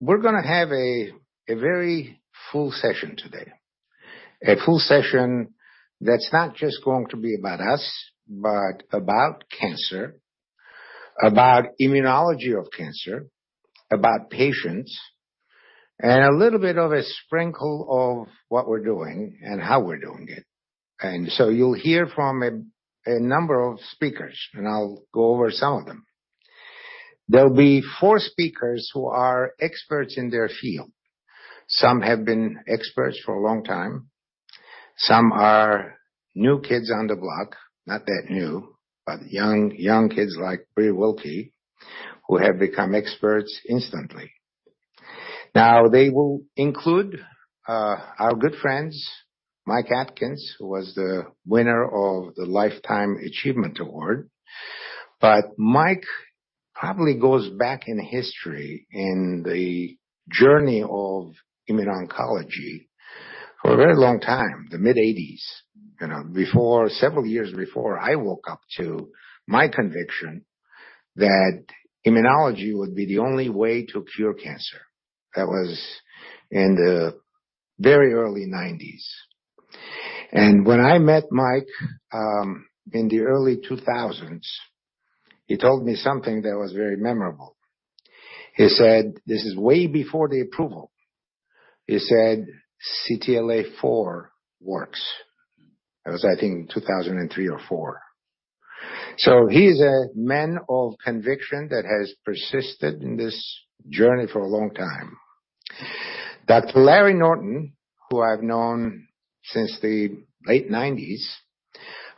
We're gonna have a very full session today. A full session that's not just going to be about us, but about cancer, about immunology of cancer, about patients, and a little bit of a sprinkle of what we're doing and how we're doing it. You'll hear from a number of speakers, and I'll go over some of them. There'll be four speakers who are experts in their field. Some have been experts for a long time. Some are new kids on the block, not that new, but young kids like Breelyn Wilky, who have become experts instantly. Now, they will include our good friends, Michael Atkins, who was the winner of the Lifetime Achievement Award. Mike probably goes back in history in the journey of immuno-oncology for a very long time, the mid-1980s, you know, several years before I woke up to my conviction that immunology would be the only way to cure cancer. That was in the very early 1990s. When I met Mike in the early 2000s, he told me something that was very memorable. He said, "This is way before the approval." He said, "CTLA-4 works." That was, I think, in 2003 or 2004. He's a man of conviction that has persisted in this journey for a long time. Dr. Larry Norton, who I've known since the late 1990s.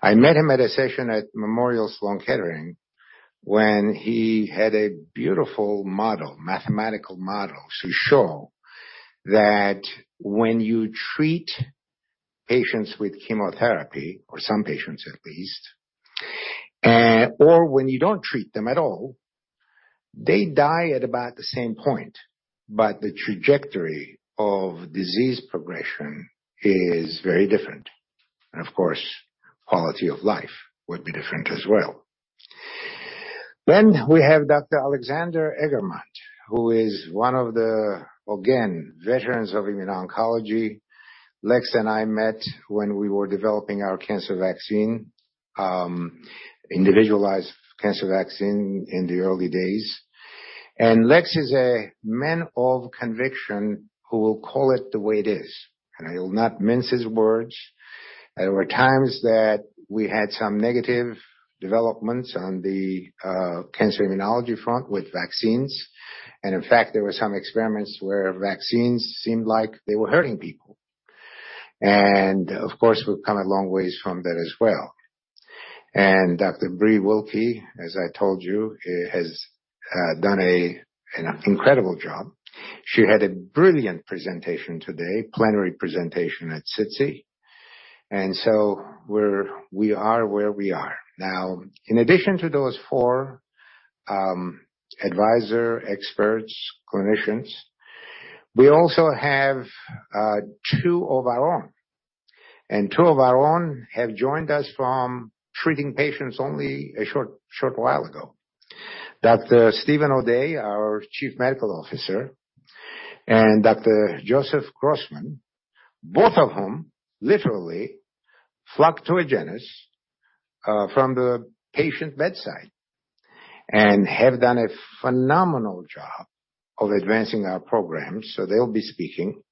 I met him at a session at Memorial Sloan Kettering when he had a beautiful model, mathematical model, to show that when you treat patients with chemotherapy, or some patients at least, or when you don't treat them at all, they die at about the same point, but the trajectory of disease progression is very different. Of course, quality of life would be different as well. We have Dr. Alexander Eggermont, who is one of the, again, veterans of immuno-oncology. Lex and I met when we were developing our cancer vaccine, individualized cancer vaccine in the early days. Lex is a man of conviction who will call it the way it is, and he'll not mince his words. There were times that we had some negative developments on the, cancer immunology front with vaccines. In fact, there were some experiments where vaccines seemed like they were hurting people. Of course, we've come a long ways from that as well. Dr. Breelyn Wilky, as I told you, has done an incredible job. She had a brilliant presentation today, plenary presentation at SITC. We are where we are. Now, in addition to those four advisor experts clinicians, we also have two of our own. Two of our own have joined us from treating patients only a short while ago. Dr. Steven O'Day, our Chief Medical Officer, and Dr. Joseph Grossman, both of whom literally flocked to Agenus from the patient bedside and have done a phenomenal job of advancing our program, so they'll be speaking.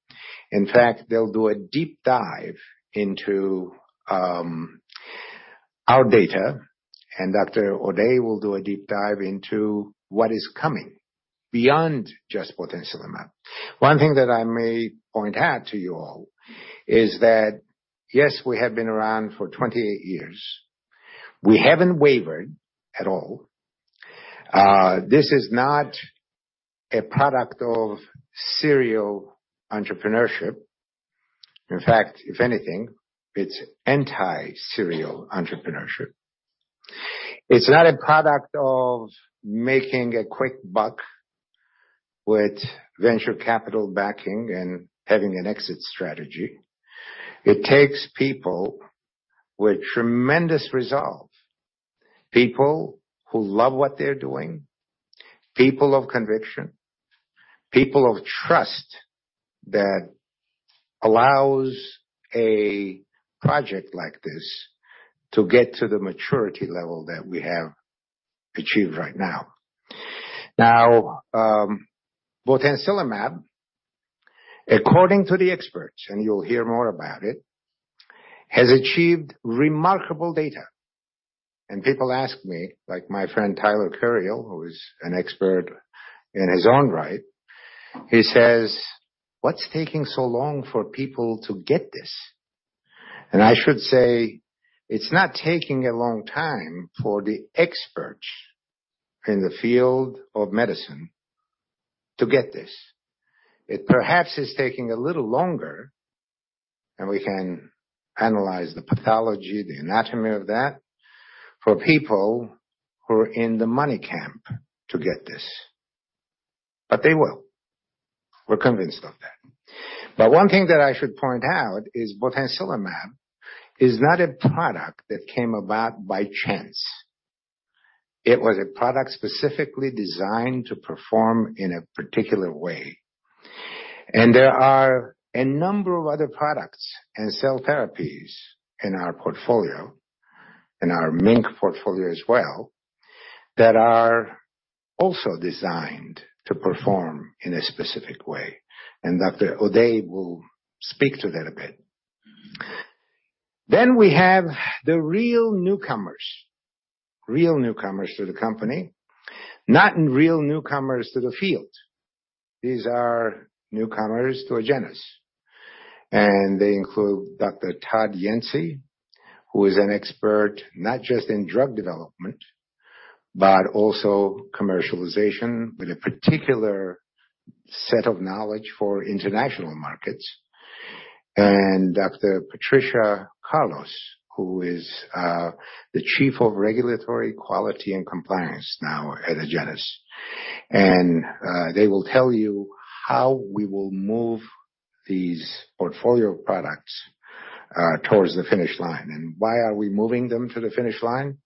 In fact, they'll do a deep dive into our data, and Dr. O'Day will do a deep dive into what is coming beyond just botensilimab. One thing that I may point out to you all is that, yes, we have been around for 28 years. We haven't wavered at all. This is not a product of serial entrepreneurship. In fact, if anything, it's anti-serial entrepreneurship. It's not a product of making a quick buck with venture capital backing and having an exit strategy. It takes people with tremendous resolve, people who love what they're doing, people of conviction, people of trust that allows a project like this to get to the maturity level that we have achieved right now. Now, botensilimab, according to the experts, and you'll hear more about it, has achieved remarkable data. People ask me, like my friend Tyler Curiel, who is an expert in his own right, he says, "What's taking so long for people to get this?" I should say, it's not taking a long time for the experts in the field of medicine to get this. It perhaps is taking a little longer, and we can analyze the pathology, the anatomy of that, for people who are in the money camp to get this. They will. We're convinced of that. One thing that I should point out is botensilimab is not a product that came about by chance. It was a product specifically designed to perform in a particular way. There are a number of other products and cell therapies in our portfolio, in our MiNK portfolio as well, that are also designed to perform in a specific way. Dr. O'Day will speak to that a bit. We have the real newcomers to the company, not real newcomers to the field. These are newcomers to Agenus, and they include Dr. Todd Yancey, who is an expert, not just in drug development, but also commercialization with a particular set of knowledge for international markets. Dr. Patricia Carlos, who is the Chief of Regulatory Quality and Compliance now at Agenus. They will tell you how we will move these portfolio products towards the finish line. Why are we moving them to the finish line?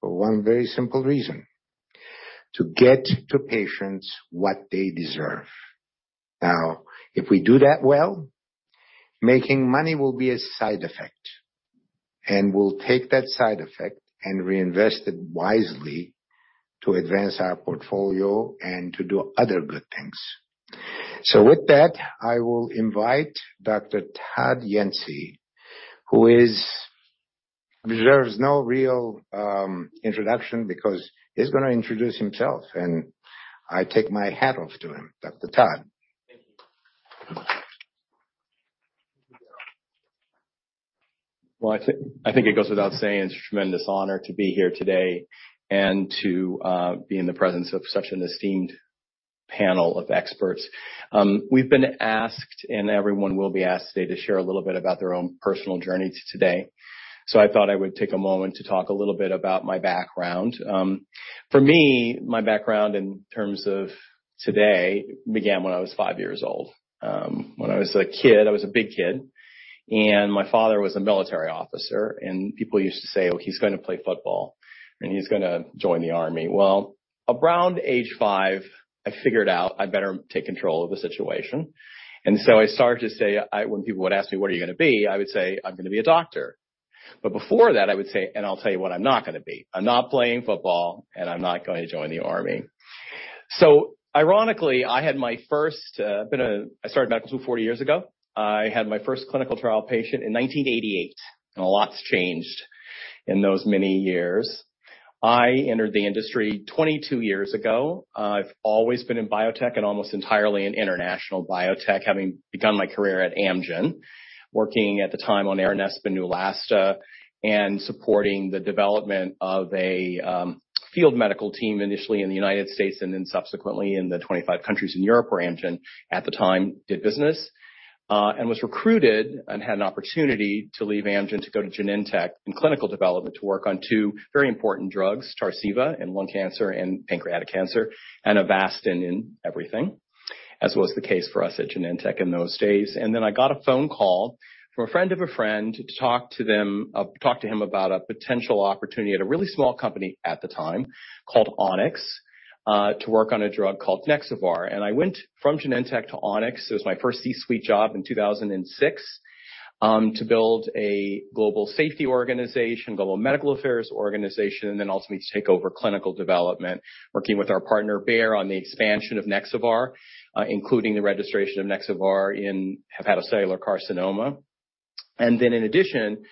For one very simple reason, to get to patients what they deserve. Now, if we do that well, making money will be a side effect, and we'll take that side effect and reinvest it wisely to advance our portfolio and to do other good things. With that, I will invite Dr. Todd Yancey, who deserves no real introduction because he's gonna introduce himself, and I take my hat off to him. Dr. Todd. Thank you. Well, I think it goes without saying it's a tremendous honor to be here today and to be in the presence of such an esteemed panel of experts. We've been asked, and everyone will be asked today to share a little bit about their own personal journey to today. I thought I would take a moment to talk a little bit about my background. For me, my background in terms of today began when I was five years old. When I was a kid, I was a big kid, and my father was a military officer, and people used to say, "Oh, he's gonna play football, and he's gonna join the army." Well, around age five, I figured out I better take control of the situation. I started to say, when people would ask me, "What are you gonna be?" I would say, "I'm gonna be a doctor." Before that, I would say, "And I'll tell you what I'm not gonna be. I'm not playing football, and I'm not going to join the army." Ironically, I started medical school 40 years ago. I had my first clinical trial patient in 1988, and a lot's changed in those many years. I entered the industry 22 years ago. I've always been in biotech and almost entirely in international biotech, having begun my career at Amgen, working at the time on Aranesp and Neulasta and supporting the development of a field medical team, initially in the United States and then subsequently in the 25 countries in Europe where Amgen at the time did business. was recruited and had an opportunity to leave Amgen to go to Genentech in clinical development to work on two very important drugs, Tarceva in lung cancer and pancreatic cancer, and Avastin in everything, as was the case for us at Genentech in those days. Then I got a phone call from a friend of a friend to talk to him about a potential opportunity at a really small company at the time called Onyx to work on a drug called Nexavar. I went from Genentech to Onyx. It was my first C-suite job in 2006 to build a global safety organization, global medical affairs organization, and then ultimately to take over clinical development, working with our partner Bayer on the expansion of Nexavar, including the registration of Nexavar in hepatocellular carcinoma. In addition,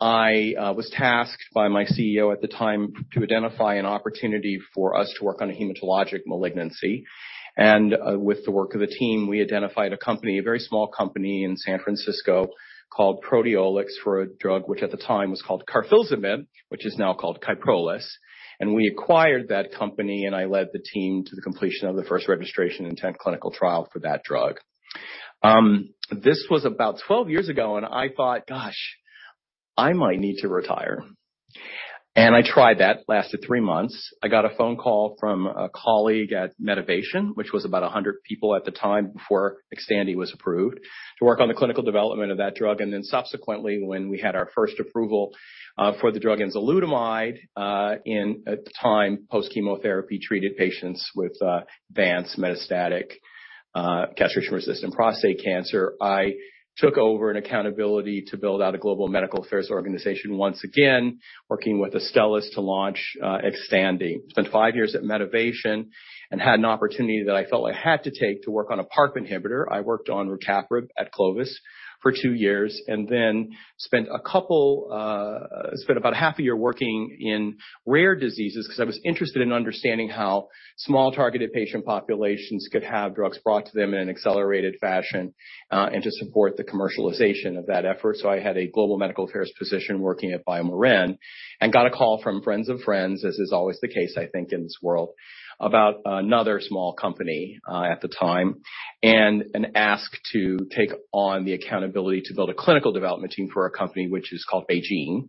I was tasked by my CEO at the time to identify an opportunity for us to work on a hematologic malignancy. With the work of the team, we identified a company, a very small company in San Francisco called Proteolix for a drug which at the time was called carfilzomib, which is now called Kyprolis. We acquired that company, and I led the team to the completion of the first registration intent clinical trial for that drug. This was about 12 years ago, and I thought, "Gosh, I might need to retire." I tried that. Lasted 3 months. I got a phone call from a colleague at Medivation, which was about 100 people at the time before Xtandi was approved, to work on the clinical development of that drug. Subsequently, when we had our first approval for the drug enzalutamide, in at the time, post-chemotherapy treated patients with advanced metastatic castration-resistant prostate cancer. I took over an accountability to build out a global medical affairs organization once again, working with Astellas to launch Xtandi. Spent 5 years at Medivation and had an opportunity that I felt I had to take to work on a PARP inhibitor. I worked on rucaparib at Clovis for two years and then spent about half a year working in rare diseases because I was interested in understanding how small targeted patient populations could have drugs brought to them in an accelerated fashion, and to support the commercialization of that effort. I had a global medical affairs position working at BioMarin and got a call from friends of friends, as is always the case, I think, in this world, about another small company, at the time, and an ask to take on the accountability to build a clinical development team for a company which is called BeiGene.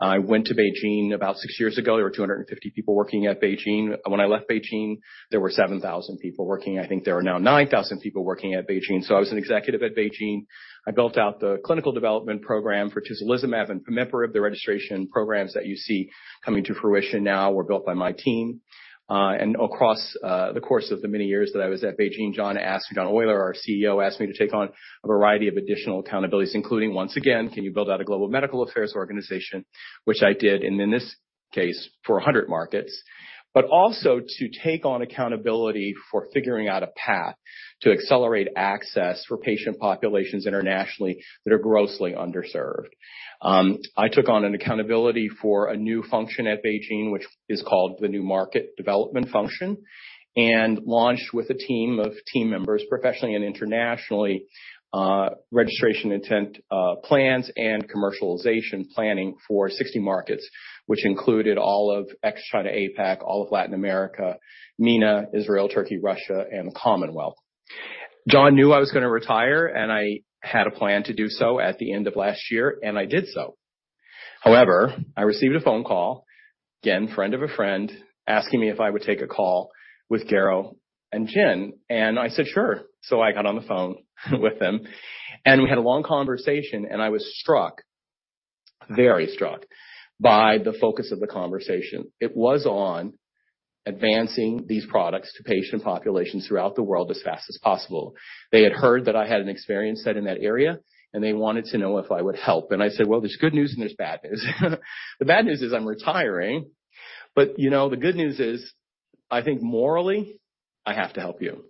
I went to BeiGene about six years ago. There were 250 people working at BeiGene. When I left BeiGene, there were 7,000 people working. I think there are now 9,000 people working at BeiGene. I was an executive at BeiGene. I built out the clinical development program for tislelizumab and pamiparib. The registration programs that you see coming to fruition now were built by my team. Across the course of the many years that I was at BeiGene, John Oyler, our CEO, asked me to take on a variety of additional accountabilities, including once again, can you build out a global medical affairs organization, which I did. Then this case for 100 markets, but also to take on accountability for figuring out a path to accelerate access for patient populations internationally that are grossly underserved. I took on an accountability for a new function at BeiGene, which is called the New Market Development function, and launched with a team of members professionally and internationally, registration intent plans and commercialization planning for 60 markets, which included all of ex-China APAC, all of Latin America, MENA, Israel, Turkey, Russia, and the Commonwealth. John knew I was gonna retire, and I had a plan to do so at the end of last year, and I did so. However, I received a phone call, again, friend of a friend, asking me if I would take a call with Garo and Jennifer, and I said, "Sure." I got on the phone with them, and we had a long conversation, and I was struck, very struck by the focus of the conversation. It was on advancing these products to patient populations throughout the world as fast as possible. They had heard that I had an experience set in that area, and they wanted to know if I would help. I said, "Well, there's good news and there's bad news. The bad news is I'm retiring, but, you know, the good news is, I think morally, I have to help you.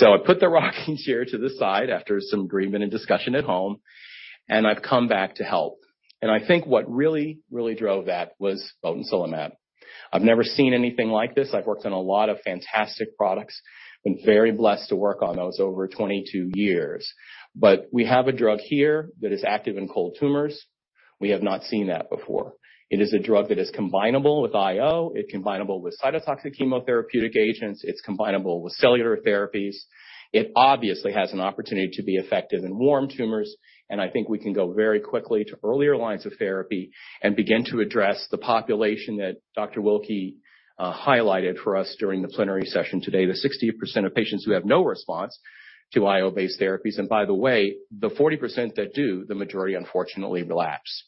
I put the rocking chair to the side after some agreement and discussion at home, and I've come back to help. I think what really, really drove that was botensilimab. I've never seen anything like this. I've worked on a lot of fantastic products. Been very blessed to work on those over 22 years. But we have a drug here that is active in cold tumors. We have not seen that before. It is a drug that is combinable with IO, it combinable with cytotoxic chemotherapeutic agents, it's combinable with cellular therapies. It obviously has an opportunity to be effective in warm tumors, and I think we can go very quickly to earlier lines of therapy and begin to address the population that Dr. Wilky highlighted for us during the plenary session today the 60% of patients who have no response to IO-based therapies. By the way, the 40% that do, the majority, unfortunately, relapse.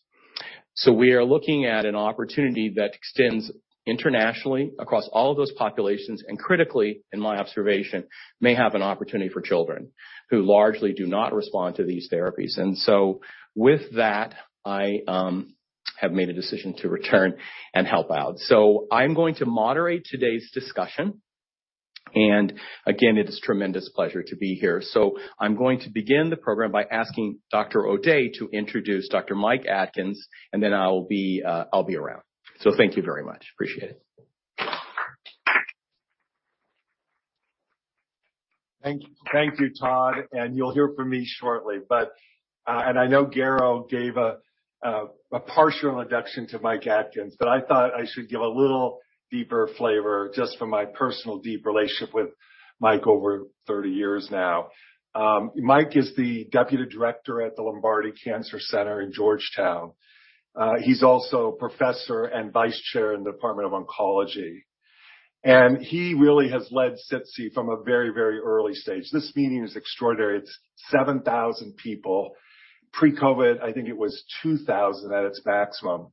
We are looking at an opportunity that extends internationally across all of those populations, and critically, in my observation, may have an opportunity for children who largely do not respond to these therapies. With that, I have made a decision to return and help out. I'm going to moderate today's discussion. Again, it is tremendous pleasure to be here. I'm going to begin the program by asking Dr. O'Day to introduce Dr. Mike Atkins, and then I'll be around. Thank you very much. Appreciate it. Thank you. Thank you, Todd, and you'll hear from me shortly. I know Garo gave a partial introduction to Mike Atkins, but I thought I should give a little deeper flavor just from my personal deep relationship with Mike over 30 years now. Mike is the Deputy Director at the Georgetown Lombardi Comprehensive Cancer Center. He's also professor and vice chair in the Department of Oncology. He really has led SITC from a very, very early stage. This meeting is extraordinary. It's 7,000 people. Pre-COVID, I think it was 2,000 at its maximum.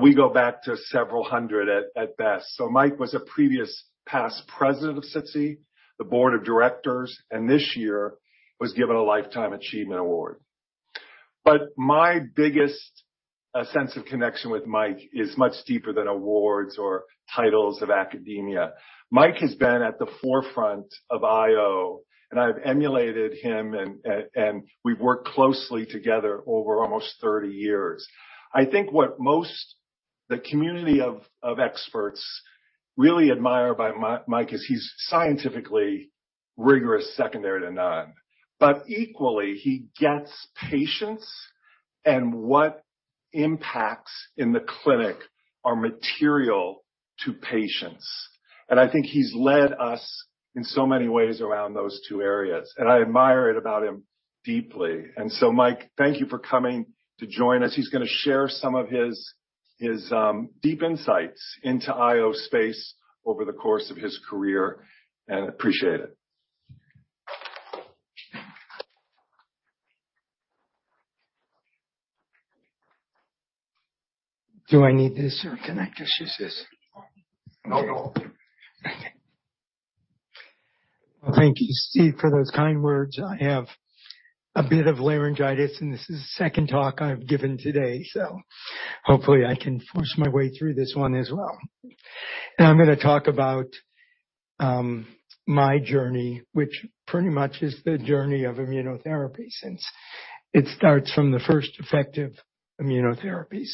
We go back to several hundred at best. Mike was a previous past President of SITC, the Board of Directors, and this year was given a lifetime achievement award. My biggest sense of connection with Mike is much deeper than awards or titles of academia. Mike has been at the forefront of IO, and I've emulated him and we've worked closely together over almost 30 years. I think what most of the community of experts really admire about Mike is he's scientifically rigorous, second to none. Equally, he gets patients and what impacts in the clinic are material to patients. I think he's led us in so many ways around those two areas, and I admire it about him deeply. Mike, thank you for coming to join us. He's gonna share some of his deep insights into IO space over the course of his career, and appreciate it. Do I need this or can I just use this? No. Thank you, Steve, for those kind words. I have a bit of laryngitis and this is the second talk I've given today, so hopefully I can force my way through this one as well. I'm gonna talk about my journey, which pretty much is the journey of immunotherapy since it starts from the first effective immunotherapies.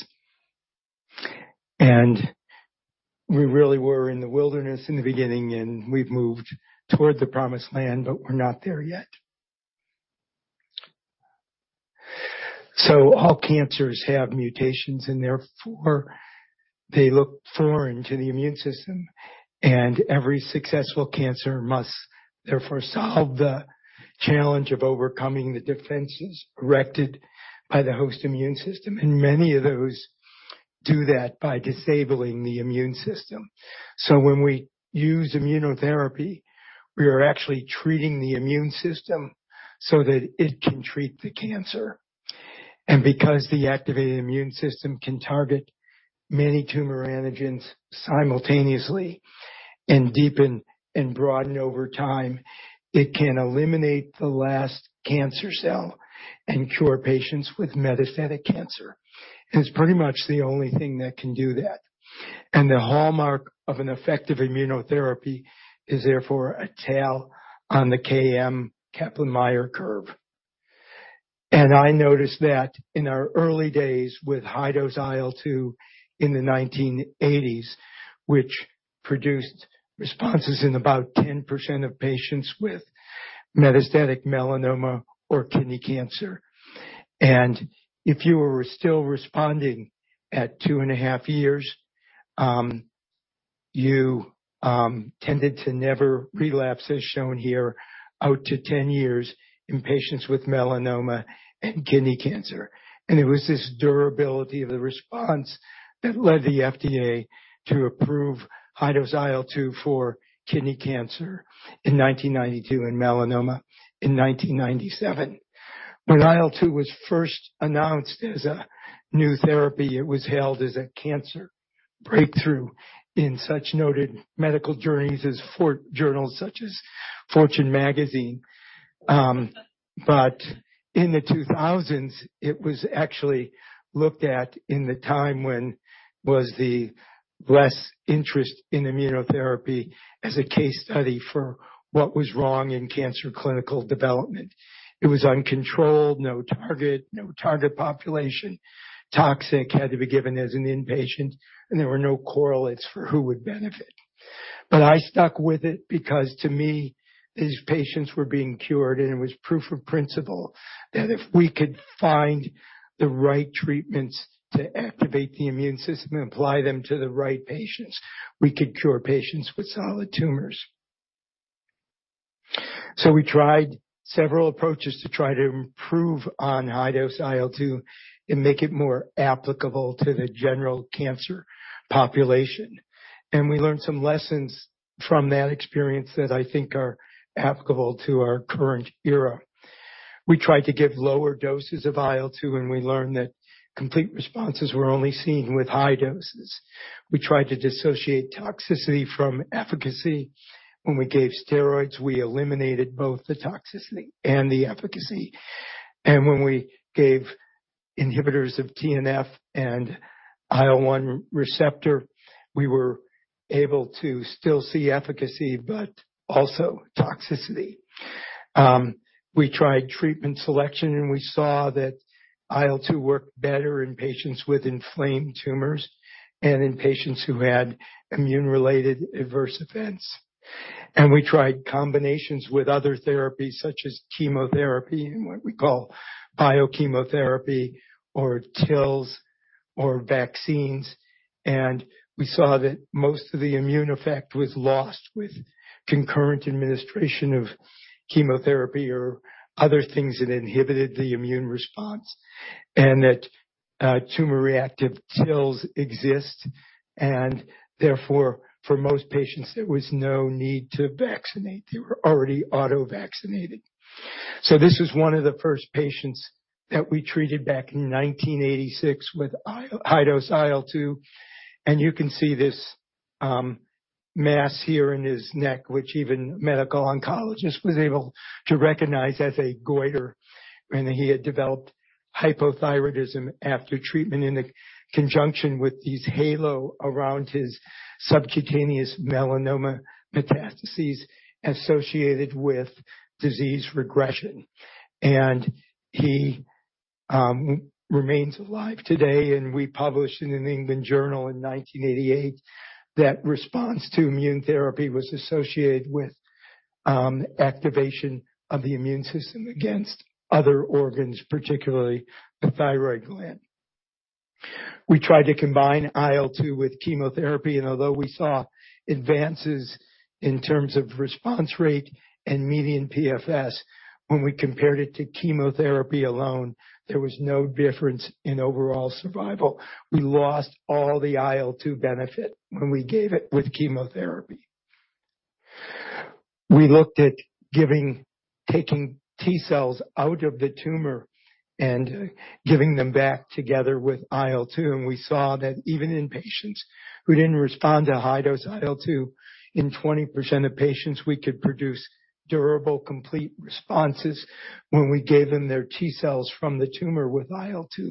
We really were in the wilderness in the beginning and we've moved towards the promised land, but we're not there yet. All cancers have mutations and therefore they look foreign to the immune system, and every successful cancer must therefore solve the challenge of overcoming the defenses erected by the host immune system. Many of those do that by disabling the immune system. When we use immunotherapy, we are actually treating the immune system so that it can treat the cancer. Because the activated immune system can target many tumor antigens simultaneously and deepen and broaden over time. It can eliminate the last cancer cell and cure patients with metastatic cancer. It's pretty much the only thing that can do that. The hallmark of an effective immunotherapy is therefore a tail on the KM Kaplan-Meier curve. I noticed that in our early days with high-dose IL-2 in the 1980s, which produced responses in about 10% of patients with metastatic melanoma or kidney cancer. If you were still responding at 2.5 years, you tended to never relapse as shown here out to 10 years in patients with melanoma and kidney cancer. It was this durability of the response that led the FDA to approve high-dose IL-2 for kidney cancer in 1992 and melanoma in 1997. When IL-2 was first announced as a new therapy, it was hailed as a cancer breakthrough in such noted medical journals such as Fortune Magazine. In the 2000s, it was actually looked at at the time when there was less interest in immunotherapy as a case study for what was wrong in cancer clinical development. It was uncontrolled, no target, no target population, toxic, had to be given as an inpatient, and there were no correlates for who would benefit. I stuck with it because to me, these patients were being cured, and it was proof of principle that if we could find the right treatments to activate the immune system and apply them to the right patients, we could cure patients with solid tumors. We tried several approaches to try to improve on high-dose IL-2 and make it more applicable to the general cancer population. We learned some lessons from that experience that I think are applicable to our current era. We tried to give lower doses of IL-2, and we learned that complete responses were only seen with high doses. We tried to dissociate toxicity from efficacy. When we gave steroids, we eliminated both the toxicity and the efficacy. When we gave inhibitors of TNF and IL-1 receptor, we were able to still see efficacy, but also toxicity. We tried treatment selection, and we saw that IL-2 worked better in patients with inflamed tumors and in patients who had immune-related adverse events. We tried combinations with other therapies such as chemotherapy and what we call biochemotherapy or TILs or vaccines. We saw that most of the immune effect was lost with concurrent administration of chemotherapy or other things that inhibited the immune response and that tumor-reactive TILs exist, and therefore, for most patients, there was no need to vaccinate. They were already auto-vaccinated. This is one of the first patients that we treated back in 1986 with high-dose IL-2, and you can see this mass here in his neck, which even medical oncologist was able to recognize as a goiter. He had developed hypothyroidism after treatment in conjunction with these halo around his subcutaneous melanoma metastases associated with disease regression. He remains alive today. We published in the New England Journal of Medicine in 1988 that response to immune therapy was associated with activation of the immune system against other organs, particularly the thyroid gland. We tried to combine IL-2 with chemotherapy, and although we saw advances in terms of response rate and median PFS, when we compared it to chemotherapy alone, there was no difference in overall survival. We lost all the IL-2 benefit when we gave it with chemotherapy. We looked at taking T cells out of the tumor and giving them back together with IL-2, and we saw that even in patients who didn't respond to high-dose IL-2, in 20% of patients, we could produce durable, complete responses when we gave them their T cells from the tumor with IL-2,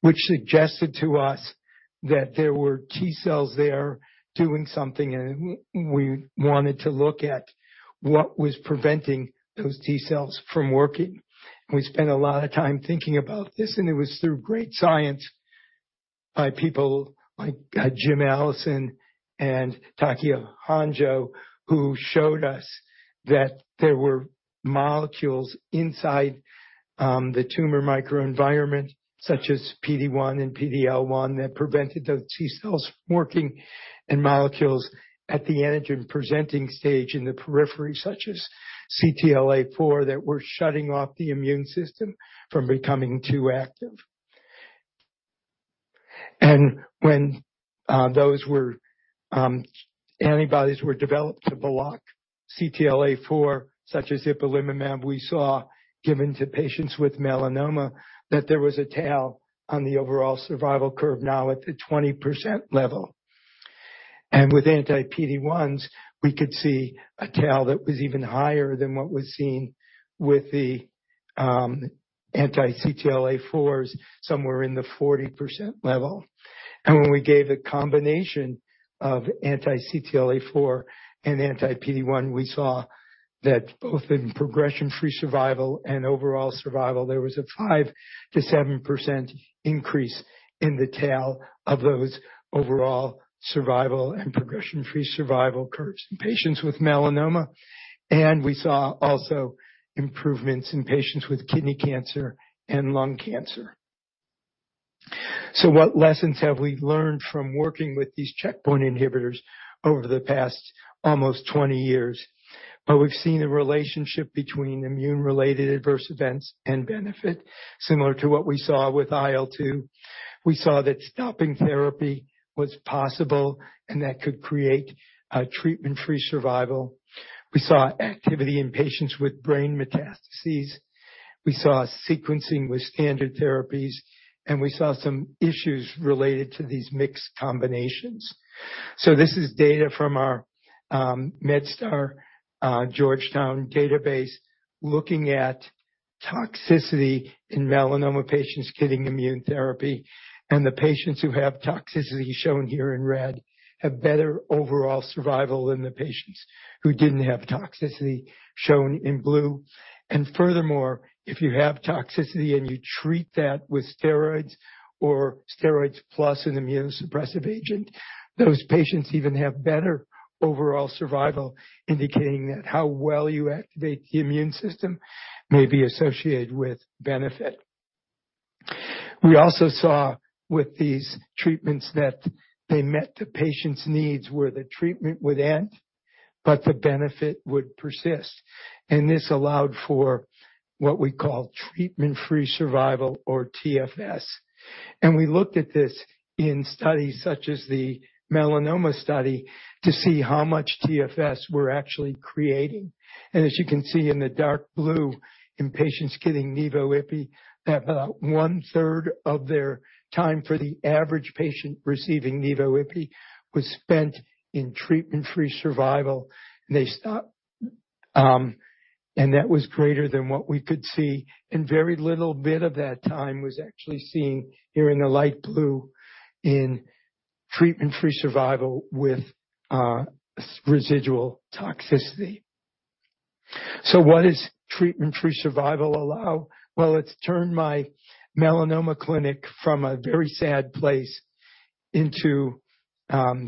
which suggested to us that there were T cells there doing something, and we wanted to look at what was preventing those T cells from working. We spent a lot of time thinking about this, and it was through great science by people like Jim Allison and Tasuku Honjo, who showed us that there were molecules inside the tumor microenvironment, such as PD-1 and PD-L1, that prevented those T cells from working, and molecules at the antigen-presenting stage in the periphery, such as CTLA-4, that were shutting off the immune system from becoming too active. When those antibodies were developed to block CTLA-4, such as Ipilimumab, we saw, given to patients with melanoma, that there was a tail on the overall survival curve now at the 20% level. With anti-PD-1s, we could see a tail that was even higher than what was seen with the anti-CTLA-4s, somewhere in the 40% level. When we gave a combination of anti-CTLA-4 and anti-PD-1, we saw that both in progression-free survival and overall survival, there was a 5%-7% increase in the tail of those overall survival and progression-free survival curves in patients with melanoma. We saw also improvements in patients with kidney cancer and lung cancer. What lessons have we learned from working with these checkpoint inhibitors over the past almost 20 years? Well, we've seen a relationship between immune-related adverse events and benefit, similar to what we saw with IL-2. We saw that stopping therapy was possible, and that could create a treatment-free survival. We saw activity in patients with brain metastases. We saw sequencing with standard therapies, and we saw some issues related to these mixed combinations. This is data from our MedStar Georgetown database looking at toxicity in melanoma patients getting immune therapy. The patients who have toxicity shown here in red have better overall survival than the patients who didn't have toxicity, shown in blue. Furthermore, if you have toxicity and you treat that with steroids or steroids plus an immunosuppressive agent, those patients even have better overall survival, indicating that how well you activate the immune system may be associated with benefit. We also saw with these treatments that they met the patient's needs where the treatment would end, but the benefit would persist. This allowed for what we call treatment-free survival or TFS. We looked at this in studies such as the melanoma study to see how much TFS we're actually creating. As you can see in the dark blue, in patients getting Nivo/Ipi, about 1/3 of their time for the average patient receiving Nivo/Ipi was spent in treatment-free survival. That was greater than what we could see. A very little bit of that time was actually seen here in the light blue in treatment-free survival with significant residual toxicity. What does treatment-free survival allow? Well, it's turned my melanoma clinic from a very sad place into,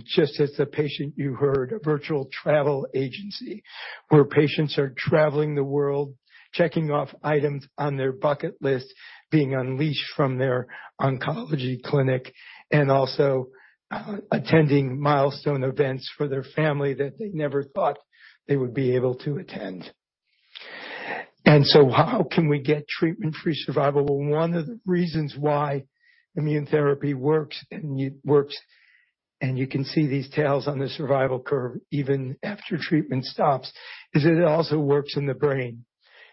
just as the patient you heard, a virtual travel agency where patients are traveling the world, checking off items on their bucket list, being unleashed from their oncology clinic, and also, attending milestone events for their family that they never thought they would be able to attend. How can we get treatment-free survival? Well, one of the reasons why immune therapy works, and you can see these tails on the survival curve even after treatment stops, is it also works in the brain.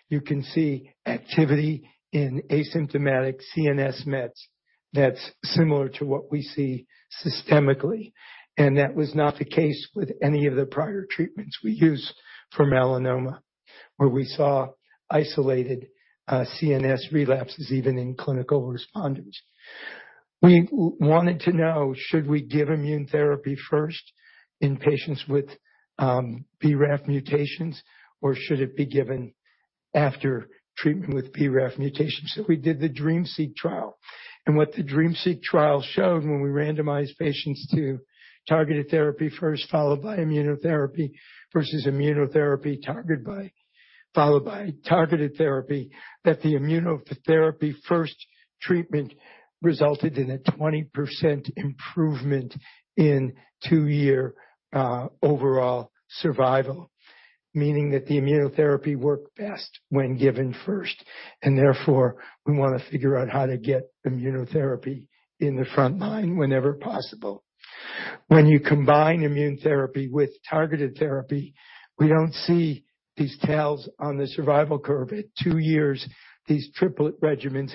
You can see activity in asymptomatic CNS mets that's similar to what we see systemically, and that was not the case with any of the prior treatments we use for melanoma, where we saw isolated CNS relapses even in clinical responders. We wanted to know, should we give immune therapy first in patients with BRAF mutations, or should it be given after treatment with BRAF mutations? We did the DREAMseq trial. What the DREAMseq trial showed when we randomized patients to targeted therapy first, followed by immunotherapy, versus immunotherapy followed by targeted therapy, that the immunotherapy first treatment resulted in a 20% improvement in 2-year overall survival, meaning that the immunotherapy worked best when given first. Therefore, we wanna figure out how to get immunotherapy in the front line whenever possible. When you combine immune therapy with targeted therapy, we don't see these tails on the survival curve. At two years, these triplet regimens.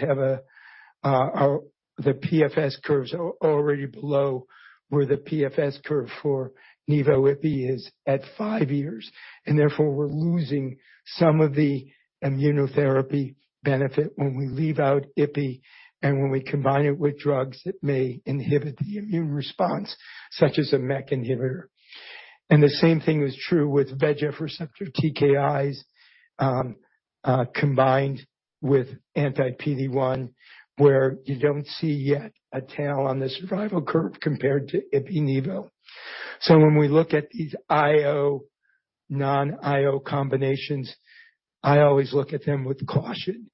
The PFS curves are already below where the PFS curve for Nivo/Ipi is at five years, and therefore, we're losing some of the immunotherapy benefit when we leave out Ipi and when we combine it with drugs that may inhibit the immune response, such as a MEK inhibitor. The same thing is true with VEGF receptor TKIs combined with anti-PD-1, where you don't see yet a tail on the survival curve compared to Ipi/Nivo. When we look at these IO, non-IO combinations, I always look at them with caution.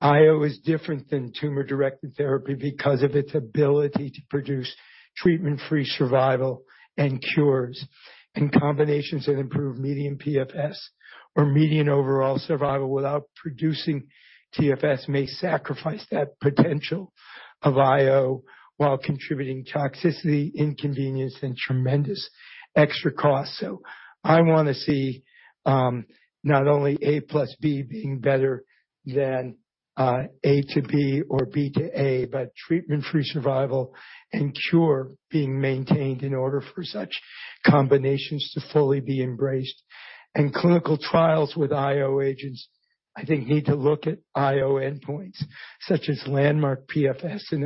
IO is different than tumor-directed therapy because of its ability to produce treatment-free survival and cures. Combinations that improve median PFS or median overall survival without producing TFS may sacrifice that potential of IO while contributing toxicity, inconvenience, and tremendous extra cost. I wanna see not only A + B being better than A-B or B-A, but treatment-free survival and cure being maintained in order for such combinations to fully be embraced. Clinical trials with IO agents, I think, need to look at IO endpoints such as landmark PFS and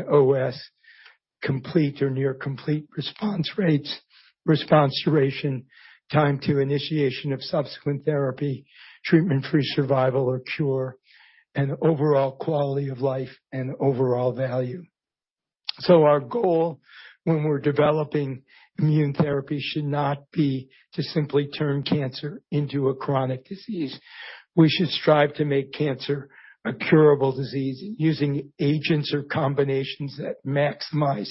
OS, complete or near complete response rates, response duration, time to initiation of subsequent therapy, treatment-free survival or cure, and overall quality of life and overall value. Our goal when we're developing immune therapy should not be to simply turn cancer into a chronic disease. We should strive to make cancer a curable disease using agents or combinations that maximize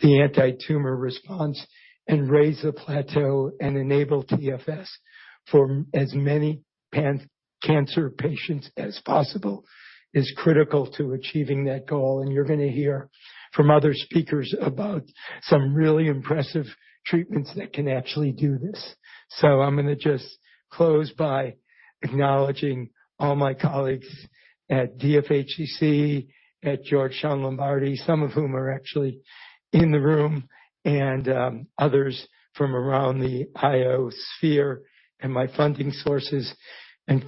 the antitumor response and raise the plateau and enable TFS for as many pan-cancer patients as possible, is critical to achieving that goal. You're gonna hear from other speakers about some really impressive treatments that can actually do this. I'm gonna just close by acknowledging all my colleagues at Dana-Farber/Harvard Cancer Center, at Georgetown Lombardi Comprehensive Cancer Center, some of whom are actually in the room, and others from around the IO sphere and my funding sources.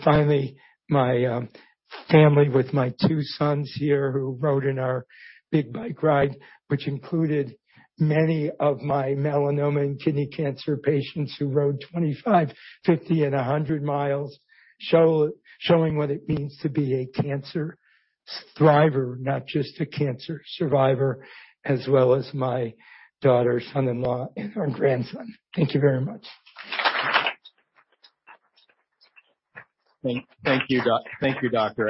Finally, my family with my two sons here who rode in our big bike ride, which included many of my melanoma and kidney cancer patients who rode 25, 50, and 100 miles. Showing what it means to be a cancer thriver, not just a cancer survivor, as well as my daughter, son-in-law, and our grandson. Thank you very much. Thank you, Dr.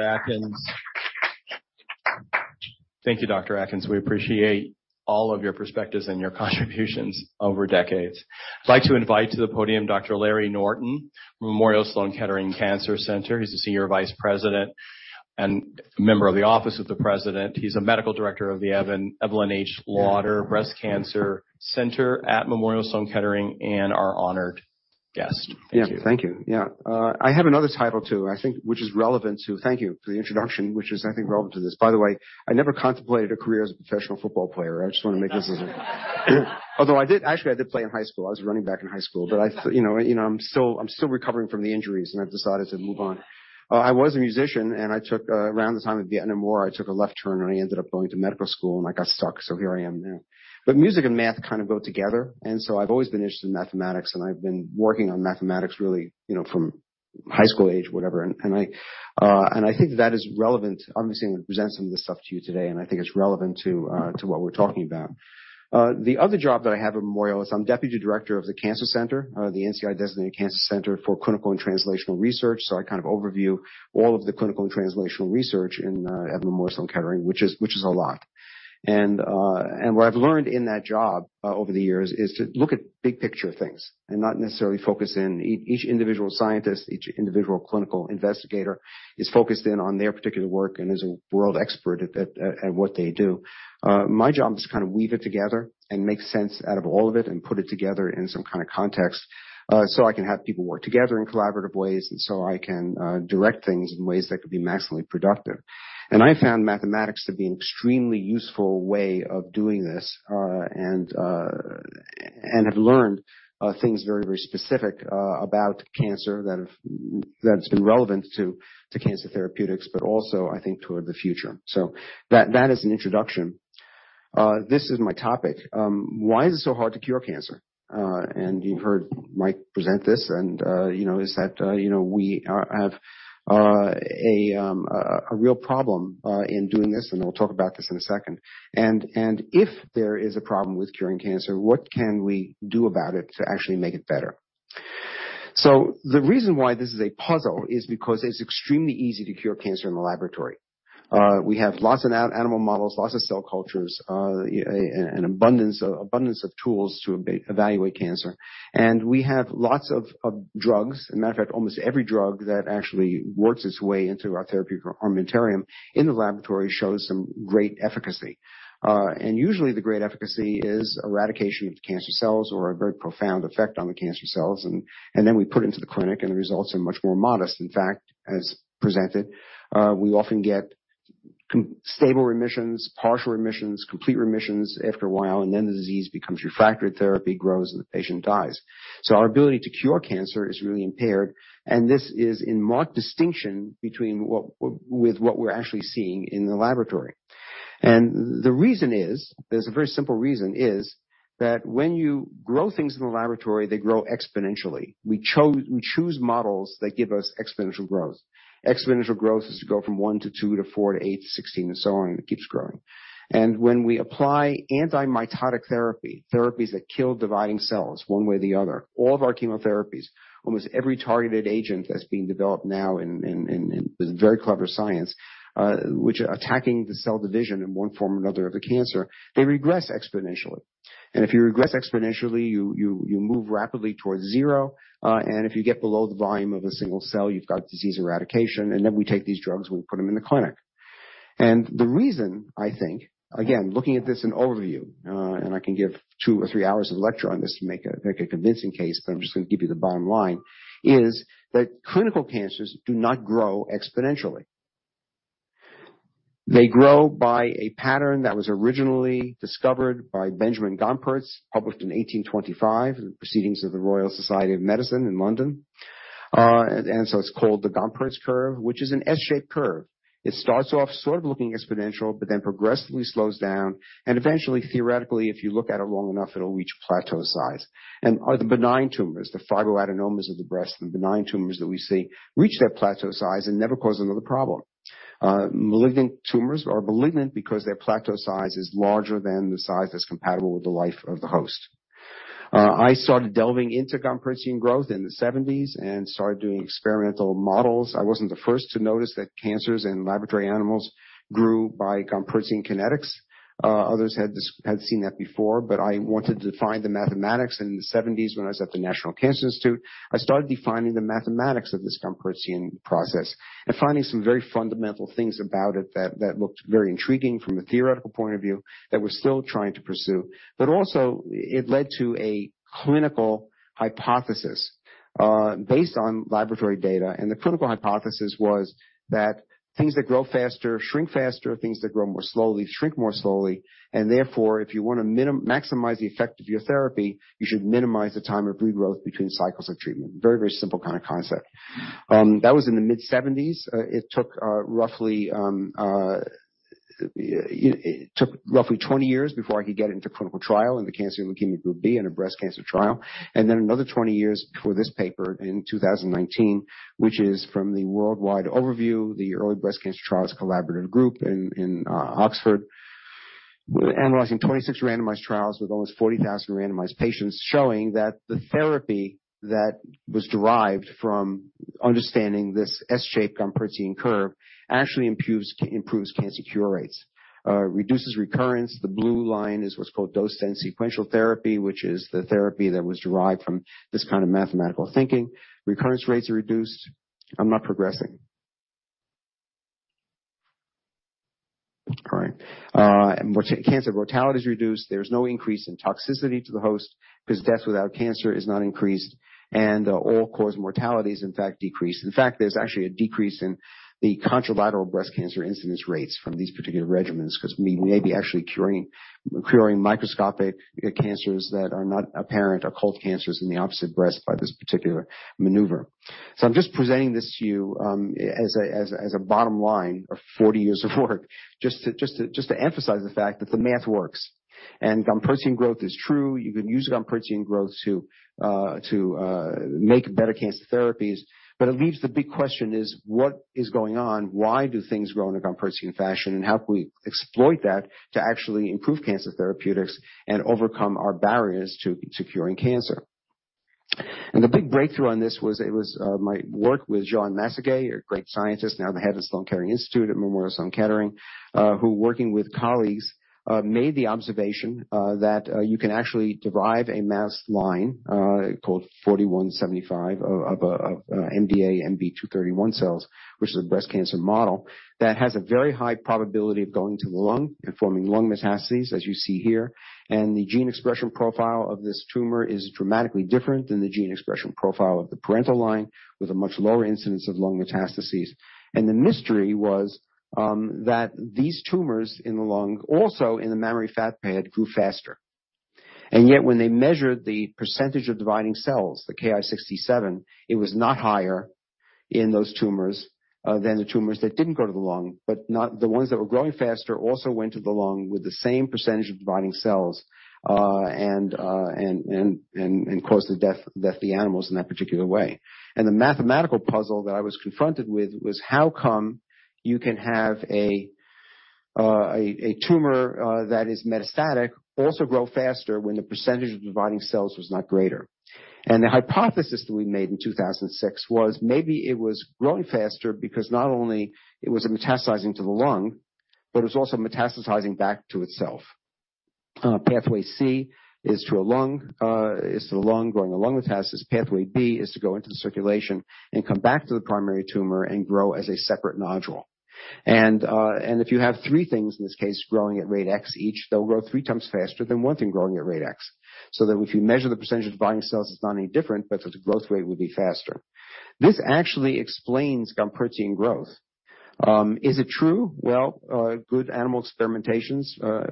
Atkins. We appreciate all of your perspectives and your contributions over decades. I'd like to invite to the podium Dr. Larry Norton, Memorial Sloan Kettering Cancer Center. He's the Senior Vice President and member of the Office of the President. He's a Medical Director of the Evelyn H. Lauder Breast Center at Memorial Sloan Kettering and our honored guest. Thank you. Thank you. I have another title, too, I think, which is relevant to this. Thank you for the introduction, which is, I think, relevant to this. By the way, I never contemplated a career as a professional football player. Although I did actually play in high school. I was a running back in high school. You know, I'm still recovering from the injuries, and I've decided to move on. I was a musician, and I took around the time of the Vietnam War a left turn, and I ended up going to medical school, and I got stuck. Here I am now. Music and math kind of go together, and so I've always been interested in mathematics. I've been working on mathematics really, you know, from high school age, whatever. I think that is relevant. Obviously, I'm gonna present some of this stuff to you today, and I think it's relevant to what we're talking about. The other job that I have at Memorial is I'm Deputy Director of the Cancer Center, the NCI-designated Cancer Center for Clinical and Translational Research. I kind of overview all of the clinical and translational research in Memorial Sloan Kettering, which is a lot. What I've learned in that job over the years is to look at big picture things and not necessarily focus in. Each individual scientist, each individual clinical investigator is focused in on their particular work and is a world expert at what they do. My job is to kind of weave it together and make sense out of all of it and put it together in some kind of context, so I can have people work together in collaborative ways and so I can direct things in ways that could be maximally productive. I found mathematics to be an extremely useful way of doing this, and have learned things very, very specific about cancer that's been relevant to cancer therapeutics, but also I think toward the future. That is an introduction. This is my topic. Why is it so hard to cure cancer? You've heard Michael present this and, you know, we have a real problem in doing this, and I'll talk about this in a second. If there is a problem with curing cancer, what can we do about it to actually make it better? The reason why this is a puzzle is because it's extremely easy to cure cancer in the laboratory. We have lots of animal models, lots of cell cultures, an abundance of tools to evaluate cancer. We have lots of drugs. Matter of fact, almost every drug that actually works its way into our therapeutic armamentarium in the laboratory shows some great efficacy. Usually the great efficacy is eradication of the cancer cells or a very profound effect on the cancer cells. Then we put it into the clinic, and the results are much more modest. In fact, as presented, we often get stable remissions, partial remissions, complete remissions after a while, and then the disease becomes refractory, therapy grows, and the patient dies. Our ability to cure cancer is really impaired, and this is in marked distinction between what with what we're actually seeing in the laboratory. The reason is, there's a very simple reason, is that when you grow things in the laboratory, they grow exponentially. We choose models that give us exponential growth. Exponential growth is to go from 1 to 2 to 4 to 8 to 16 and so on. It keeps growing. When we apply antimitotic therapy, therapies that kill dividing cells one way or the other, all of our chemotherapies, almost every targeted agent that's being developed now and with very clever science, which are attacking the cell division in one form or another of the cancer, they regress exponentially. If you regress exponentially, you move rapidly towards zero. If you get below the volume of a single cell, you've got disease eradication. Then we take these drugs, and we put them in the clinic. The reason I think, again, looking at this, an overview, and I can give two or three hours of lecture on this to make a convincing case, but I'm just gonna give you the bottom line, is that clinical cancers do not grow exponentially. They grow by a pattern that was originally discovered by Benjamin Gompertz, published in 1825, in the proceedings of the Royal Society of Medicine in London. It's called the Gompertz curve, which is an S-shaped curve. It starts off sort of looking exponential, but then progressively slows down, and eventually, theoretically, if you look at it long enough, it'll reach plateau size. The benign tumors, the fibroadenomas of the breast and benign tumors that we see reach their plateau size and never cause another problem. Malignant tumors are malignant because their plateau size is larger than the size that's compatible with the life of the host. I started delving into Gompertzian growth in the 1970s and started doing experimental models. I wasn't the first to notice that cancers in laboratory animals grew by Gompertzian kinetics. Others had seen that before, but I wanted to define the mathematics. In the 1970s, when I was at the National Cancer Institute, I started defining the mathematics of this Gompertzian process and finding some very fundamental things about it that looked very intriguing from a theoretical point of view that we're still trying to pursue. It led to a clinical hypothesis, based on laboratory data, and the clinical hypothesis was that things that grow faster shrink faster, things that grow more slowly shrink more slowly, and therefore, if you wanna maximize the effect of your therapy, you should minimize the time of regrowth between cycles of treatment. Very, very simple kind of concept. That was in the mid-1970s. It took roughly 20 years before I could get it into clinical trial in the Cancer and Leukemia Group B in a breast cancer trial, and then another 20 years before this paper in 2019, which is from the worldwide overview, the Early Breast Cancer Trialists' Collaborative Group in Oxford. We're analyzing 26 randomized trials with almost 40,000 randomized patients, showing that the therapy that was derived from understanding this S-shaped Gompertzian curve actually improves cancer cure rates, reduces recurrence. The blue line is what's called dose-dense sequential therapy, which is the therapy that was derived from this kind of mathematical thinking. Recurrence rates are reduced. I'm not progressing. All right. Cancer mortality is reduced. There's no increase in toxicity to the host 'cause deaths without cancer is not increased, and all-cause mortality is in fact decreased. In fact, there's actually a decrease in the contralateral breast cancer incidence rates from these particular regimens 'cause we may be actually curing microscopic cancers that are not apparent or cold cancers in the opposite breast by this particular maneuver. I'm just presenting this to you as a bottom line of 40 years of work just to emphasize the fact that the math works and Gompertzian growth is true. You can use Gompertzian growth to make better cancer therapies. It leaves the big question is what is going on? Why do things grow in a Gompertzian fashion, and how can we exploit that to actually improve cancer therapeutics and overcome our barriers to curing cancer? The big breakthrough on this was it was my work with Joan Massagué, a great scientist now at the Sloan Kettering Institute at Memorial Sloan Kettering, who, working with colleagues, made the observation that you can actually derive a metastatic line called 4175 of MDA-MB-231 cells, which is a breast cancer model that has a very high probability of going to the lung and forming lung metastases, as you see here. The gene expression profile of this tumor is dramatically different than the gene expression profile of the parental line, with a much lower incidence of lung metastases. The mystery was that these tumors in the lung, also in the mammary fat pad, grew faster. Yet, when they measured the percentage of dividing cells, the Ki-67, it was not higher in those tumors than the tumors that didn't go to the lung, but the ones that were growing faster also went to the lung with the same percentage of dividing cells, and caused the death of the animals in that particular way. The mathematical puzzle that I was confronted with was how come you can have a tumor that is metastatic also grow faster when the percentage of dividing cells was not greater. The hypothesis that we made in 2006 was maybe it was growing faster because not only it was metastasizing to the lung, but it was also metastasizing back to itself. Pathway C is to the lung, growing a lung metastasis. Pathway B is to go into the circulation and come back to the primary tumor and grow as a separate nodule. If you have three things, in this case, growing at rate X each, they'll grow 3x faster than one thing growing at rate X. So that if you measure the percentage of dividing cells, it's not any different, but the growth rate would be faster. This actually explains Gompertzian growth. Is it true? Well, good animal experimentations,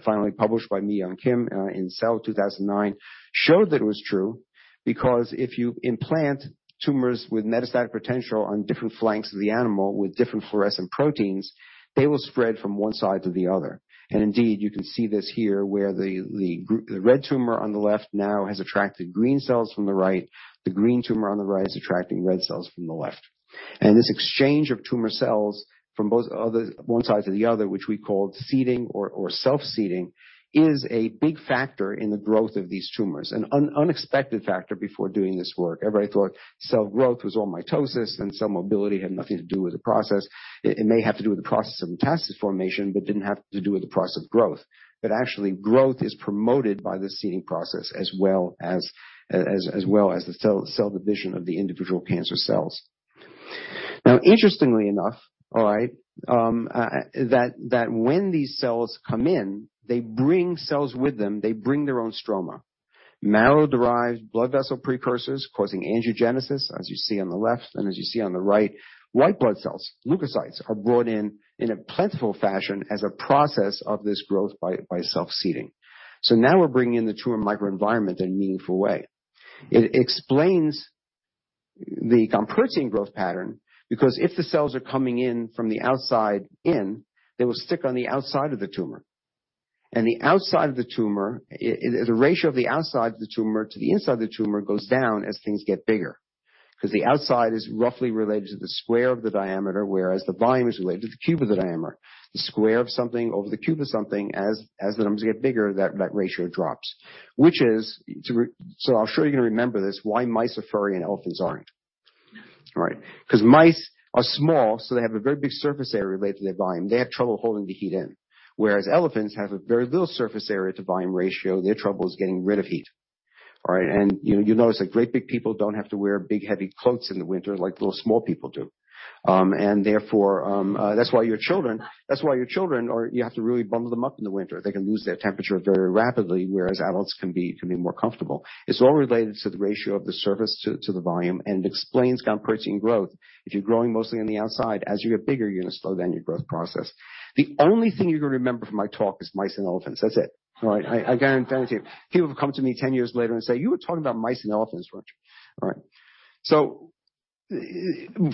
finally published by me and Kim, in Cell 2009, showed that it was true because if you implant tumors with metastatic potential on different flanks of the animal with different fluorescent proteins, they will spread from one side to the other. Indeed, you can see this here where the red tumor on the left now has attracted green cells from the right. The green tumor on the right is attracting red cells from the left. This exchange of tumor cells from both, other, one side to the other, which we called seeding or self-seeding, is a big factor in the growth of these tumors. An unexpected factor before doing this work. Everybody thought cell growth was all mitosis, and cell mobility had nothing to do with the process. It may have to do with the process of metastasis formation but didn't have to do with the process of growth. Actually, growth is promoted by the seeding process as well as the cell division of the individual cancer cells. Interestingly enough, when these cells come in, they bring cells with them, they bring their own stroma, marrow-derived blood vessel precursors causing angiogenesis, as you see on the left, and as you see on the right, white blood cells, leukocytes, are brought in in a plentiful fashion as a process of this growth by self-seeding. Now we're bringing in the tumor microenvironment in a meaningful way. It explains the Gompertzian growth pattern, because if the cells are coming in from the outside in, they will stick on the outside of the tumor. The outside of the tumor, the ratio of the outside of the tumor to the inside of the tumor goes down as things get bigger. 'Cause the outside is roughly related to the square of the diameter, whereas the volume is related to the cube of the diameter. The square of something over the cube of something as the numbers get bigger, that ratio drops. I'm sure you're gonna remember this, why mice are furry and elephants aren't. All right. 'Cause mice are small, so they have a very big surface area related to their volume. They have trouble holding the heat in. Whereas elephants have a very little surface area to volume ratio, their trouble is getting rid of heat. All right. You notice that great big people don't have to wear big heavy coats in the winter like little small people do. That's why your children are you have to really bundle them up in the winter. They can lose their temperature very rapidly, whereas adults can be more comfortable. It's all related to the ratio of the surface to the volume and explains Gompertzian growth. If you're growing mostly on the outside, as you get bigger, you're gonna slow down your growth process. The only thing you're gonna remember from my talk is mice and elephants. That's it. All right. I guarantee it. People will come to me 10 years later and say, "You were talking about mice and elephants, weren't you?" All right.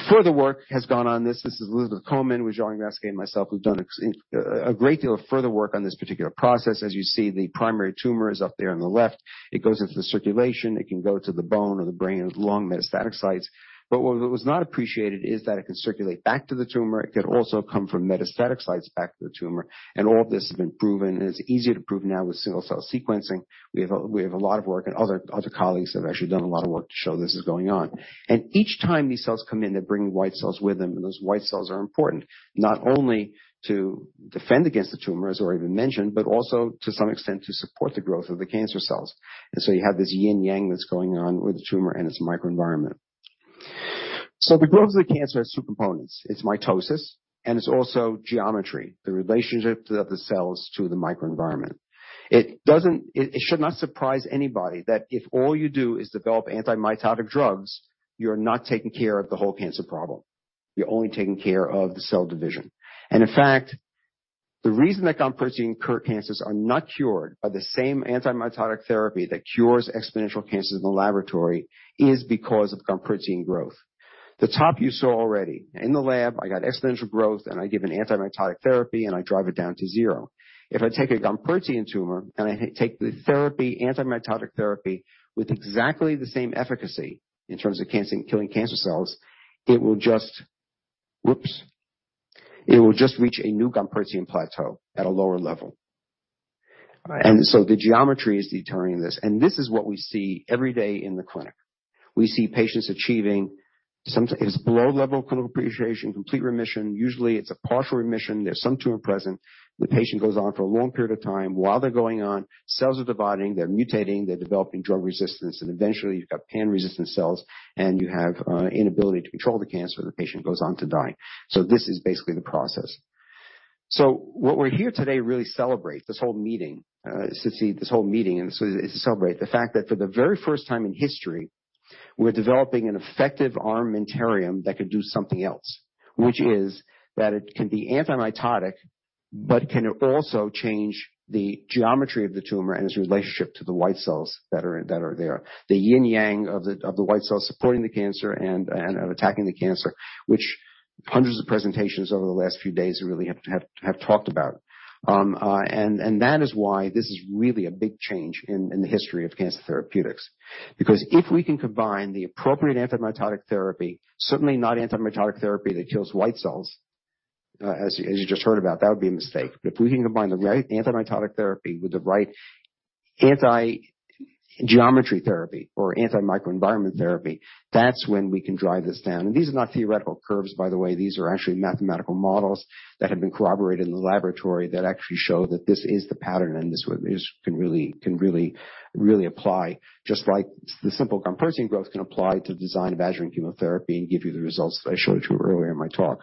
Further work has gone on this. This is Elizabeth Comen with Joan Massagué and myself, who've done a great deal of further work on this particular process. As you see, the primary tumor is up there on the left. It goes into the circulation. It can go to the bone or the lung or the brain with long metastatic sites. But what was not appreciated is that it can circulate back to the tumor. It could also come from metastatic sites back to the tumor. All of this has been proven, and it's easier to prove now with single-cell sequencing. We have a lot of work and other colleagues that have actually done a lot of work to show this is going on. Each time these cells come in, they're bringing white cells with them, and those white cells are important, not only to defend against the tumor, as I already mentioned, but also to some extent to support the growth of the cancer cells. You have this yin yang that's going on with the tumor and its microenvironment. The growth of the cancer has two components. It's mitosis, and it's also geometry, the relationship of the cells to the microenvironment. It should not surprise anybody that if all you do is develop antimitotic drugs, you're not taking care of the whole cancer problem. You're only taking care of the cell division. In fact, the reason that Gompertzian cancers are not cured by the same antimitotic therapy that cures exponential cancers in the laboratory is because of Gompertzian growth. The top you saw already. In the lab, I got exponential growth, and I give an antimitotic therapy, and I drive it down to zero. If I take a Gompertzian tumor, and I take the therapy, antimitotic therapy with exactly the same efficacy in terms of cancer killing cancer cells, it will just reach a new Gompertzian plateau at a lower level. All right. The geometry is determining this. This is what we see every day in the clinic. We see patients achieving sometimes it's below level clinical appreciation, complete remission. Usually, it's a partial remission. There's some tumor present. The patient goes on for a long period of time. While they're going on, cells are dividing, they're mutating, they're developing drug resistance, and eventually you've got pan-resistant cells, and you have inability to control the cancer. The patient goes on to die. This is basically the process. What we're here today to really celebrate, this whole meeting is to celebrate the fact that for the very first time in history, we're developing an effective armamentarium that could do something else, which is that it can be antimitotic but can also change the geometry of the tumor and its relationship to the white cells that are there. The yin yang of the white cells supporting the cancer and attacking the cancer, which hundreds of presentations over the last few days really have talked about. That is why this is really a big change in the history of cancer therapeutics. Because if we can combine the appropriate antimitotic therapy, certainly not antimitotic therapy that kills white cells, as you just heard about, that would be a mistake. If we can combine the right antimitotic therapy with the right anti-angiogenic therapy or anti-microenvironment therapy, that's when we can drive this down. These are not theoretical curves, by the way. These are actually mathematical models that have been corroborated in the laboratory that actually show that this is the pattern, and this can really apply, just like the simple Gompertzian growth can apply to the design of adjuvant chemotherapy and give you the results that I showed you earlier in my talk.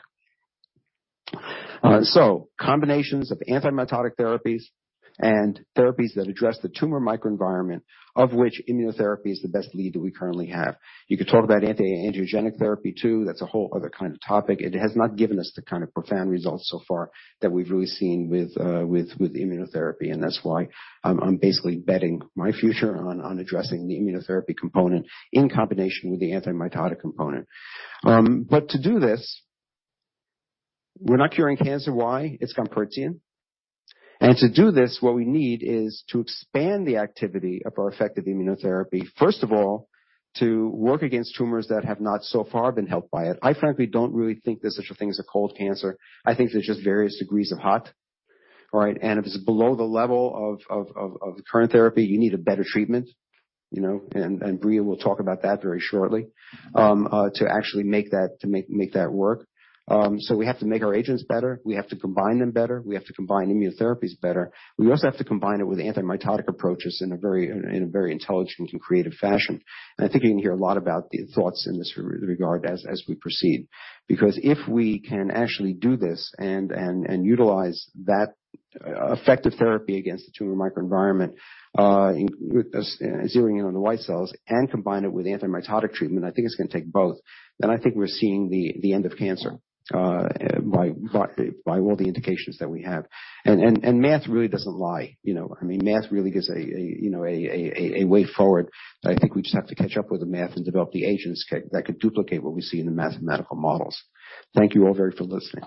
Combinations of antimitotic therapies and therapies that address the tumor microenvironment, of which immunotherapy is the best lead that we currently have. You could talk about anti-angiogenic therapy, too. That's a whole other kind of topic. It has not given us the kind of profound results so far that we've really seen with immunotherapy, and that's why I'm basically betting my future on addressing the immunotherapy component in combination with the antimitotic component. To do this, we're not curing cancer. Why? It's Gompertzian. To do this, what we need is to expand the activity of our effective immunotherapy, first of all, to work against tumors that have not so far been helped by it. I frankly don't really think there's such a thing as a cold cancer. I think there's just various degrees of hot. All right. If it's below the level of the current therapy, you need a better treatment, you know, and Breelyn Wilky will talk about that very shortly to actually make that work. So we have to make our agents better. We have to combine them better. We have to combine immunotherapies better. We also have to combine it with antimitotic approaches in a very intelligent and creative fashion. I think you're gonna hear a lot about the thoughts in this regard as we proceed. Because if we can actually do this and utilize that effective therapy against the tumor microenvironment, with us zeroing in on the white cells and combine it with antimitotic treatment, I think it's gonna take both, then I think we're seeing the end of cancer, by all the indications that we have. Math really doesn't lie, you know? I mean, math really gives a way forward, but I think we just have to catch up with the math and develop the agents that could duplicate what we see in the mathematical models. Thank you all very much for listening.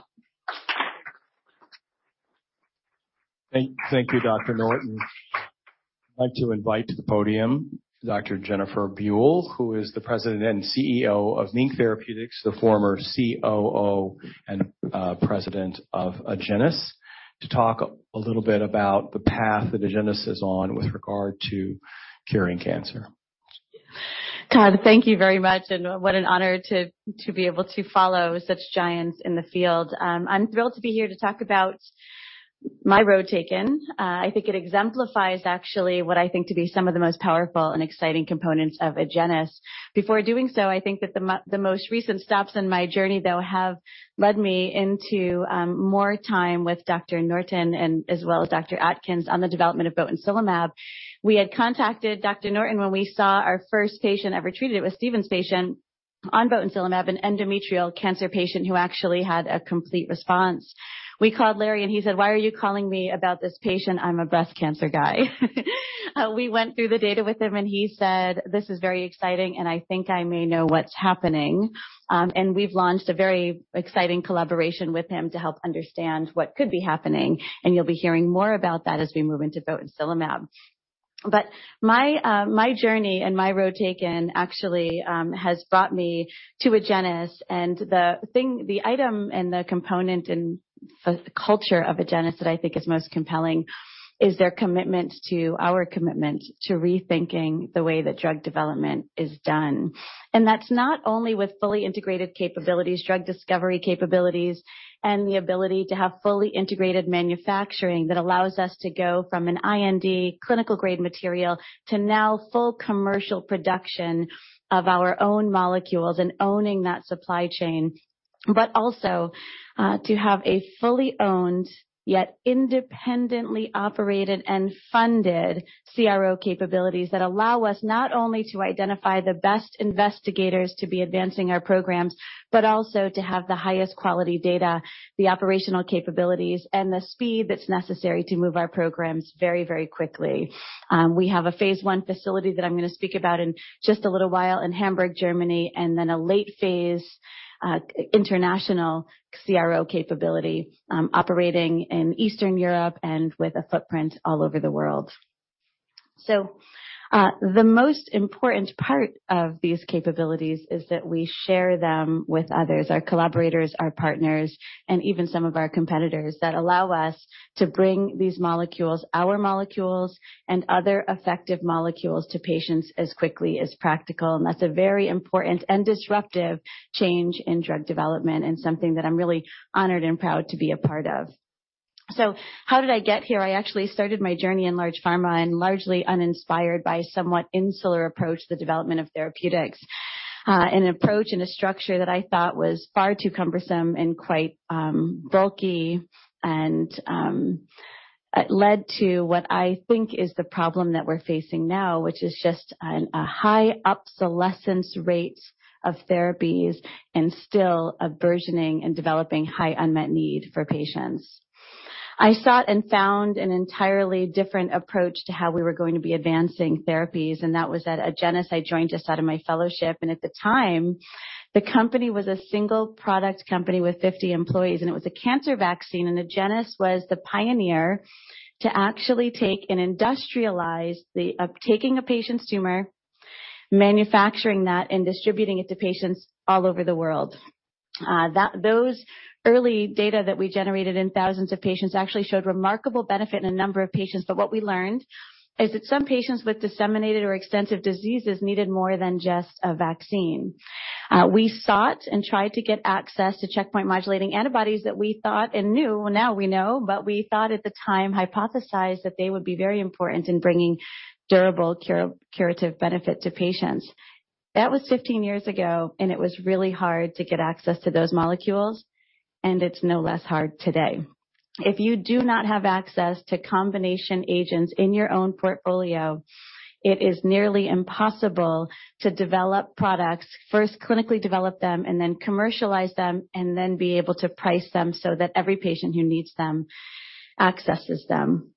Thank you, Dr. Norton. I'd like to invite to the podium Dr. Jennifer Buell, who is the President and CEO of MiNK Therapeutics, the former COO and President of Agenus, to talk a little bit about the path that Agenus is on with regard to curing cancer. Todd, thank you very much, and what an honor to be able to follow such giants in the field. I'm thrilled to be here to talk about my road taken. I think it exemplifies actually what I think to be some of the most powerful and exciting components of Agenus. Before doing so, I think that the most recent stops in my journey, though, have led me into more time with Dr. Norton and as well as Dr. Atkins on the development of botensilimab. We had contacted Dr. Norton when we saw our first patient ever treated. It was Steven's patient on botensilimab, an endometrial cancer patient who actually had a complete response. We called Larry, and he said, "Why are you calling me about this patient? I'm a breast cancer guy." We went through the data with him, and he said, "This is very exciting, and I think I may know what's happening." We've launched a very exciting collaboration with him to help understand what could be happening, and you'll be hearing more about that as we move into botensilimab. My journey and my road taken actually has brought me to Agenus. The thing, the item and the component and the culture of Agenus that I think is most compelling is their commitment to our commitment to rethinking the way that drug development is done. That's not only with fully integrated capabilities, drug discovery capabilities, and the ability to have fully integrated manufacturing that allows us to go from an IND clinical-grade material to now full commercial production of our own molecules and owning that supply chain. Also, to have a fully owned yet independently operated and funded CRO capabilities that allow us not only to identify the best investigators to be advancing our programs, but also to have the highest quality data, the operational capabilities, and the speed that's necessary to move our programs very, very quickly. We have a phase I facility that I'm gonna speak about in just a little while in Hamburg, Germany, and then a late phase, international CRO capability, operating in Eastern Europe and with a footprint all over the world. The most important part of these capabilities is that we share them with others, our collaborators, our partners, and even some of our competitors that allow us to bring these molecules, our molecules, and other effective molecules to patients as quickly as practical. That's a very important and disruptive change in drug development and something that I'm really honored and proud to be a part of. How did I get here? I actually started my journey in large pharma and largely uninspired by a somewhat insular approach to the development of therapeutics, an approach and a structure that I thought was far too cumbersome and quite, bulky, and led to what I think is the problem that we're facing now, which is just a high obsolescence rate of therapies and still a burgeoning and developing high unmet need for patients. I sought and found an entirely different approach to how we were going to be advancing therapies, and that was at Agenus. I joined just out of my fellowship, and at the time, the company was a single-product company with 50 employees, and it was a cancer vaccine, and Agenus was the pioneer to actually take and industrialize the taking a patient's tumor, manufacturing that, and distributing it to patients all over the world. Those early data that we generated in thousands of patients actually showed remarkable benefit in a number of patients, but what we learned is that some patients with disseminated or extensive diseases needed more than just a vaccine. We sought and tried to get access to checkpoint modulating antibodies that we thought and knew, well, now we know, but we thought at the time, hypothesized, that they would be very important in bringing durable curative benefit to patients. That was 15 years ago, and it was really hard to get access to those molecules, and it's no less hard today. If you do not have access to combination agents in your own portfolio, it is nearly impossible to develop products. First, clinically develop them, and then commercialize them, and then be able to price them so that every patient who needs them accesses them.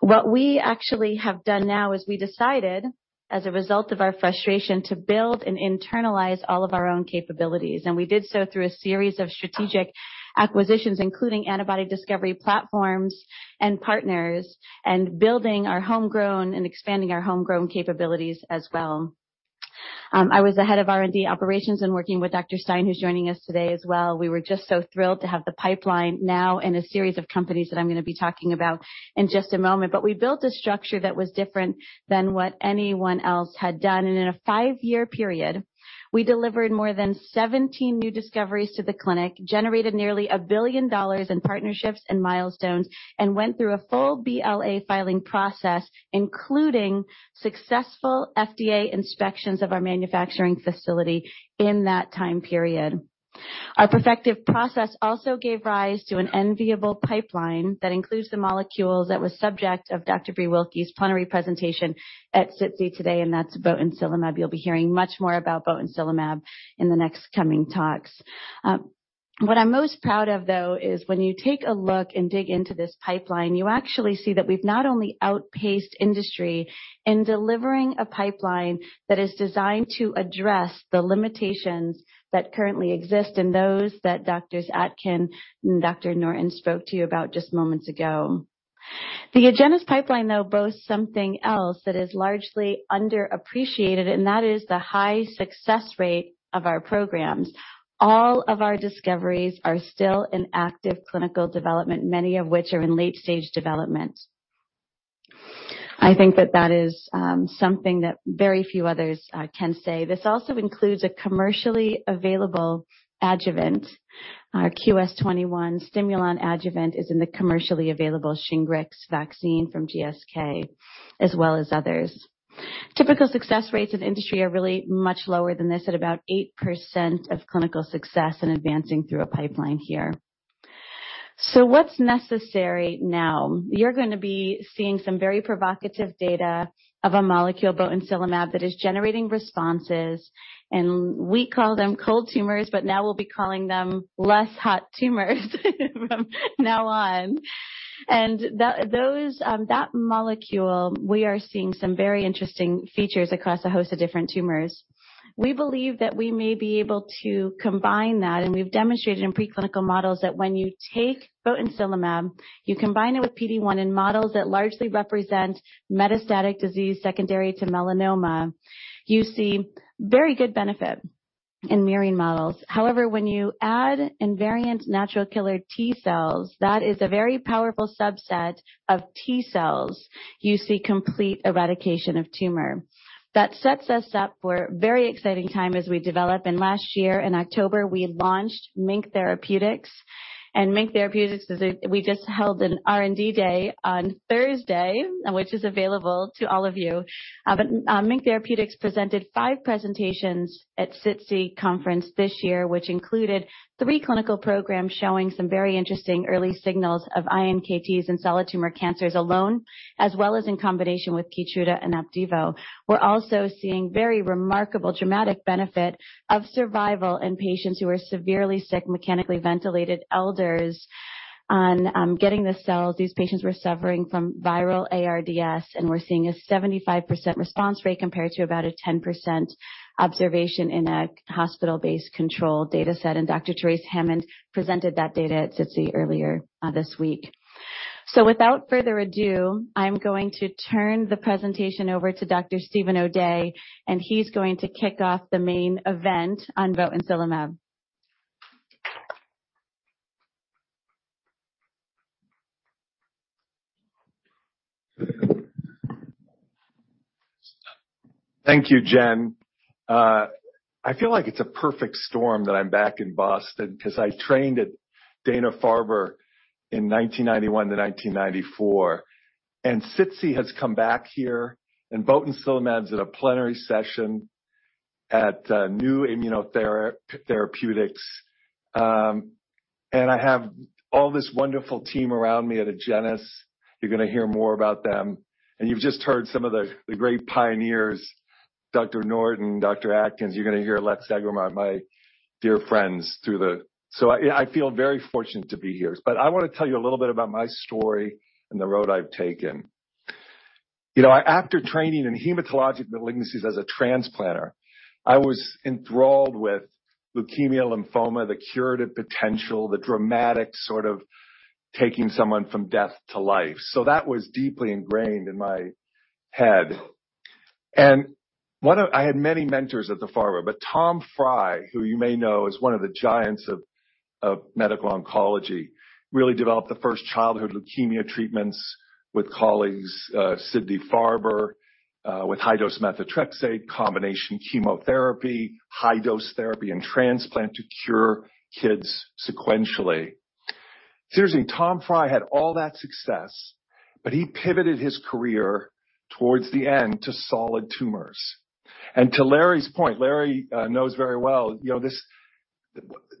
What we actually have done now is we decided, as a result of our frustration, to build and internalize all of our own capabilities, and we did so through a series of strategic acquisitions, including antibody discovery platforms and partners, and building our homegrown and expanding our homegrown capabilities as well. I was the head of R&D operations and working with Dr. Stein, who's joining us today as well. We were just so thrilled to have the pipeline now in a series of companies that I'm gonna be talking about in just a moment. We built a structure that was different than what anyone else had done. In a five-year period, we delivered more than 17 new discoveries to the clinic, generated nearly $1 billion in partnerships and milestones, and went through a full BLA filing process, including successful FDA inspections of our manufacturing facility in that time period. Our perfective process also gave rise to an enviable pipeline that includes the molecules that was subject of Dr. Breelyn Wilky's plenary presentation at SITC today, and that's botensilimab. You'll be hearing much more about botensilimab in the next coming talks. What I'm most proud of, though, is when you take a look and dig into this pipeline, you actually see that we've not only outpaced industry in delivering a pipeline that is designed to address the limitations that currently exist and those that Dr. Atkins and Dr. Norton spoke to you about just moments ago. The Agenus pipeline, though, boasts something else that is largely underappreciated, and that is the high success rate of our programs. All of our discoveries are still in active clinical development, many of which are in late-stage development. I think that is something that very few others can say. This also includes a commercially available adjuvant. Our QS-21 Stimulon adjuvant is in the commercially available Shingrix vaccine from GSK, as well as others. Typical success rates in the industry are really much lower than this, at about 8% of clinical success in advancing through a pipeline here. What's necessary now? You're gonna be seeing some very provocative data of a molecule botensilimab that is generating responses, and we call them cold tumors, but now we'll be calling them less hot tumors from now on. That molecule, we are seeing some very interesting features across a host of different tumors. We believe that we may be able to combine that, and we've demonstrated in preclinical models that when you take botensilimab, you combine it with PD-1 in models that largely represent metastatic disease secondary to melanoma, you see very good benefit in murine models. However, when you add invariant natural killer T cells, that is a very powerful subset of T cells, you see complete eradication of tumor. That sets us up for a very exciting time as we develop. Last year in October, we launched MiNK Therapeutics. MiNK Therapeutics. We just held an R&D Day on Thursday, which is available to all of you. MiNK Therapeutics presented five presentations at SITC Conference this year, which included three clinical programs showing some very interesting early signals of iNKTs in solid tumor cancers alone, as well as in combination with KEYTRUDA and OPDIVO. We're also seeing very remarkable dramatic benefit of survival in patients who are severely sick, mechanically ventilated elders on getting the cells. These patients were suffering from viral ARDS, and we're seeing a 75% response rate compared to about a 10% observation in a hospital-based control dataset. Dr. Terese Hammond presented that data at SITC earlier this week. Without further ado, I'm going to turn the presentation over to Dr. Steven O'Day, and he's going to kick off the main event on Botensilimab. Thank you, Jen. I feel like it's a perfect storm that I'm back in Boston 'cause I trained at Dana-Farber in 1991 to 1994. SITC has come back here, and botensilimab's at a plenary session at new immunotherapeutics. I have all this wonderful team around me at Agenus. You're gonna hear more about them, and you've just heard some of the great pioneers, Dr. Norton, Dr. Atkins. You're gonna hear Lex Eggermont, my dear friends, through the. I feel very fortunate to be here. I wanna tell you a little bit about my story and the road I've taken. You know, after training in hematologic malignancies as a transplanter, I was enthralled with leukemia/lymphoma, the curative potential, the dramatic sort of taking someone from death to life. That was deeply ingrained in my head. I had many mentors at the Farber, but Emil Frei III, who you may know, is one of the giants of medical oncology, really developed the first childhood leukemia treatments with colleagues, Sidney Farber, with high-dose methotrexate combination chemotherapy, high-dose therapy and transplant to cure kids sequentially. Seriously, Emil Frei III had all that success, but he pivoted his career towards the end to solid tumors. To Larry's point, Larry knows very well, you know, this.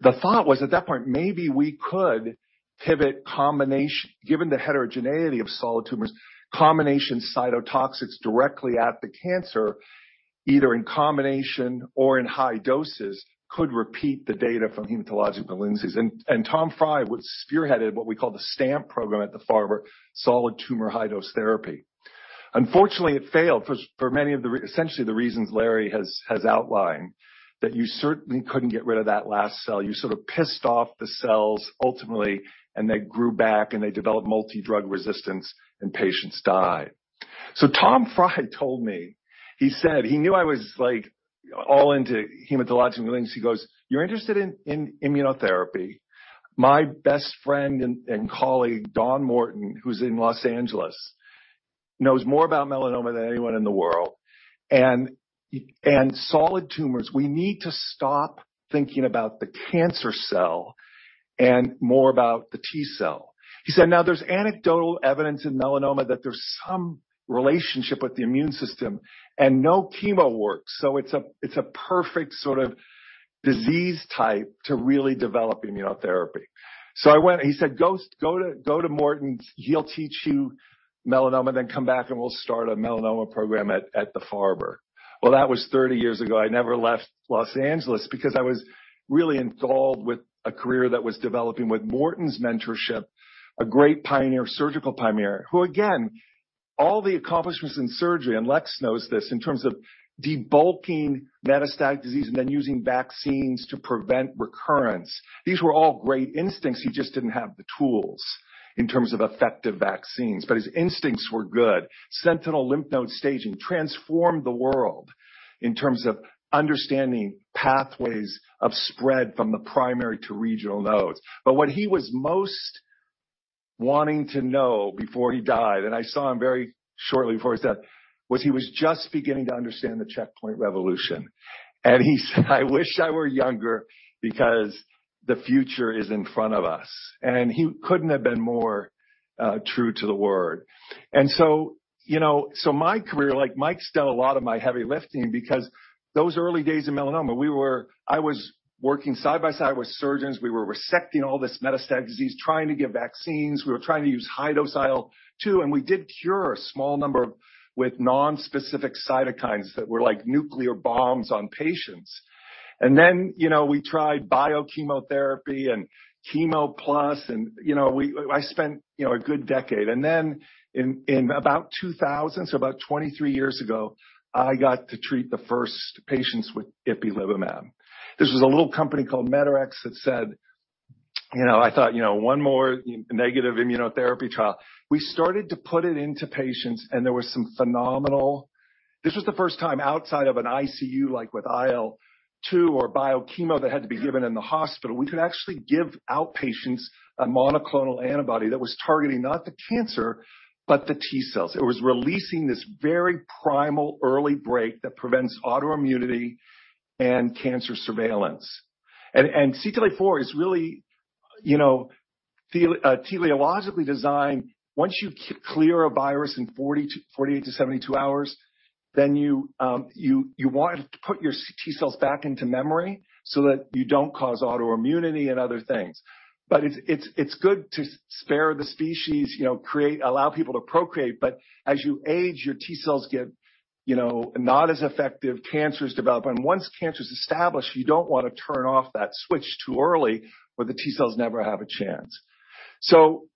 The thought was, at that point, maybe we could pivot Given the heterogeneity of solid tumors, combination cytotoxics directly at the cancer, either in combination or in high doses, could repeat the data from hematologic malignancies. Emil Frei III would spearheaded what we call the STAMP program at the Farber, Solid Tumor High-Dose Therapy. Unfortunately, it failed for many of the reasons Larry has outlined, that you certainly couldn't get rid of that last cell. You sort of pissed off the cells ultimately, and they grew back, and they developed multidrug resistance, and patients died. Emil Frei III told me, he said he knew I was, like, all into hematologic malignancies. He goes, "You're interested in immunotherapy. My best friend and colleague, Donald Morton, who's in Los Angeles, knows more about melanoma than anyone in the world. And solid tumors, we need to stop thinking about the cancer cell and more about the T cell." He said, "Now, there's anecdotal evidence in melanoma that there's some relationship with the immune system, and no chemo works. It's a perfect sort of disease type to really develop immunotherapy. I went, he said, "Go to Morton. He'll teach you melanoma, then come back and we'll start a melanoma program at the Dana-Farber." Well, that was 30 years ago. I never left Los Angeles because I was really enthralled with a career that was developing with Morton's mentorship, a great pioneer, surgical pioneer. Who again, all the accomplishments in surgery, and Lex knows this, in terms of debulking metastatic disease and then using vaccines to prevent recurrence. These were all great instincts. He just didn't have the tools in terms of effective vaccines, but his instincts were good. Sentinel lymph node staging transformed the world in terms of understanding pathways of spread from the primary to regional nodes. What he was most wanting to know before he died, and I saw him very shortly before he died, was just beginning to understand the checkpoint revolution. He said, "I wish I were younger because the future is in front of us." He couldn't have been more true to the word. My career, like Mike's done a lot of my heavy lifting because those early days in melanoma, I was working side by side with surgeons. We were resecting all this metastatic disease, trying to give vaccines. We were trying to use high-dose IL-2, and we did cure a small number with non-specific cytokines that were like nuclear bombs on patients. Then, you know, we tried biochemotherapy and chemo plus and I spent a good decade. In about 2000, so about 23 years ago, I got to treat the first patients with Ipilimumab. This was a little company called Medarex. You know, I thought, you know, one more negative immunotherapy trial. We started to put it into patients, and there was some phenomenal. This was the first time outside of an ICU, like with IL-2 or bio chemo that had to be given in the hospital. We could actually give outpatients a monoclonal antibody that was targeting not the cancer, but the T cells. It was releasing this very primal early brake that prevents autoimmunity and cancer surveillance. CTLA-4 is really, you know, teleologically designed. Once you clear a virus in 48-72 hours, then you want to put your T cells back into memory so that you don't cause autoimmunity and other things. It's good to spare the species, you know, create, allow people to procreate. As you age, your T cells get, you know, not as effective. Cancers develop, and once cancer is established, you don't wanna turn off that switch too early, or the T cells never have a chance.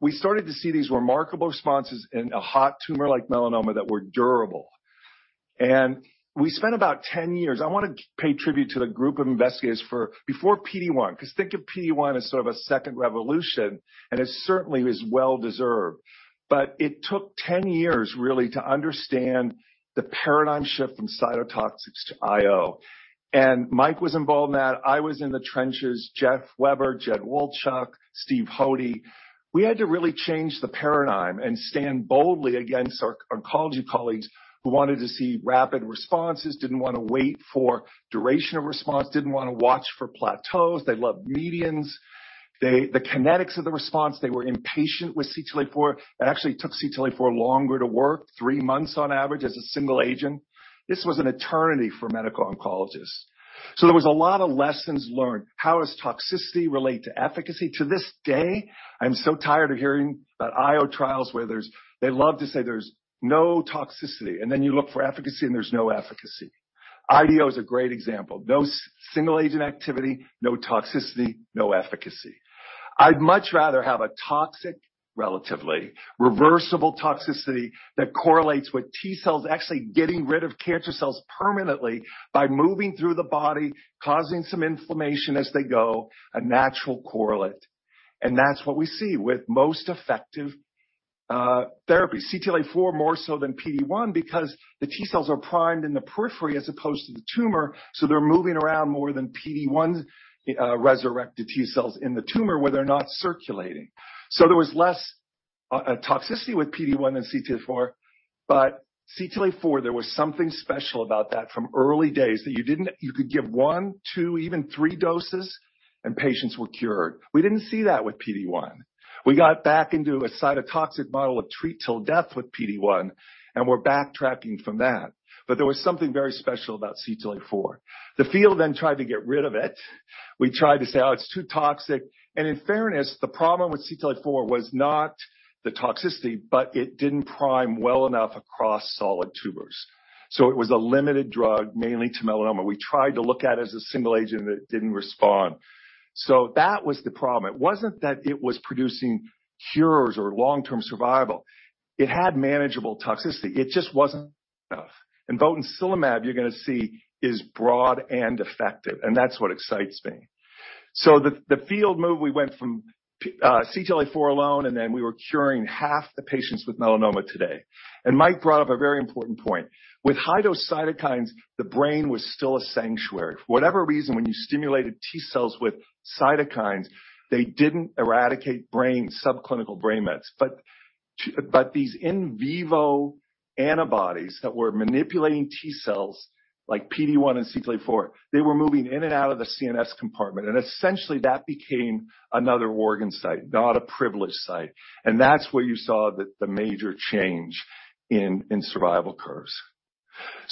We started to see these remarkable responses in a hot tumor like melanoma that were durable. We spent about 10 years. I wanna pay tribute to the group of investigators for before PD-1, 'cause think of PD-1 as sort of a second revolution, and it certainly was well-deserved. It took 10 years really to understand the paradigm shift from cytotoxics to IO. Mike was involved in that. I was in the trenches. Jeff Weber, Jedd Wolchok, Steve O'Day. We had to really change the paradigm and stand boldly against our oncology colleagues who wanted to see rapid responses, didn't wanna wait for duration of response, didn't wanna watch for plateaus. They loved medians. They. The kinetics of the response, they were impatient with CTLA-4. It actually took CTLA-4 longer to work, three months on average as a single agent. This was an eternity for medical oncologists. There was a lot of lessons learned. How does toxicity relate to efficacy? To this day, I'm so tired of hearing about IO trials where there's, they love to say there's no toxicity, and then you look for efficacy, and there's no efficacy. IDO is a great example. No single agent activity, no toxicity, no efficacy. I'd much rather have a toxic, relatively, reversible toxicity that correlates with T cells actually getting rid of cancer cells permanently by moving through the body, causing some inflammation as they go, a natural correlate. That's what we see with most effective therapy. CTLA-4 more so than PD-1 because the T cells are primed in the periphery as opposed to the tumor, so they're moving around more than PD-1's resurrected T cells in the tumor where they're not circulating. There was less toxicity with PD-1 than CTLA-4, but CTLA-4, there was something special about that from early days. You could give one, two, even three doses and patients were cured. We didn't see that with PD-1. We got back into a cytotoxic model of treat till death with PD-1, and we're backtracking from that. There was something very special about CTLA-4. The field then tried to get rid of it. We tried to say, "Oh, it's too toxic." In fairness, the problem with CTLA-4 was not the toxicity, but it didn't prime well enough across solid tumors. It was a limited drug, mainly to melanoma. We tried to look at it as a single agent, and it didn't respond. That was the problem. It wasn't that it was producing cures or long-term survival. It had manageable toxicity. It just wasn't enough. Botensilimab, you're gonna see, is broad and effective, and that's what excites me. The field move, we went from CTLA-4 alone, and then we were curing half the patients with melanoma today. Mike brought up a very important point. With high-dose cytokines, the brain was still a sanctuary. For whatever reason, when you stimulated T cells with cytokines, they didn't eradicate brain subclinical brain mets. But these in vivo antibodies that were manipulating T cells like PD-1 and CTLA-4, they were moving in and out of the CNS compartment, and essentially that became another organ site, not a privileged site. That's where you saw the major change in survival curves.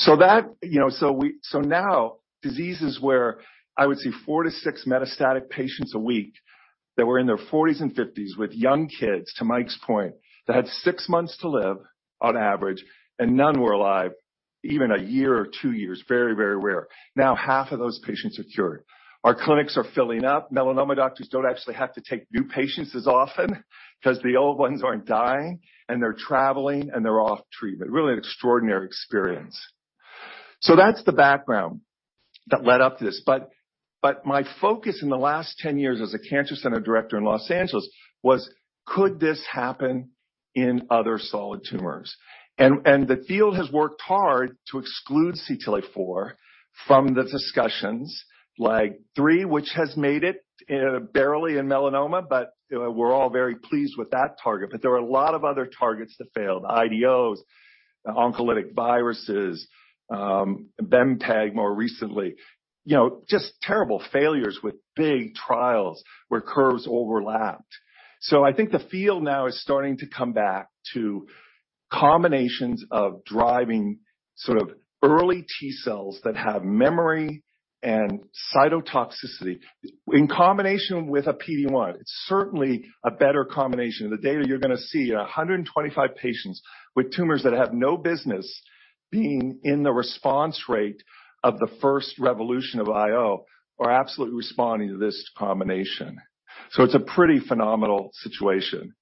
That, you know, now diseases where I would see 4-6 metastatic patients a week that were in their 40s and 50s with young kids, to Mike's point, that had 6 months to live on average, and none were alive even a year or 2 years. Very rare. Now, half of those patients are cured. Our clinics are filling up. Melanoma doctors don't actually have to take new patients as often 'cause the old ones aren't dying, and they're traveling and they're off treatment. Really an extraordinary experience. That's the background that led up to this. My focus in the last 10 years as a Cancer Center Director in Los Angeles was, could this happen in other solid tumors? The field has worked hard to exclude CTLA-4 from the discussions. LAG-3, which has made it barely in melanoma, but we're all very pleased with that target. There are a lot of other targets that failed. IDOs, oncolytic viruses, bempeg more recently, you know, just terrible failures with big trials where curves overlapped. I think the field now is starting to come back to combinations of driving sort of early T cells that have memory and cytotoxicity in combination with a PD-1. It's certainly a better combination. In the data you're gonna see, 125 patients with tumors that have no business being in the response rate of the first revolution of IO are absolutely responding to this combination. It's a pretty phenomenal situation.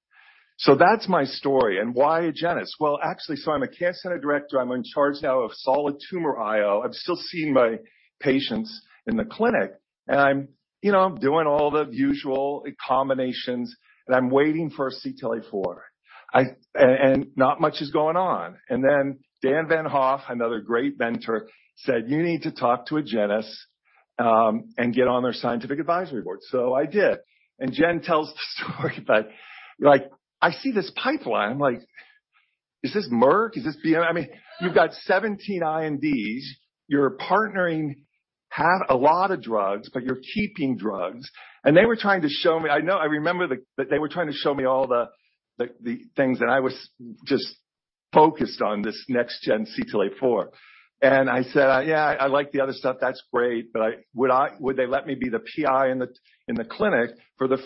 That's my story. And why Agenus? Well, actually, I'm a Care Center Director. I'm in charge now of solid tumor IO. I'm still seeing my patients in the clinic, and I'm, you know, doing all the usual combinations, and I'm waiting for a CTLA-4, and not much is going on. Then Daniel Von Hoff, another great mentor, said, "You need to talk to Agenus and get on their Scientific Advisory Board." I did. Jen tells the story about like, I see this pipeline. I'm like, "Is this Merck? Is this BMS?" I mean, you've got 17 INDs, you're partnering, have a lot of drugs, but you're keeping drugs. They were trying to show me all the things that I was just focused on, this next-gen CTLA-4. I said, "Yeah, I like the other stuff, that's great, but would they let me be the PI in the clinic for the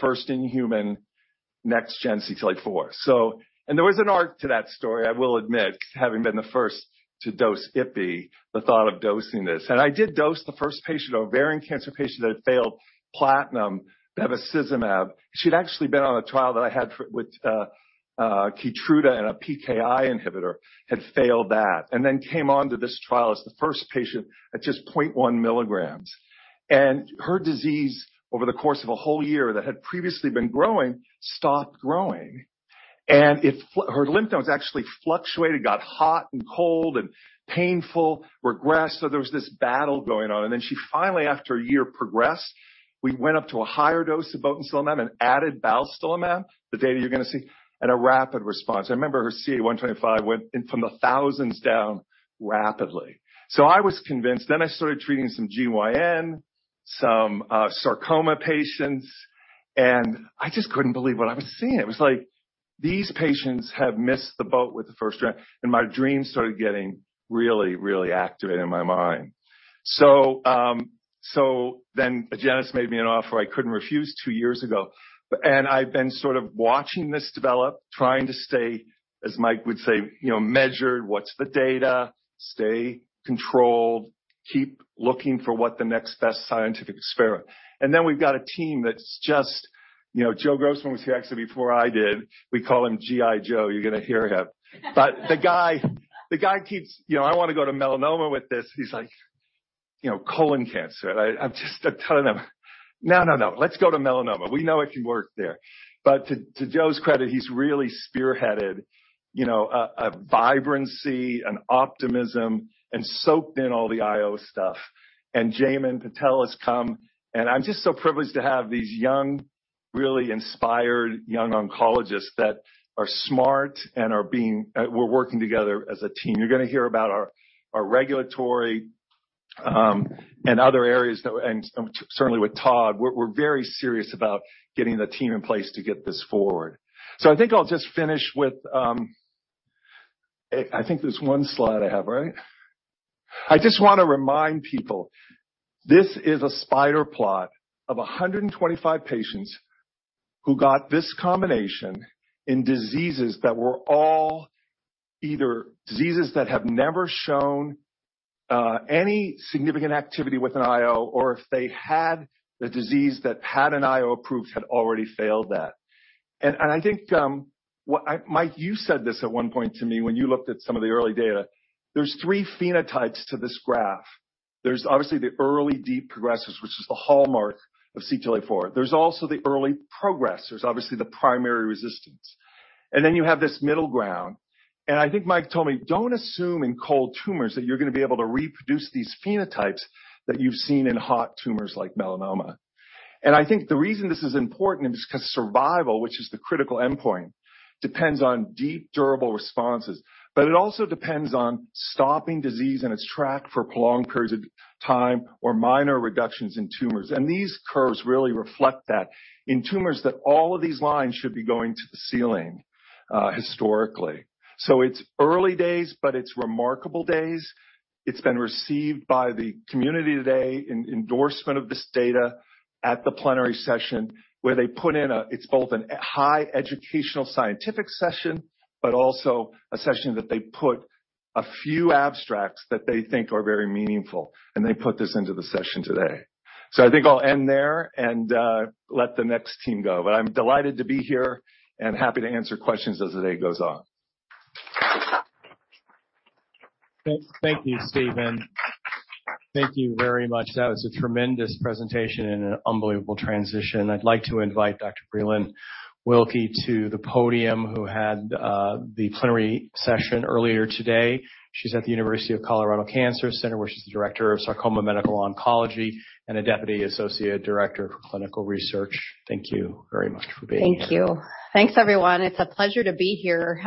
first-in-human next-gen CTLA-4? There was an art to that story, I will admit, having been the first to dose Ipi, the thought of dosing this. I did dose the first patient, ovarian cancer patient, that had failed platinum bevacizumab. She'd actually been on a trial that I had with KEYTRUDA and a PKI inhibitor, had failed that, and then came onto this trial as the first patient at just 0.1 mg. Her disease, over the course of a whole year that had previously been growing, stopped growing. Her lymph nodes actually fluctuated, got hot and cold and painful, regressed. There was this battle going on. She finally, after a year, progressed. We went up to a higher dose of Ipilimumab, and added Nivolumab, the data you're gonna see, and a rapid response. I remember her CA-125 went from the thousands down rapidly. I was convinced. I started treating some GYN, some sarcoma patients, and I just couldn't believe what I was seeing. It was like these patients have missed the boat with the first gen, and my dreams started getting really activated in my mind. Agenus made me an offer I couldn't refuse two years ago, and I've been sort of watching this develop, trying to stay, as Mike would say, you know, measured. What's the data? Stay controlled. Keep looking for what the next best scientific experiment. We've got a team that's just. You know, Joe Grossman was here actually before I did. We call him GI Joe. You're gonna hear him. The guy keeps. You know, I wanna go to melanoma with this. He's like, "You know, colon cancer." I'm just telling him, "No, no. Let's go to melanoma. We know it can work there." To Joe's credit, he's really spearheaded, you know, a vibrancy and optimism and soaked in all the IO stuff. Jaymin Patel has come, and I'm just so privileged to have these young, really inspired young oncologists that are smart and we're working together as a team. You're gonna hear about our regulatory and other areas. Certainly with Todd, we're very serious about getting the team in place to get this forward. I think I'll just finish with. I think there's one slide I have, right? I just wanna remind people, this is a spider plot of 125 patients who got this combination in diseases that were all either diseases that have never shown any significant activity with an IO or if they had the disease that had an IO approved, had already failed that. I think Mike, you said this at one point to me when you looked at some of the early data. There's three phenotypes to this graph. There's obviously the early deep progressors, which is the hallmark of CTLA-4. There's also the early progressors, obviously the primary resistance. Then you have this middle ground, and I think Mike told me, "Don't assume in cold tumors that you're gonna be able to reproduce these phenotypes that you've seen in hot tumors like melanoma." I think the reason this is important is 'cause survival, which is the critical endpoint, depends on deep, durable responses. It also depends on stopping disease in its track for prolonged periods of time or minor reductions in tumors. These curves really reflect that in tumors that all of these lines should be going to the ceiling, historically. It's early days, but it's remarkable days. It's been received by the community today in endorsement of this data at the plenary session, where they put in, it's both a high educational scientific session, but also a session that they put a few abstracts that they think are very meaningful, and they put this into the session today. I think I'll end there and let the next team go. I'm delighted to be here and happy to answer questions as the day goes on. Thank you, Steven. Thank you very much. That was a tremendous presentation and an unbelievable transition. I'd like to invite Dr. Breelyn Wilky to the podium, who had the plenary session earlier today. She's at the University of Colorado Cancer Center, where she's the Director of Sarcoma Medical Oncology and a Deputy Associate Director for Clinical Research. Thank you very much for being here. Thank you. Thanks, everyone. It's a pleasure to be here.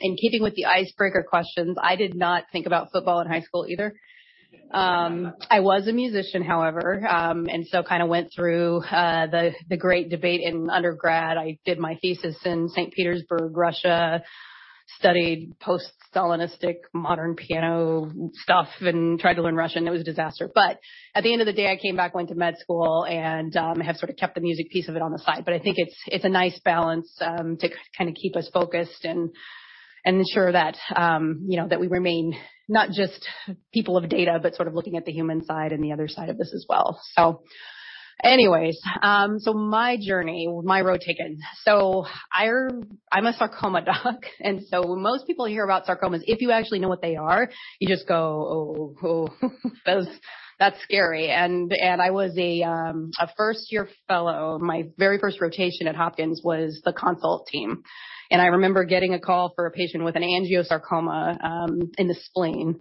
In keeping with the icebreaker questions, I did not think about football in high school either. I was a musician, however, and so kind of went through the great debate in undergrad. I did my thesis in St. Petersburg, Russia, studied post-Stalinist modern piano stuff and tried to learn Russian. It was a disaster. At the end of the day, I came back, went to med school, and have sort of kept the music piece of it on the side. I think it's a nice balance to kind of keep us focused and ensure that, you know, that we remain not just people of data, but sort of looking at the human side and the other side of this as well. Anyways, my journey, my road taken. I'm a sarcoma doc, and when most people hear about sarcomas, if you actually know what they are, you just go, "That's scary." I was a first-year fellow. My very first rotation at Johns Hopkins was the consult team. I remember getting a call for a patient with an angiosarcoma in the spleen.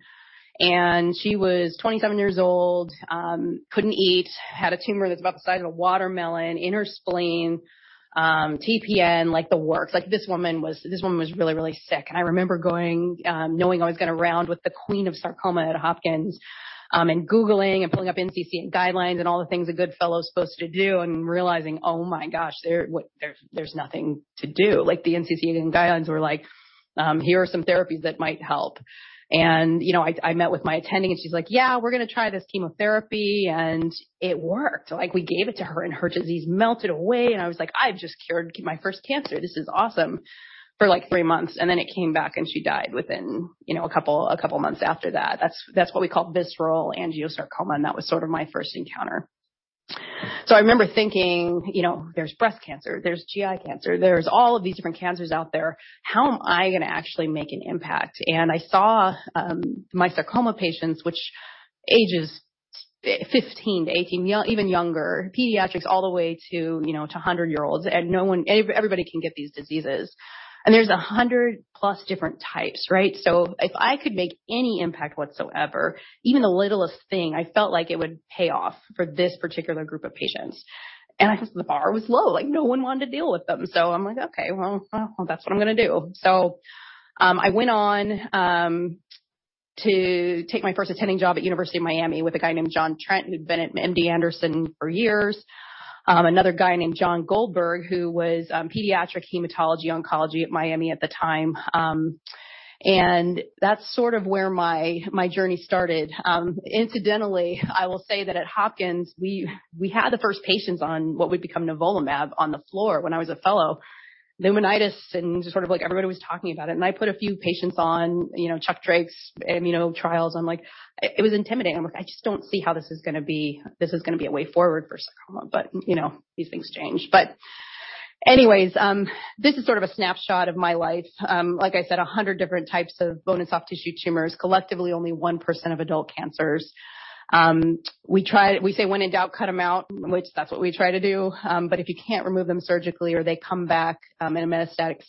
She was 27 years old, couldn't eat, had a tumor that's about the size of a watermelon in her spleen, TPN, like the works. Like, this woman was really sick. I remember going, knowing I was gonna round with the queen of sarcoma at Johns Hopkins, and googling and pulling up NCCN guidelines and all the things a good fellow is supposed to do and realizing, oh my gosh, well, there's nothing to do. Like, the NCCN guidelines were like, here are some therapies that might help. You know, I met with my attending, and she's like, "Yeah, we're gonna try this chemotherapy," and it worked. Like, we gave it to her, and her disease melted away, and I was like, "I've just cured my first cancer. This is awesome." For like three months, and then it came back, and she died within, you know, a couple months after that. That's what we call visceral angiosarcoma, and that was sort of my first encounter. I remember thinking, you know, there's breast cancer, there's GI cancer, there's all of these different cancers out there. How am I gonna actually make an impact? I saw my sarcoma patients, which ages 15-18, even younger, pediatrics all the way to, you know, to 100-year-olds, and no one, everybody can get these diseases. There's 100+ different types, right? If I could make any impact whatsoever, even the littlest thing, I felt like it would pay off for this particular group of patients. I guess the bar was low. Like, no one wanted to deal with them. I'm like, "Okay, well, that's what I'm gonna do." I went on to take my first attending job at University of Miami with a guy named Jonathan C. Trent, who'd been at MD Anderson for years. Another guy named John Goldberg, who was pediatric hematology oncology at Miami at the time. That's sort of where my journey started. Incidentally, I will say that at Hopkins, we had the first patients on what would become Nivolumab on the floor when I was a fellow. Pneumonitis, and just sort of like everybody was talking about it. I put a few patients on, you know, Chuck Drake's immuno trials. I'm like, it was intimidating. I'm like, "I just don't see how this is gonna be a way forward for sarcoma." You know, these things change. Anyways, this is sort of a snapshot of my life. Like I said, 100 different types of bone and soft tissue tumors, collectively only 1% of adult cancers. We say when in doubt, cut them out, which that's what we try to do. If you can't remove them surgically or they come back, in a metastatic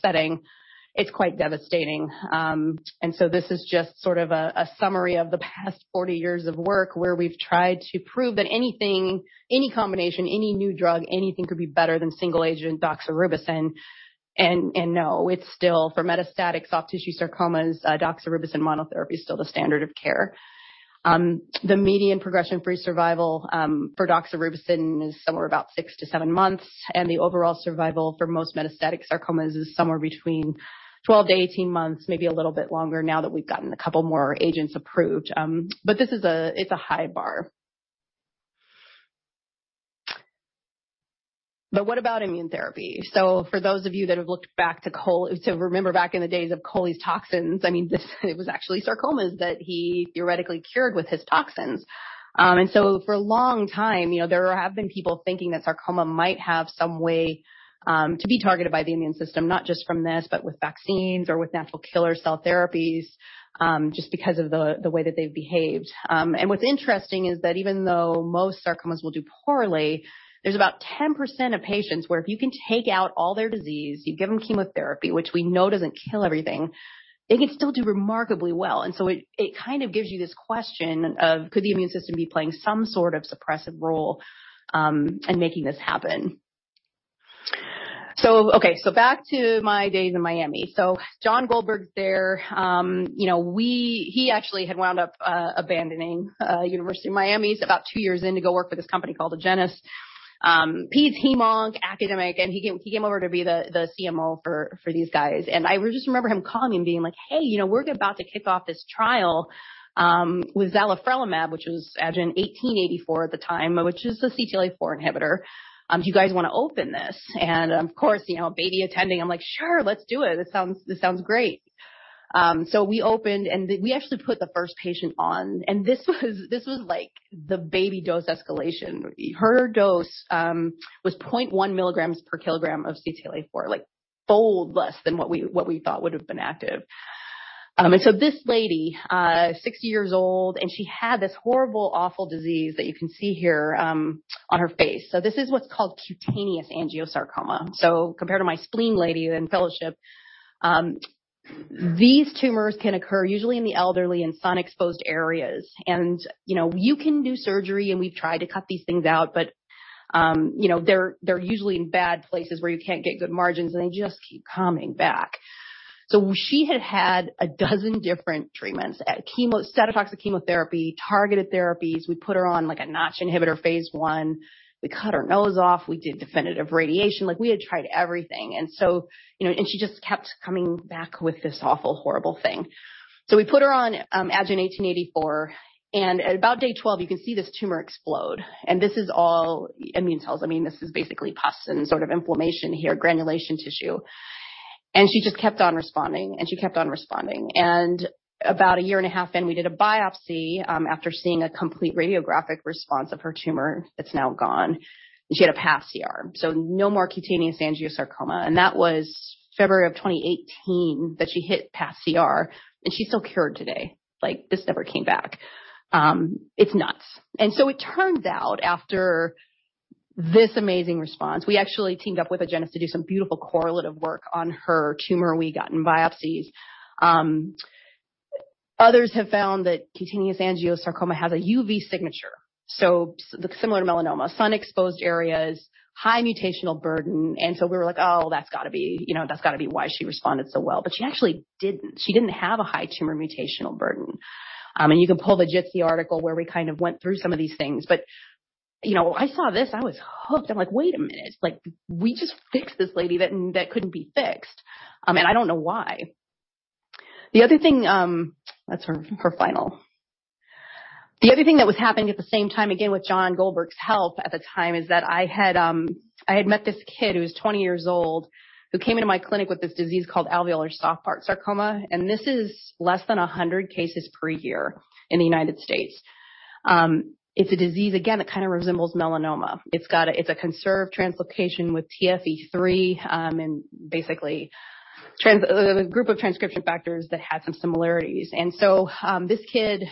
setting, it's quite devastating. This is just sort of a summary of the past 40 years of work where we've tried to prove that anything, any combination, any new drug, anything could be better than single agent doxorubicin. It's still for metastatic soft tissue sarcomas, doxorubicin monotherapy is still the standard of care. The median progression-free survival for doxorubicin is somewhere about 6-7 months, and the overall survival for most metastatic sarcomas is somewhere between 12-18 months, maybe a little bit longer now that we've gotten a couple more agents approved. This is a high bar. What about immune therapy? For those of you that have looked back, remember back in the days of Coley's toxins. I mean, it was actually sarcomas that he theoretically cured with his toxins. For a long time, you know, there have been people thinking that sarcoma might have some way to be targeted by the immune system, not just from this, but with vaccines or with natural killer cell therapies, just because of the way that they've behaved. What's interesting is that even though most sarcomas will do poorly, there's about 10% of patients where if you can take out all their disease, you give them chemotherapy, which we know doesn't kill everything, they can still do remarkably well. It kind of gives you this question of could the immune system be playing some sort of suppressive role, and making this happen? Back to my days in Miami. John Goldberg there, you know, he actually had wound up abandoning University of Miami. He's about 2 years in to go work for this company called Agenus. He, the HemOnc, academic, and he came over to be the CMO for these guys. I just remember him calling me and being like, "Hey, you know, we're about to kick off this trial with zalifrelimab," which was AGEN1884 at the time, which is a CTLA-4 inhibitor. "Do you guys wanna open this?" Of course, you know, baby attending, I'm like, "Sure. Let's do it. That sounds great. We opened, and we actually put the first patient on. This was like the baby dose escalation. Her dose was 0.1 mg per kg of CTLA-4, 100-fold less than what we thought would have been active. This lady 60 years old, and she had this horrible, awful disease that you can see here on her face. This is what's called cutaneous angiosarcoma. Compared to my spleen lady in fellowship, these tumors can occur usually in the elderly in sun-exposed areas. You know, you can do surgery, and we've tried to cut these things out, but you know, they're usually in bad places where you can't get good margins, and they just keep coming back. She had had a dozen different treatments, cytotoxic chemotherapy, targeted therapies. We put her on, a Notch inhibitor phase I. We cut her nose off. We did definitive radiation. Like, we had tried everything, you know, and she just kept coming back with this awful, horrible thing. We put her on AGEN1884, and at about day 12, you can see this tumor explode. This is all immune cells. I mean, this is basically pus and sort of inflammation here, granulation tissue. She just kept on responding, and she kept on responding. About a year and a half in, we did a biopsy, after seeing a complete radiographic response of her tumor that's now gone, and she had a path CR. No more cutaneous angiosarcoma. That was February of 2018 that she hit pCR, and she's still cured today. Like, this never came back. It's nuts. It turns out after this amazing response, we actually teamed up with Agenus to do some beautiful correlative work on her tumor we got in biopsies. Others have found that cutaneous angiosarcoma has a UV signature, so similar to melanoma, sun-exposed areas, high mutational burden. We were like, "Oh, that's gotta be, you know, that's gotta be why she responded so well." But she actually didn't. She didn't have a high tumor mutational burden. And you can pull the JITC article where we kind of went through some of these things. But, you know, I saw this, I was hooked. I'm like, "Wait a minute. Like, we just fixed this lady that couldn't be fixed." I don't know why. The other thing that's her final. The other thing that was happening at the same time, again, with John Goldberg's help at the time, is that I had met this kid who was 20 years old, who came into my clinic with this disease called alveolar soft part sarcoma, and this is less than 100 cases per year in the United States. It's a disease, again, that kind of resembles melanoma. It's got a conserved translocation with TFE3, and basically a group of transcription factors that had some similarities. This kid,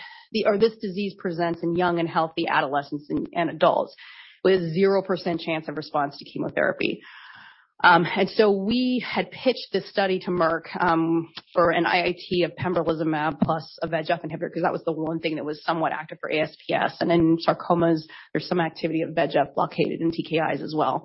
or this disease presents in young and healthy adolescents and adults with 0% chance of response to chemotherapy. We had pitched this study to Merck for an IIT of pembrolizumab plus a VEGF inhibitor 'cause that was the one thing that was somewhat active for ASPS. In sarcomas, there's some activity of VEGF located in TKIs as well.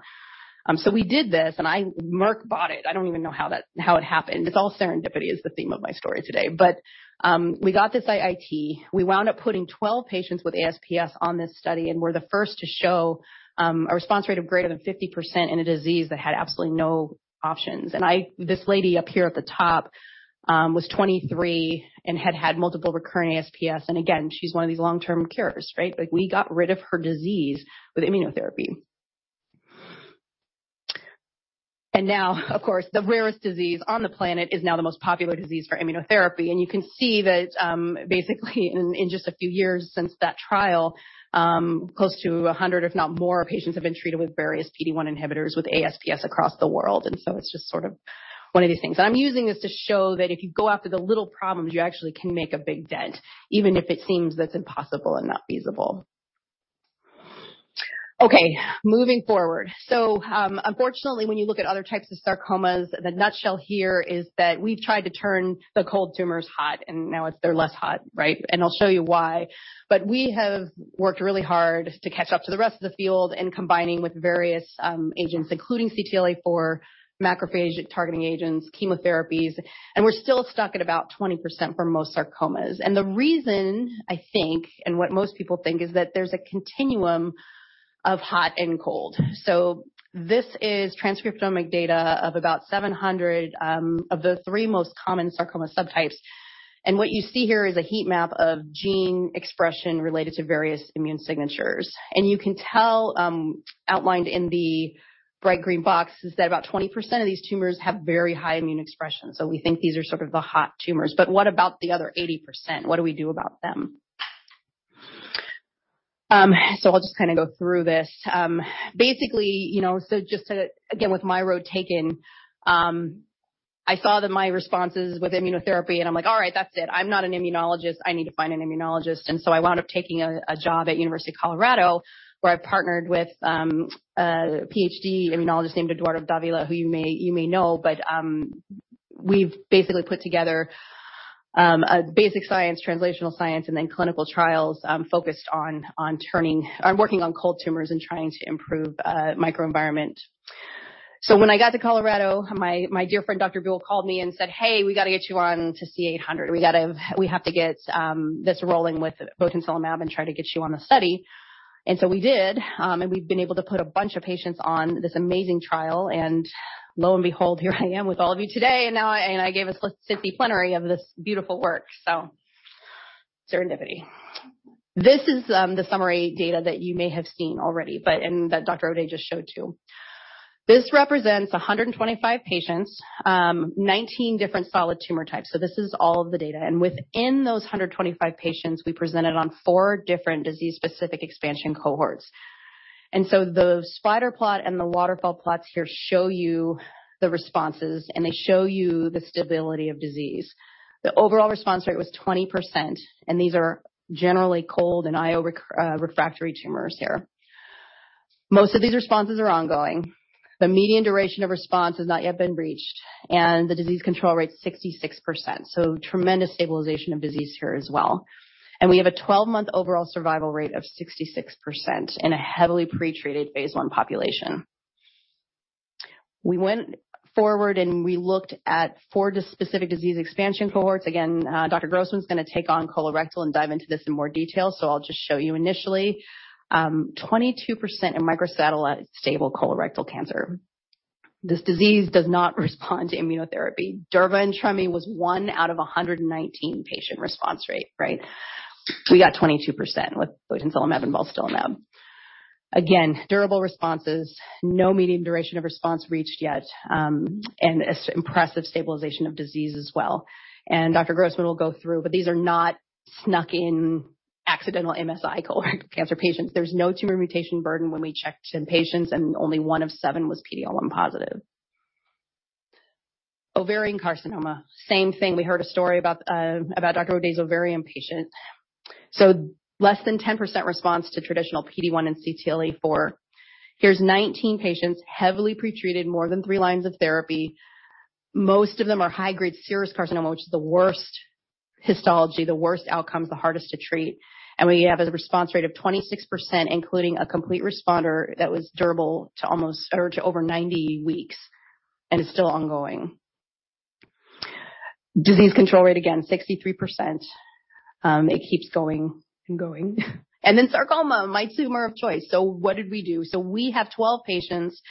We did this. Merck bought it. I don't even know how that happened. It's all serendipity is the theme of my story today. We got this IIT. We wound up putting 12 patients with ASPS on this study, and we're the first to show a response rate of greater than 50% in a disease that had absolutely no options. This lady up here at the top was 23 and had had multiple recurrent ASPS. Again, she's one of these long-term cures, right? Like, we got rid of her disease with immunotherapy. Now, of course, the rarest disease on the planet is now the most popular disease for immunotherapy. You can see that, basically in just a few years since that trial, close to 100, if not more, patients have been treated with various PD-1 inhibitors with ASPS across the world. It's just sort of one of these things. I'm using this to show that if you go after the little problems, you actually can make a big dent, even if it seems that's impossible and not feasible. Okay, moving forward. Unfortunately, when you look at other types of sarcomas, the nutshell here is that we've tried to turn the cold tumors hot, and now they're less hot, right? I'll show you why. We have worked really hard to catch up to the rest of the field in combining with various, agents, including CTLA-4, macrophage-targeting agents, chemotherapies, and we're still stuck at about 20% for most sarcomas. The reason, I think, and what most people think, is that there's a continuum of hot and cold. This is transcriptomic data of about 700, of the three most common sarcoma subtypes. What you see here is a heat map of gene expression related to various immune signatures. You can tell, outlined in the bright green box, is that about 20% of these tumors have very high immune expression. We think these are sort of the hot tumors. What about the other 80%? What do we do about them? I'll just go through this. Basically, you know, just to, again, with my road taken, I saw that my responses with immunotherapy, and I'm like, "All right, that's it. I'm not an immunologist. I need to find an immunologist." I wound up taking a job at University of Colorado, where I partnered with a PhD immunologist named Eduardo Davila, who you may know. We've basically put together a basic science, translational science, and then clinical trials focused on working on cold tumors and trying to improve microenvironment. When I got to Colorado, my dear friend Dr. Jennifer Buell called me and said, "Hey, we got to get you on to C-800. We have to get this rolling with botensilimab and try to get you on the study." We did, and we've been able to put a bunch of patients on this amazing trial. Lo and behold, here I am with all of you today, and now I gave a SITC plenary of this beautiful work. Serendipity. This is the summary data that you may have seen already, but that Dr. Hodi just showed you. This represents 125 patients, 19 different solid tumor types. This is all of the data. Within those 125 patients, we presented on four different disease-specific expansion cohorts. The spider plot and the waterfall plots here show you the responses, and they show you the stability of disease. The overall response rate was 20%, and these are generally cold and IO refractory tumors here. Most of these responses are ongoing. The median duration of response has not yet been reached, and the disease control rate's 66%. Tremendous stabilization of disease here as well. We have a 12-month overall survival rate of 66% in a heavily pretreated phase I population. We went forward, and we looked at four specific disease expansion cohorts. Again, Dr. Joseph Grossman's gonna take on colorectal and dive into this in more detail, so I'll just show you initially. 22% in microsatellite-stable colorectal cancer. This disease does not respond to immunotherapy. Durvalumab and tremelimumab was 1 out of 119 patient response rate, right? We got 22% with botensilimab and balstilimab. Again, durable responses, no median duration of response reached yet, impressive stabilization of disease as well. Dr. Grossman will go through, but these are not snuck in accidental MSI colorectal cancer patients. There's no tumor mutation burden when we checked in patients, and only one of seven was PD-L1 positive. Ovarian carcinoma, same thing. We heard a story about Dr. O'Day's ovarian patient. Less than 10% response to traditional PD-1 and CTLA-4. Here's 19 patients, heavily pretreated, more than 3 lines of therapy. Most of them are high-grade serous carcinoma, which is the worst histology, the worst outcomes, the hardest to treat. We have a response rate of 26%, including a complete responder that was durable to almost or to over 90 weeks and is still ongoing. Disease control rate, again, 63%. It keeps going and going. Sarcoma, my tumor of choice. What did we do? We have 12 patients,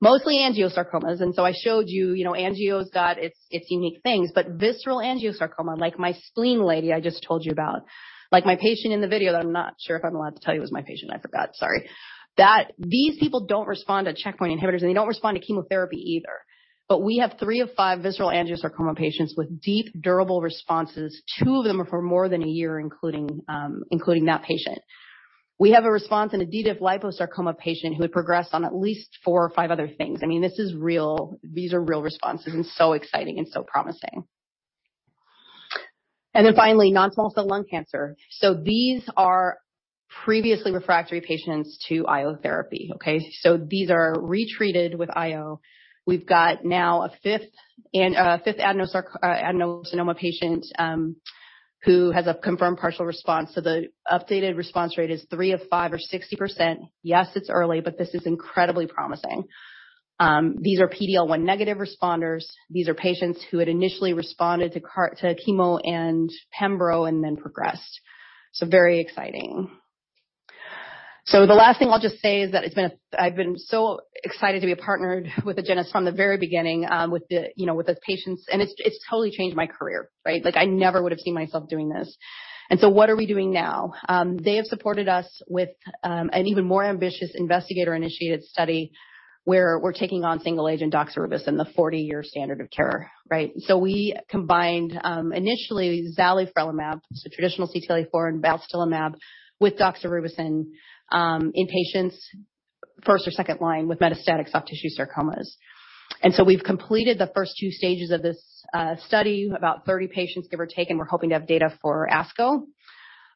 mostly angiosarcomas. I showed you know, angio's got its unique things, but visceral angiosarcoma, like my spleen lady I just told you about, like my patient in the video that I'm not sure if I'm allowed to tell you it was my patient. I forgot. Sorry. That these people don't respond to checkpoint inhibitors, and they don't respond to chemotherapy either. We have 3 of 5 visceral angiosarcoma patients with deep, durable responses. 2 of them are for more than a year, including that patient. We have a response in a DDLPS liposarcoma patient who had progressed on at least 4 or 5 other things. I mean, this is real. These are real responses and so exciting and so promising. Finally, non-small cell lung cancer. These are previously refractory patients to IO therapy. These are retreated with IO. We've got now a fifth adenocarcinoma patient, who has a confirmed partial response. The updated response rate is 3 of 5 or 60%. Yes, it's early, but this is incredibly promising. These are PD-L1 negative responders. These are patients who had initially responded to chemo and pembro and then progressed. Very exciting. The last thing I'll just say is that I've been so excited to be partnered with Agenus from the very beginning, with the, you know, with those patients, and it's totally changed my career, right? Like, I never would have seen myself doing this. What are we doing now? They have supported us with an even more ambitious investigator-initiated study, where we're taking on single-agent doxorubicin, the 40-year standard of care, right? We combined initially zalifrelimab, so traditional CTLA-4, and balstilimab with doxorubicin in patients first- or second-line with metastatic soft tissue sarcomas. We've completed the first two stages of this study. About 30 patients give or take, and we're hoping to have data for ASCO.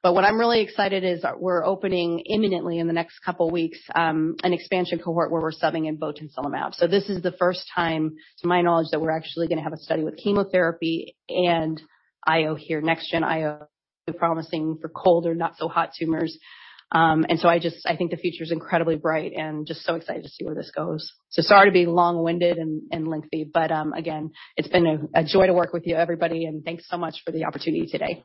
What I'm really excited is we're opening imminently in the next couple of weeks an expansion cohort where we're subbing in botensilimab. This is the first time, to my knowledge, that we're actually gonna have a study with chemotherapy and IO here. Next-gen IO, promising for cold or not so hot tumors. I think the future's incredibly bright and just so excited to see where this goes. Sorry to be long-winded and lengthy, but again, it's been a joy to work with you everybody, and thanks so much for the opportunity today.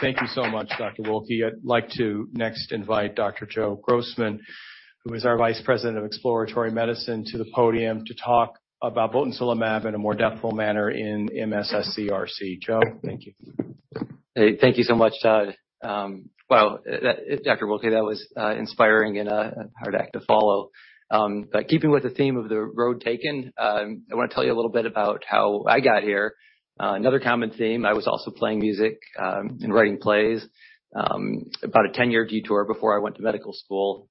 Thank you so much, Dr. Wilky. I'd like to next invite Dr. Joseph Grossman, who is our Vice President of Exploratory Medicine, to the podium to talk about botensilimab in a more depthful manner in MSS-CRC. Joe, thank you. Hey, thank you so much, Todd. Wow, Dr. Wilky, that was inspiring and a hard act to follow. Keeping with the theme of the road taken, I wanna tell you a little bit about how I got here. Another common theme, I was also playing music and writing plays. About a 10-year detour before I went to medical school.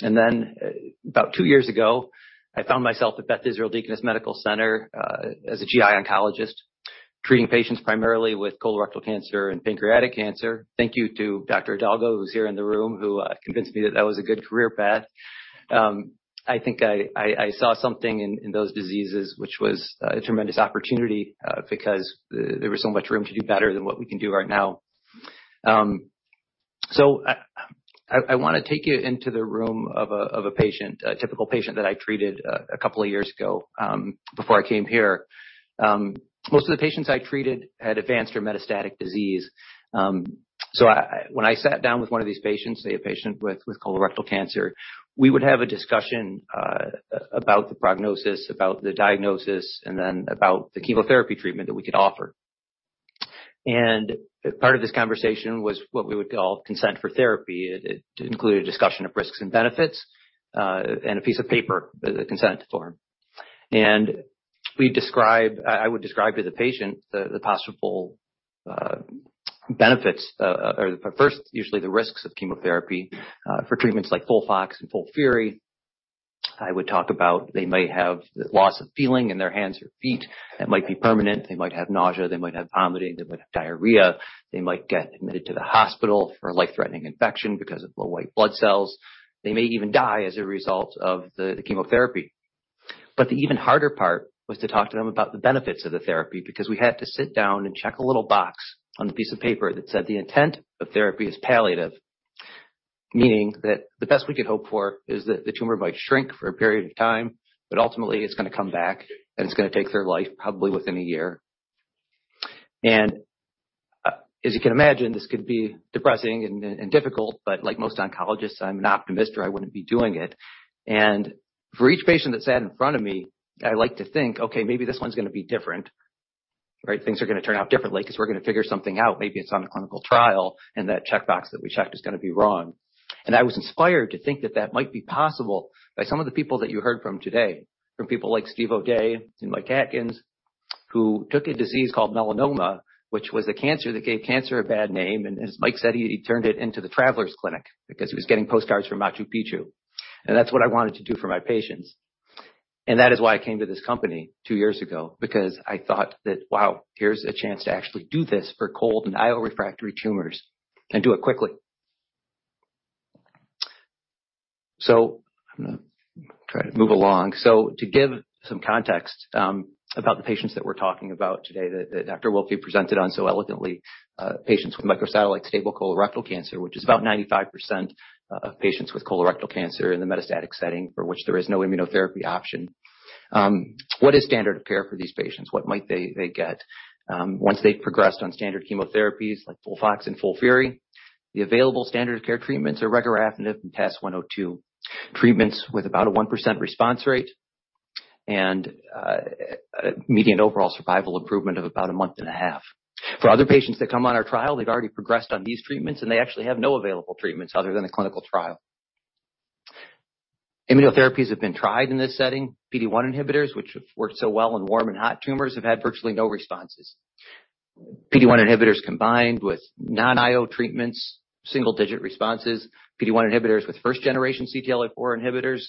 Then, about 2 years ago, I found myself at Beth Israel Deaconess Medical Center, as a GI oncologist, treating patients primarily with colorectal cancer and pancreatic cancer. Thank you to Dr. Hidalgo, who's here in the room, who convinced me that that was a good career path. I think I saw something in those diseases which was a tremendous opportunity, because there was so much room to do better than what we can do right now. I wanna take you into the room of a patient, a typical patient that I treated a couple of years ago, before I came here. Most of the patients I treated had advanced or metastatic disease. When I sat down with one of these patients, say, a patient with colorectal cancer, we would have a discussion about the prognosis, about the diagnosis, and then about the chemotherapy treatment that we could offer. Part of this conversation was what we would call consent for therapy. It included a discussion of risks and benefits, and a piece of paper, the consent form. I would describe to the patient the possible benefits or first, usually the risks of chemotherapy for treatments like FOLFOX and FOLFIRI. I would talk about they might have loss of feeling in their hands or feet that might be permanent. They might have nausea, they might have vomiting, they might have diarrhea, they might get admitted to the hospital for a life-threatening infection because of low white blood cells. They may even die as a result of the chemotherapy. The even harder part was to talk to them about the benefits of the therapy because we had to sit down and check a little box on the piece of paper that said the intent of therapy is palliative, meaning that the best we could hope for is that the tumor might shrink for a period of time, but ultimately it's gonna come back, and it's gonna take their life probably within a year. As you can imagine, this could be depressing and difficult, but like most oncologists, I'm an optimist, or I wouldn't be doing it. For each patient that sat in front of me, I like to think, "Okay, maybe this one's gonna be different, right? Things are gonna turn out differently 'cause we're gonna figure something out. Maybe it's on a clinical trial, and that checkbox that we checked is gonna be wrong." I was inspired to think that that might be possible by some of the people that you heard from today, from people like Steve O'Day and Michael Atkins, who took a disease called melanoma, which was a cancer that gave cancer a bad name, and as Mike said, he turned it into the Traveler's Clinic because he was getting postcards from Machu Picchu. That's what I wanted to do for my patients. That is why I came to this company two years ago because I thought that, wow, here's a chance to actually do this for cold and IO-refractory tumors and do it quickly. I'm gonna try to move along. To give some context, about the patients that we're talking about today, that Dr. Wilky presented on so eloquently, patients with microsatellite stable colorectal cancer, which is about 95% of patients with colorectal cancer in the metastatic setting for which there is no immunotherapy option. What is standard of care for these patients? What might they get, once they've progressed on standard chemotherapies like FOLFOX and FOLFIRI? The available standard of care treatments are regorafenib and TAS-102, treatments with about a 1% response rate and, median overall survival improvement of about a month and a half. For other patients that come on our trial, they've already progressed on these treatments, and they actually have no available treatments other than a clinical trial. Immunotherapies have been tried in this setting. PD-1 inhibitors, which have worked so well in warm and hot tumors, have had virtually no responses. PD-1 inhibitors combined with non-IO treatments, single-digit responses. PD-1 inhibitors with first-generation CTLA-4 inhibitors,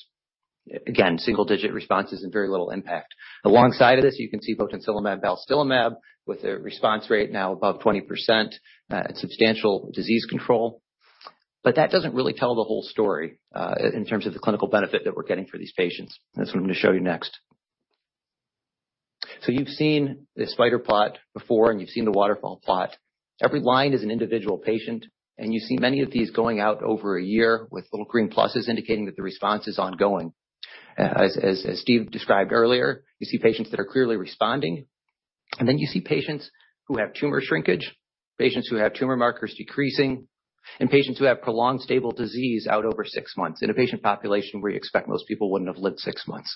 single-digit responses and very little impact. Alongside of this, you can see both nivolumab and ipilimumab with a response rate now above 20%, and substantial disease control. That doesn't really tell the whole story, in terms of the clinical benefit that we're getting for these patients. That's what I'm gonna show you next. You've seen this spider plot before, and you've seen the waterfall plot. Every line is an individual patient, and you see many of these going out over a year with little green pluses indicating that the response is ongoing. As Steve described earlier, you see patients that are clearly responding, and then you see patients who have tumor shrinkage, patients who have tumor markers decreasing, and patients who have prolonged stable disease out over six months in a patient population where you expect most people wouldn't have lived six months.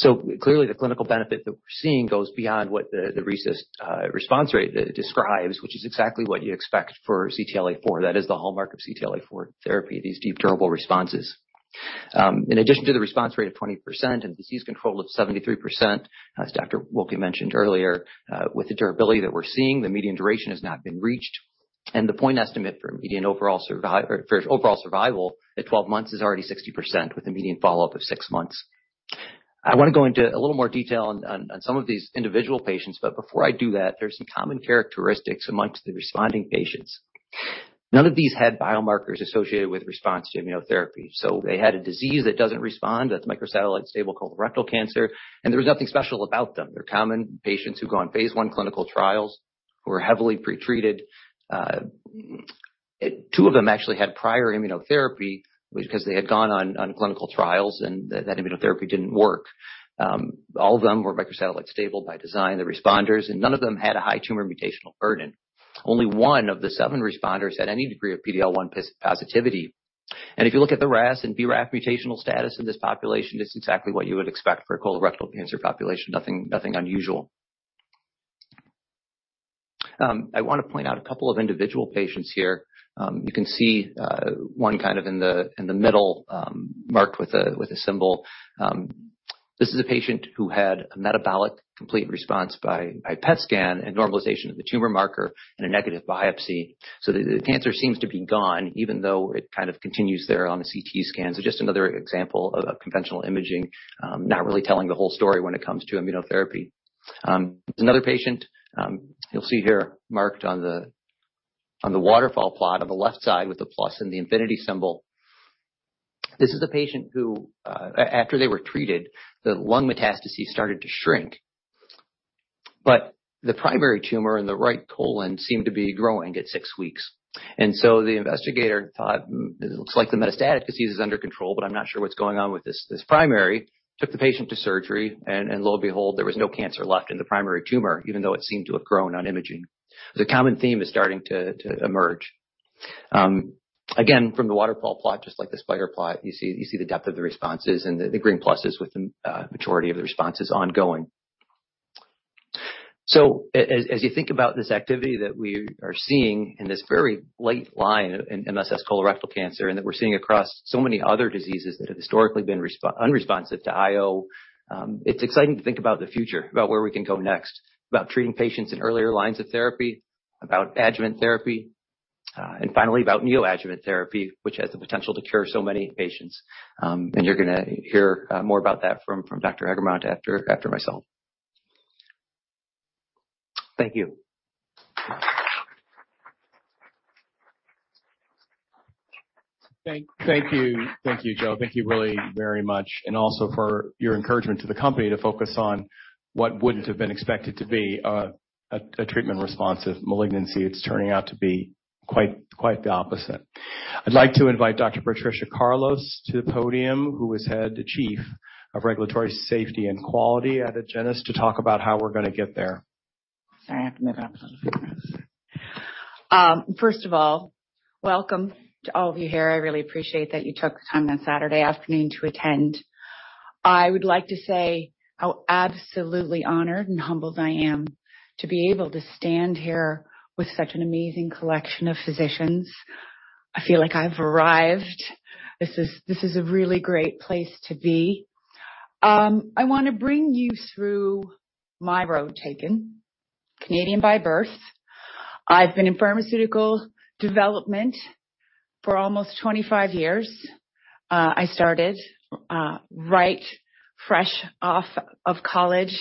Clearly, the clinical benefit that we're seeing goes beyond what the RECIST response rate describes, which is exactly what you expect for CTLA-4. That is the hallmark of CTLA-4 therapy, these deep, durable responses. In addition to the response rate of 20% and disease control of 73%, as Dr. Wilky mentioned earlier, with the durability that we're seeing, the median duration has not been reached. The point estimate for median overall survival at 12 months is already 60% with a median follow-up of 6 months. I wanna go into a little more detail on some of these individual patients, but before I do that, there's some common characteristics amongst the responding patients. None of these had biomarkers associated with response to immunotherapy, so they had a disease that doesn't respond. That's microsatellite stable colorectal cancer, and there was nothing special about them. They're common patients who go on phase I clinical trials, who are heavily pre-treated. Two of them actually had prior immunotherapy because they had gone on clinical trials and that immunotherapy didn't work. All of them were microsatellite stable by design, the responders, and none of them had a high tumor mutational burden. Only one of the seven responders had any degree of PD-L1 positivity. If you look at the RAS and BRAF mutational status in this population, it's exactly what you would expect for a colorectal cancer population. Nothing unusual. I wanna point out a couple of individual patients here. You can see one kind of in the middle marked with a symbol. This is a patient who had a metabolic complete response by PET scan and normalization of the tumor marker and a negative biopsy. The cancer seems to be gone even though it kind of continues there on the CT scans. Just another example of conventional imaging not really telling the whole story when it comes to immunotherapy. There's another patient, you'll see here marked on the waterfall plot on the left side with the plus and the infinity symbol. This is a patient who, after they were treated, the lung metastases started to shrink, but the primary tumor in the right colon seemed to be growing at six weeks. The investigator thought it looks like the metastatic disease is under control, but I'm not sure what's going on with this primary. Took the patient to surgery, and lo and behold, there was no cancer left in the primary tumor, even though it seemed to have grown on imaging. The common theme is starting to emerge. Again, from the waterfall plot, just like the spider plot, you see the depth of the responses and the green pluses with the majority of the responses ongoing. As you think about this activity that we are seeing in this very late line in MSS colorectal cancer and that we're seeing across so many other diseases that have historically been unresponsive to IO, it's exciting to think about the future, about where we can go next, about treating patients in earlier lines of therapy, about adjuvant therapy, and finally about neoadjuvant therapy, which has the potential to cure so many patients. You're gonna hear more about that from Dr. Eggermont after myself. Thank you. Thank you. Thank you, Joe. Thank you really very much, and also for your encouragement to the company to focus on what wouldn't have been expected to be a treatment-responsive malignancy. It's turning out to be quite the opposite. I'd like to invite Dr. Patricia Carlos to the podium, who is Chief of Regulatory, Quality, and Safety at Agenus, to talk about how we're gonna get there. Sorry, I have to move out of the way. First of all, welcome to all of you here. I really appreciate that you took the time on Saturday afternoon to attend. I would like to say how absolutely honored and humbled I am to be able to stand here with such an amazing collection of physicians. I feel like I've arrived. This is a really great place to be. I wanna bring you through my road taken. Canadian by birth. I've been in pharmaceutical development for almost 25 years. I started right fresh off of college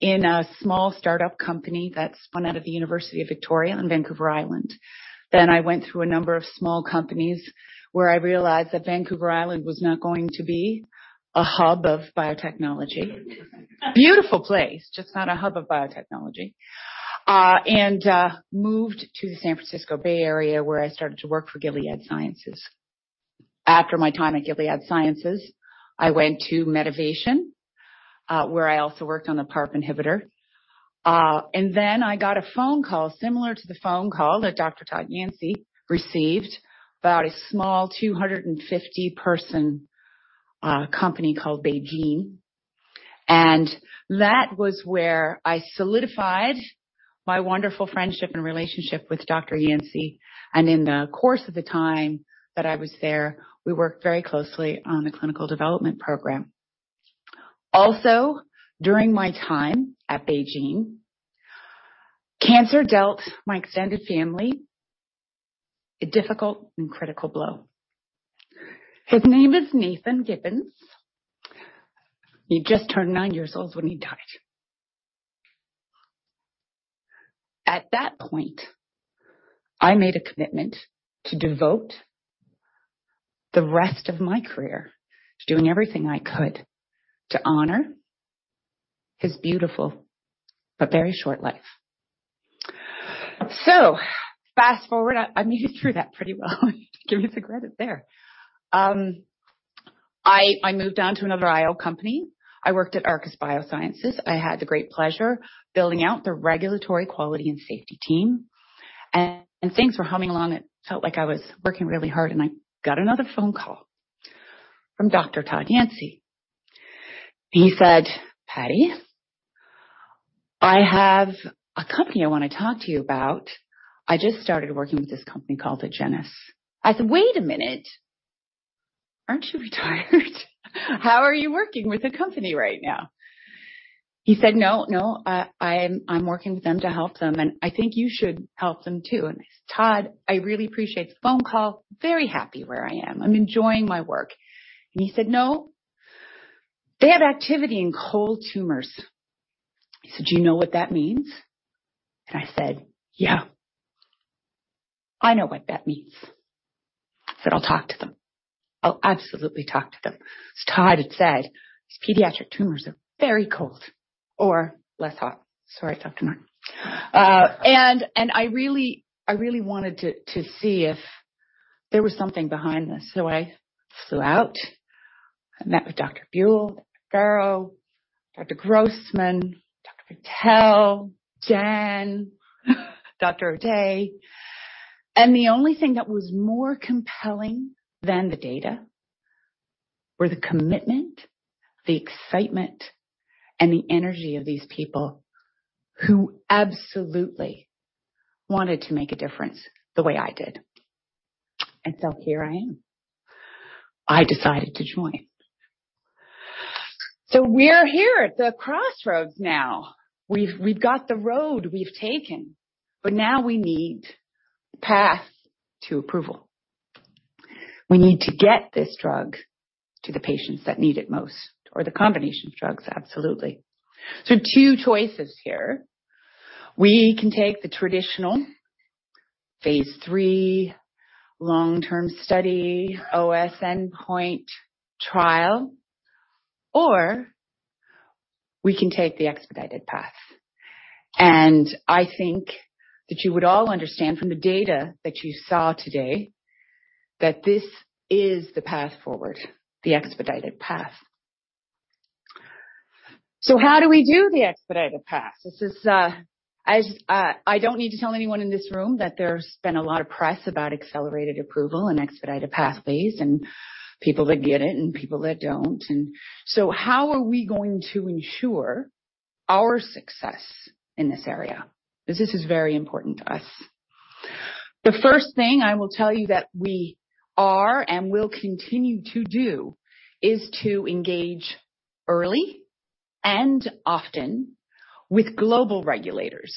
in a small startup company that spun out of the University of Victoria on Vancouver Island. Then I went through a number of small companies where I realized that Vancouver Island was not going to be a hub of biotechnology. Beautiful place, just not a hub of biotechnology. Moved to the San Francisco Bay area, where I start to work for Gilead Sciences. After my time at Gilead Sciences, I went to Medivation, where I also worked on the PARP inhibitor. I got a phone call similar to the phone call that Dr. Todd Yancey received about a small 250-person company called BeiGene. That was where I solidified my wonderful friendship and relationship with Dr. Yancey. In the course of the time that I was there, we worked very closely on the clinical development program. Also, during my time at BeiGene, cancer dealt my extended family a difficult and critical blow. His name is Nathan Gibbons. He just turned 9 years old when he died. At that point, I made a commitment to devote the rest of my career to doing everything I could to honor his beautiful, but very short life. Fast-forward. I made it through that pretty well. Give me the credit there. I moved on to another IO company. I worked at Arcus Biosciences. I had the great pleasure building out the regulatory quality and safety team. Things were humming along. It felt like I was working really hard, and I got another phone call from Dr. Todd Yancey. He said, "Patty, I have a company I wanna talk to you about. I just started working with this company called Agenus." I said, "Wait a minute. Aren't you retired? How are you working with a company right now?" He said, "No, no. I'm working with them to help them, and I think you should help them, too." I said, "Todd, I really appreciate the phone call. Very happy where I am. I'm enjoying my work." He said, "No. They have activity in cold tumors." He said, "Do you know what that means?" I said, "Yeah. I know what that means." I said, "I'll talk to them. I'll absolutely talk to them." Todd had said, "These pediatric tumors are very cold or less hot." Sorry, Dr. Martin. And I really wanted to see if there was something behind this. I flew out. I met with Dr. Buell, Dr. Armen, Dr. Grossman, Dr. Patel, Jen, Dr. O'Day. The only thing that was more compelling than the data were the commitment, the excitement, and the energy of these people who absolutely wanted to make a difference the way I did. Here I am. I decided to join. We're here at the crossroads now. We've got the road we've taken, but now we need the path to approval. We need to get this drug to the patients that need it most or the combination of drugs, absolutely. Two choices here. We can take the traditional phase III long-term study OS endpoint trial, or we can take the expedited path. I think that you would all understand from the data that you saw today that this is the path forward, the expedited path. How do we do the expedited path? I don't need to tell anyone in this room that there's been a lot of press about accelerated approval and expedited pathways and people that get it and people that don't. How are we going to ensure our success in this area? 'Cause this is very important to us. The first thing I will tell you that we are and will continue to do is to engage early and often with global regulators.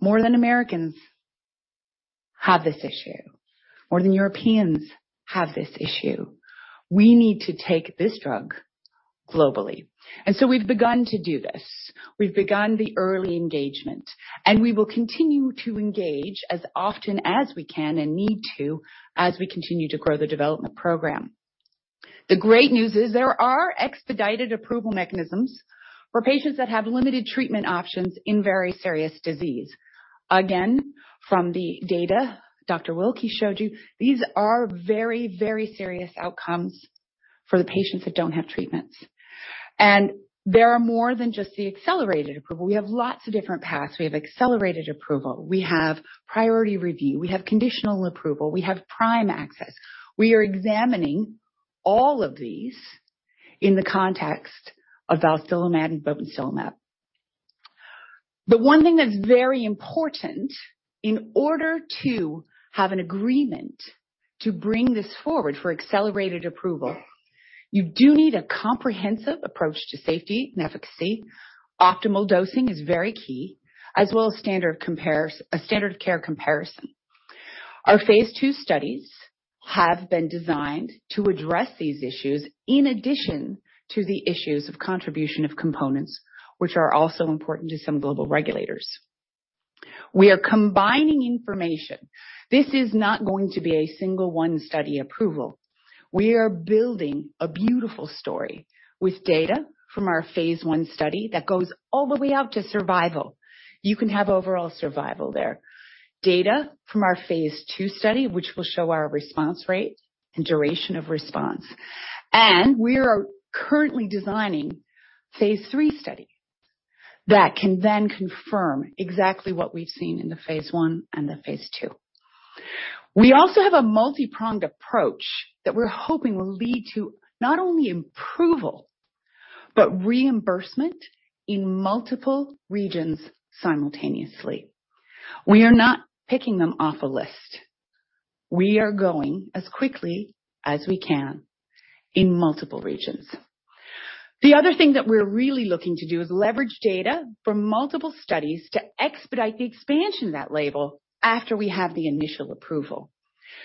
More than Americans have this issue, more than Europeans have this issue. We need to take this drug globally. We've begun to do this. We've begun the early engagement, and we will continue to engage as often as we can and need to as we continue to grow the development program. The great news is there are expedited approval mechanisms for patients that have limited treatment options in very serious disease. Again, from the data Dr. Wilky showed you, these are very, very serious outcomes for the patients that don't have treatments. There are more than just the accelerated approval. We have lots of different paths. We have accelerated approval. We have priority review. We have conditional approval. We have prime access. We are examining all of these in the context of balstilimab and botensilimab. The one thing that's very important in order to have an agreement to bring this forward for accelerated approval, you do need a comprehensive approach to safety and efficacy. Optimal dosing is very key, as well as standard comparators, a standard care comparison. Our phase II studies have been designed to address these issues in addition to the issues of contribution of components which are also important to some global regulators. We are combining information. This is not going to be a single 1-study approval. We are building a beautiful story with data from our phase I study that goes all the way out to survival. You can have overall survival there. Data from our phase II study, which will show our response rate and duration of response. We are currently designing phase III study that can then confirm exactly what we've seen in the phase I and the phase II. We also have a multi-pronged approach that we're hoping will lead to not only approval, but reimbursement in multiple regions simultaneously. We are not picking them off a list. We are going as quickly as we can in multiple regions. The other thing that we're really looking to do is leverage data from multiple studies to expedite the expansion of that label after we have the initial approval,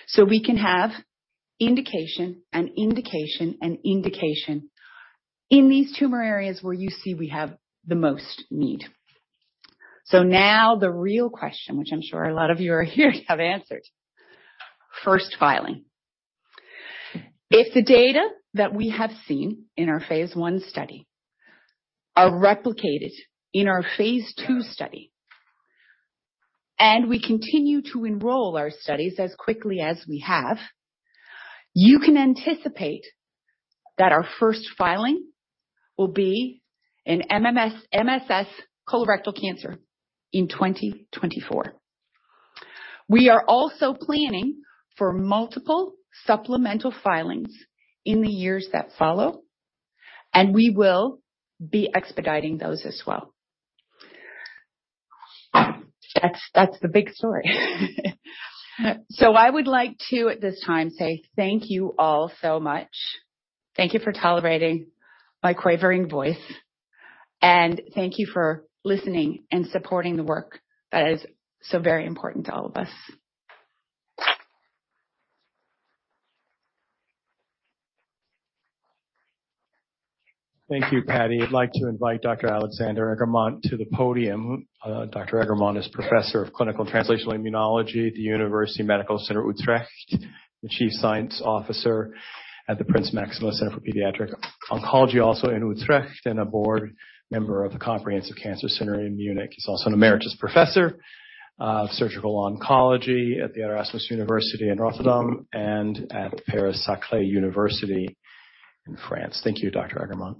so we can have indication and indication and indication in these tumor areas where you see we have the most need. Now the real question, which I'm sure a lot of you are here have answered. First filing. If the data that we have seen in our phase I study are replicated in our phase II study, and we continue to enroll our studies as quickly as we have, you can anticipate that our first filing will be an MSS colorectal cancer in 2024. We are also planning for multiple supplemental filings in the years that follow, and we will be expediting those as well. That's the big story. I would like to, at this time, say thank you all so much. Thank you for tolerating my quavering voice, and thank you for listening and supporting the work that is so very important to all of us. Thank you, Patty. I'd like to invite Dr. Alexander Eggermont to the podium. Dr. Eggermont is professor of Clinical and Translational Immunology at the University Medical Center Utrecht, the Chief Science Officer at the Princess Máxima Center for Pediatric Oncology, also in Utrecht, and a Board Member of the Comprehensive Cancer Center in Munich. He's also an emeritus professor of surgical oncology at the Erasmus University in Rotterdam and at Paris-Saclay University in France. Thank you, Dr. Eggermont.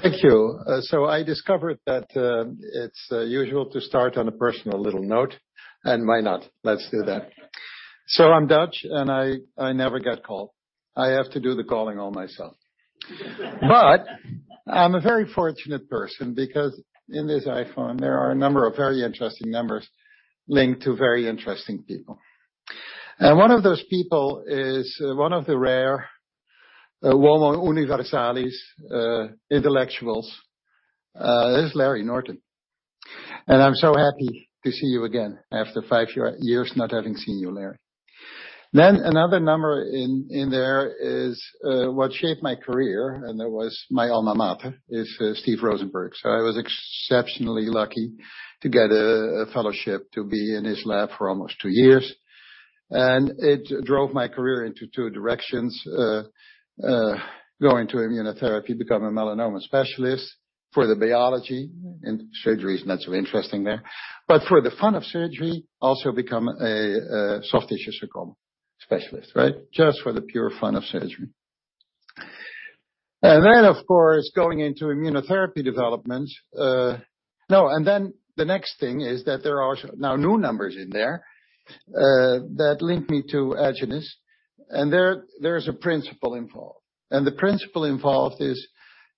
Thank you. I discovered that it's usual to start on a personal little note, and why not? Let's do that. I'm Dutch, and I never get called. I have to do the calling all myself. I'm a very fortunate person because in this iPhone, there are a number of very interesting numbers linked to very interesting people. One of those people is one of the rare uomo universalis intellectuals is Larry Norton. I'm so happy to see you again after five years not having seen you, Larry. Another number in there is what shaped my career, and that was my alma mater, Steven Rosenberg. I was exceptionally lucky to get a fellowship to be in his lab for almost two years. It drove my career into two directions, going to immunotherapy, become a melanoma specialist for the biology, and surgery is not so interesting there. For the fun of surgery, also become a soft tissue sarcoma specialist, right? Just for the pure fun of surgery. Of course, the next thing is that there are now new numbers in there that link me to Agenus, and there is a principle involved. The principle involved is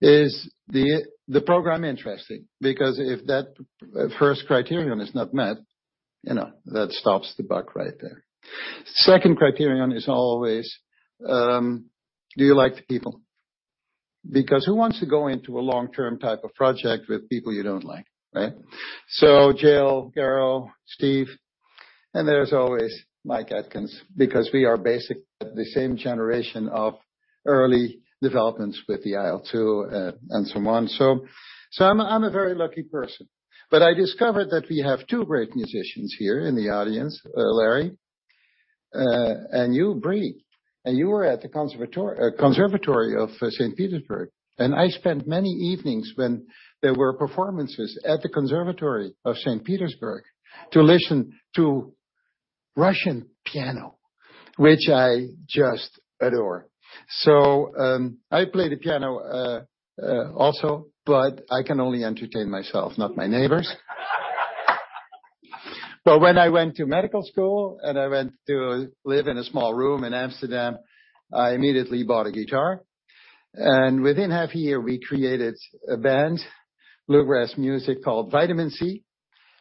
the program interesting? Because if that first criterion is not met, you know, that stops the buck right there. Second criterion is always, do you like the people? Because who wants to go into a long-term type of project with people you don't like, right? Jennifer Buell, Garo Armen, Steven O'Day, and there's always Michael Atkins, because we are the same generation of early developments with the IL-2, and so on. I'm a very lucky person. I discovered that we have two great musicians here in the audience, Larry Norton. And you, Breelyn Wilky. You were at the conservatory of St. Petersburg. I spent many evenings when there were performances at the conservatory of St. Petersburg to listen to Russian piano, which I just adore. I play the piano also, but I can only entertain myself, not my neighbors. When I went to medical school and I went to live in a small room in Amsterdam, I immediately bought a guitar. Within half year, we created a band, bluegrass music, called Vitamin C,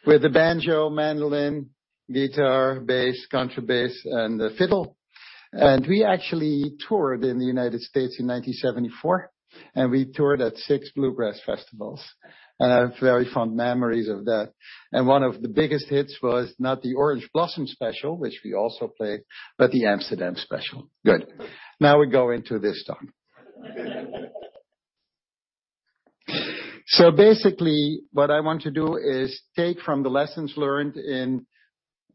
with the banjo, mandolin, guitar, bass, contrabass, and the fiddle. We actually toured in the United States in 1974, and we toured at 6 bluegrass festivals. I have very fond memories of that. One of the biggest hits was not the Orange Blossom Special, which we also played, but the Amsterdam Special. Good. Now we go into this song. Basically, what I want to do is take from the lessons learned in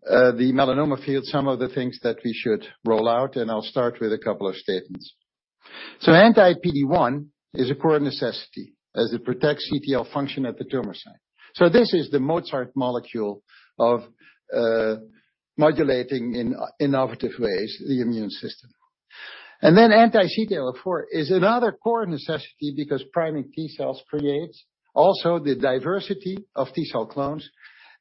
the melanoma field, some of the things that we should roll out, and I'll start with a couple of statements. Anti-PD-1 is a core necessity as it protects CTL function at the tumor site. This is the Mozart molecule of modulating in innovative ways the immune system. Anti-CTLA-4 is another core necessity because priming T cells creates also the diversity of T cell clones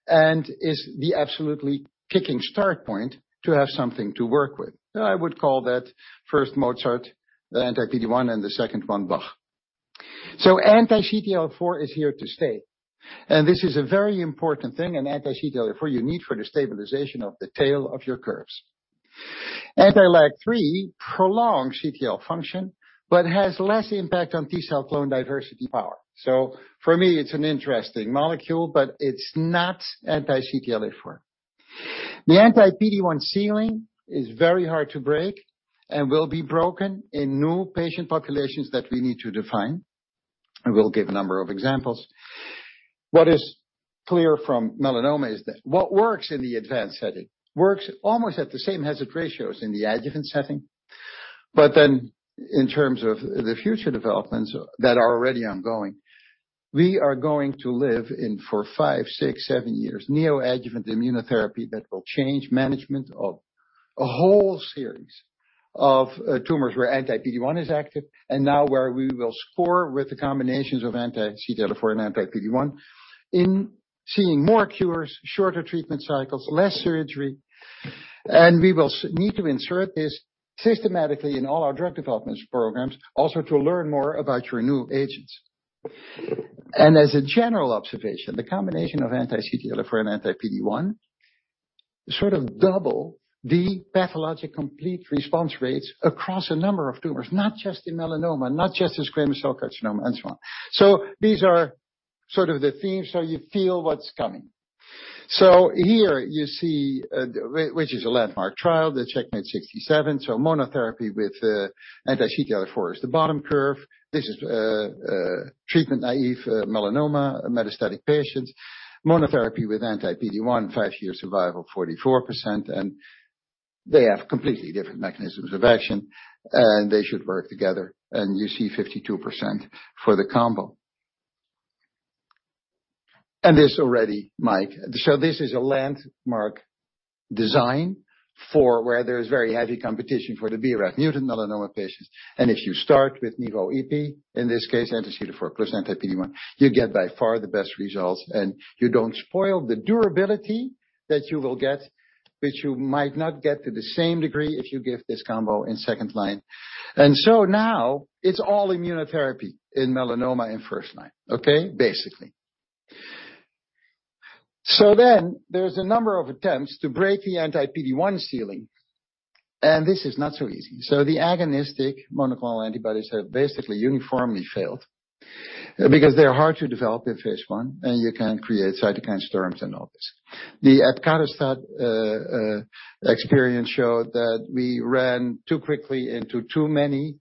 and is the absolutely kicking start point to have something to work with. I would call that first Mozart, the anti-PD-1, and the second one Bach. Anti-CTLA-4 is here to stay. This is a very important thing, an anti-CTLA-4 you need for the stabilization of the tail of your curves. Anti-LAG-3 prolongs CTL function but has less impact on T cell clone diversity power. For me, it's an interesting molecule, but it's not anti-CTLA-4. The anti-PD-1 ceiling is very hard to break and will be broken in new patient populations that we need to define. I will give a number of examples. What is clear from melanoma is that what works in the advanced setting works almost at the same hazard ratios in the adjuvant setting. In terms of the future developments that are already ongoing, we are going to live in for 5, 6, 7 years neoadjuvant immunotherapy that will change management of a whole series of tumors where anti-PD-1 is active and now where we will score with the combinations of anti-CTLA-4 and anti-PD-1 in seeing more cures, shorter treatment cycles, less surgery. We will need to insert this systematically in all our drug development programs also to learn more about your new agents. As a general observation, the combination of anti-CTLA-4 and anti-PD-1 sort of double the pathologic complete response rates across a number of tumors, not just in melanoma, not just in squamous cell carcinoma, and so on. These are sort of the themes so you feel what's coming. Here you see which is a landmark trial, the CheckMate 067. Monotherapy with anti-CTLA-4 is the bottom curve. This is treatment-naive melanoma metastatic patients. Monotherapy with anti-PD-1, five-year survival 44%. They have completely different mechanisms of action, and they should work together. You see 52% for the combo. There's already Mike. This is a landmark design for where there's very heavy competition for the BRAF-mutant melanoma patients. If you start with Nivo/Ipi, in this case, anti-CTLA-4 + anti-PD-1, you get by far the best results, and you don't spoil the durability that you will get, which you might not get to the same degree if you give this combo in second line. Now it's all immunotherapy in melanoma in first line, okay? Basically. Then there's a number of attempts to break the anti-PD-1 ceiling. This is not so easy. The agonistic monoclonal antibodies have basically uniformly failed because they're hard to develop in phase I, and you can create cytokine storms and all this. The Ipilimumab experience showed that we ran too quickly into too many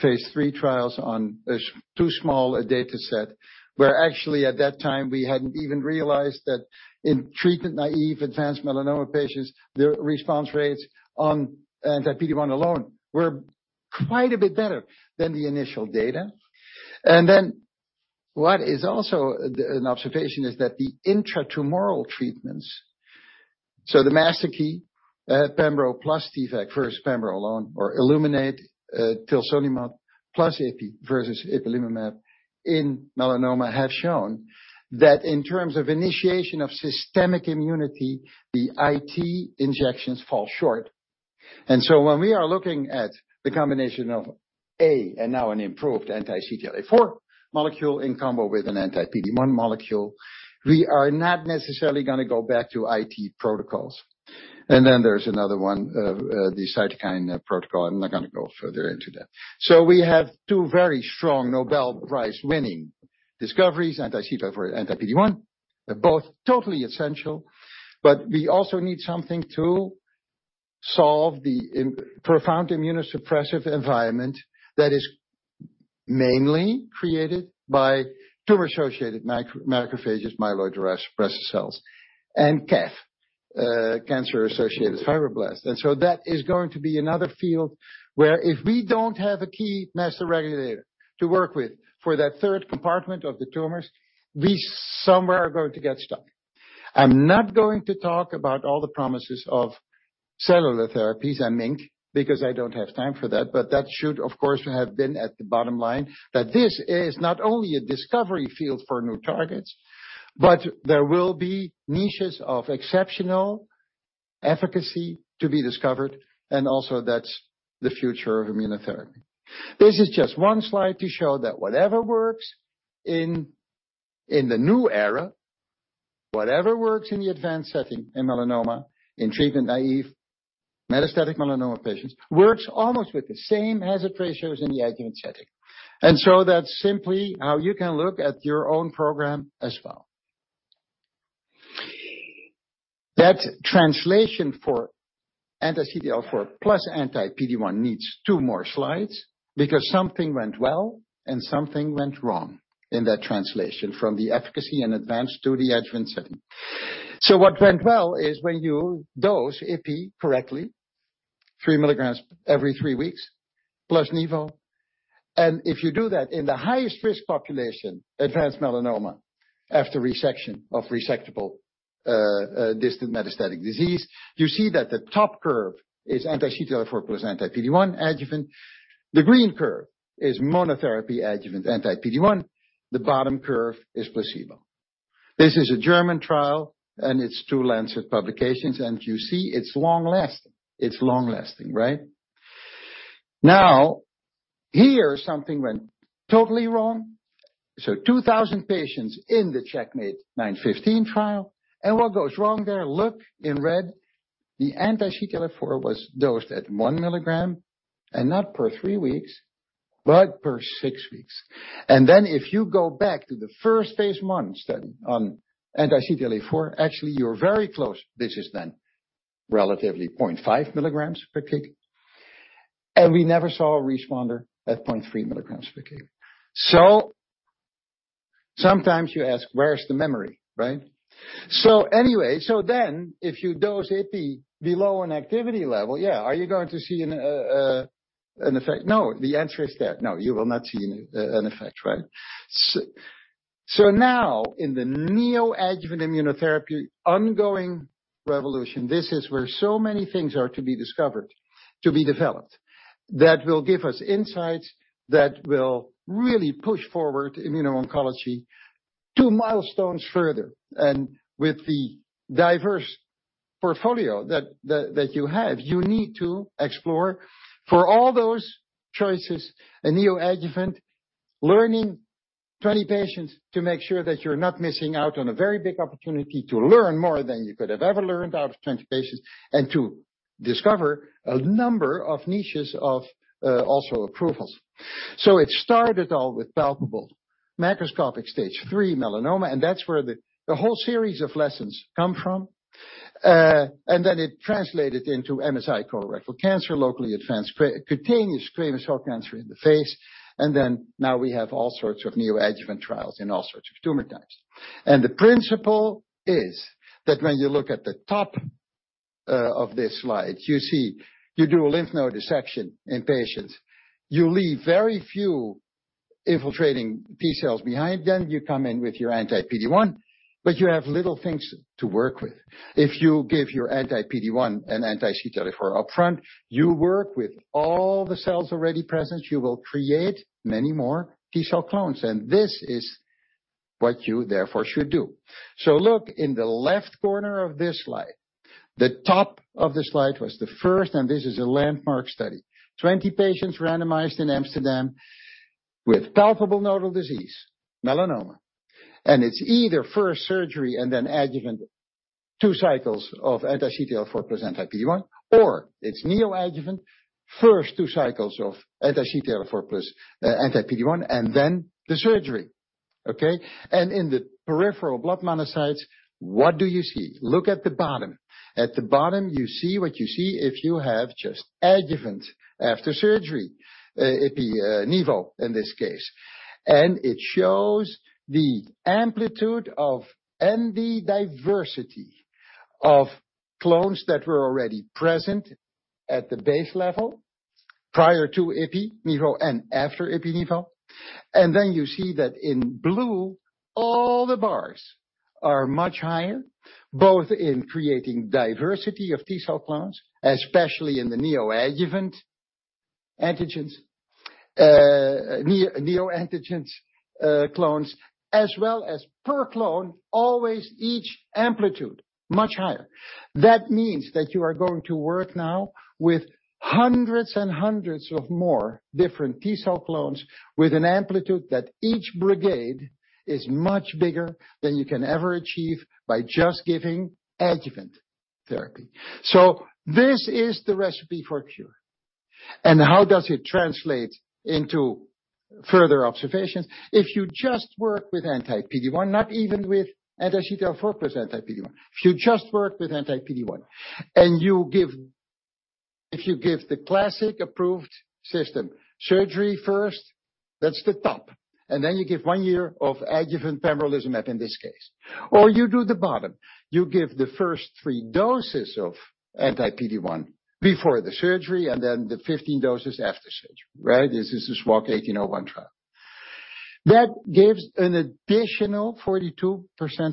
phase III trials on too small a data set, where actually at that time we hadn't even realized that in treatment-naive advanced melanoma patients, their response rates on anti-PD-1 alone were quite a bit better than the initial data. What is also an observation is that the intratumoral treatments, so the MASTERKEY, pembro plus key fact versus pembro alone, or ILLUMINATE, tilsotolimod plus Ipi versus Ipilimumab in melanoma have shown that in terms of initiation of systemic immunity, the IT injections fall short. When we are looking at the combination of A, and now an improved anti-CTLA-4 molecule in combo with an anti-PD-1 molecule, we are not necessarily gonna go back to IT protocols. Then there's another one, the cytokine protocol. I'm not gonna go further into that. We have two very strong Nobel Prize-winning discoveries, anti-CTLA-4 and anti-PD-1. They're both totally essential, but we also need something to solve the profound immunosuppressive environment that is mainly created by tumor-associated micro-macrophages, myeloid-derived suppressor cells, and CAF, cancer-associated fibroblasts. That is going to be another field where if we don't have a key master regulator to work with for that third compartment of the tumors, we somewhere are going to get stuck. I'm not going to talk about all the promises of cellular therapies and MiNK because I don't have time for that, but that should have of course been at the bottom line, that this is not only a discovery field for new targets, but there will be niches of exceptional efficacy to be discovered, and also that's the future of immunotherapy. This is just one slide to show that whatever works in the new era, whatever works in the advanced setting in melanoma, in treatment-naive metastatic melanoma patients, works almost with the same hazard ratios in the adjuvant setting. That's simply how you can look at your own program as well. That translation for anti-CTLA-4 + anti-PD-1 needs two more slides because something went well and something went wrong in that translation from the efficacy in advanced to the adjuvant setting. What went well is when you dose Ipi correctly, 3 mg every 3 weeks plus Nivo. If you do that in the highest-risk population, advanced melanoma, after resection of resectable distant metastatic disease, you see that the top curve is anti-CTLA-4 + anti-PD-1 adjuvant. The green curve is monotherapy adjuvant anti-PD-1. The bottom curve is placebo. This is a German trial, and it's two Lancet publications, and you see it's long-lasting. It's long-lasting, right? Now, here something went totally wrong. 2,000 patients in the CheckMate 915 trial, and what goes wrong there? Look in red. The anti-CTLA-4 was dosed at 1 mg and not per 3 weeks, but per 6 weeks. Then if you go back to the first phase I study on anti-CTLA-4, actually you're very close. This is then relatively 0.5 mg per kilo. We never saw a responder at 0.3 mg per kilo. Sometimes you ask, where's the memory, right? If you dose Ipi below an activity level, yeah, are you going to see an effect? No. The answer is that no, you will not see an effect, right? Now in the neoadjuvant immunotherapy ongoing revolution, this is where so many things are to be discovered, to be developed, that will give us insights that will really push forward immuno-oncology two milestones further. With the diverse portfolio that you have, you need to explore for all those choices a neoadjuvant learning 20 patients to make sure that you're not missing out on a very big opportunity to learn more than you could have ever learned out of 20 patients and to discover a number of niches of also approvals. It started all with palpable macroscopic Stage 3 melanoma, and that's where the whole series of lessons come from. Then it translated into MSI colorectal cancer, locally advanced cutaneous squamous cell cancer in the face. Then now we have all sorts of neoadjuvant trials in all sorts of tumor types. The principle is that when you look at the top of this slide, you see you do a lymph node dissection in patients. You leave very few infiltrating T-cells behind them. You come in with your anti-PD-1, but you have little things to work with. If you give your anti-PD-1 and anti-CTLA-4 upfront, you work with all the cells already present. You will create many more T-cell clones, and this is what you therefore should do. Look in the left corner of this slide. The top of the slide was the first, and this is a landmark study. 20 patients randomized in Amsterdam. With palpable nodal disease, melanoma, and it's either first surgery and then adjuvant two cycles of anti-CTLA-4 + anti-PD-1, or it's neoadjuvant first two cycles of anti-CTLA-4 + anti-PD-1, and then the surgery. Okay? In the peripheral blood monocytes, what do you see? Look at the bottom. At the bottom, you see what you see if you have just adjuvant after surgery, ipi nivo in this case. It shows the amplitude and the diversity of clones that were already present at the base level prior to ipi nivo and after ipi nivo. Then you see that in blue, all the bars are much higher, both in creating diversity of T-cell clones, especially in the neoadjuvant antigens, neoantigens, clones, as well as per clone, always each amplitude much higher. That means that you are going to work now with hundreds and hundreds of more different T-cell clones with an amplitude that each brigade is much bigger than you can ever achieve by just giving adjuvant therapy. This is the recipe for cure. How does it translate into further observations? If you just work with anti-PD-1, not even with anti-CTLA-4 + anti-PD-1, if you just work with anti-PD-1 and you give the classic approved system, surgery first, that's the top, and then you give one year of adjuvant pembrolizumab in this case, or you do the bottom, you give the first 3 doses of anti-PD-1 before the surgery and then the 15 doses after surgery, right? This is the SWOG S1801 trial. That gives an additional 42%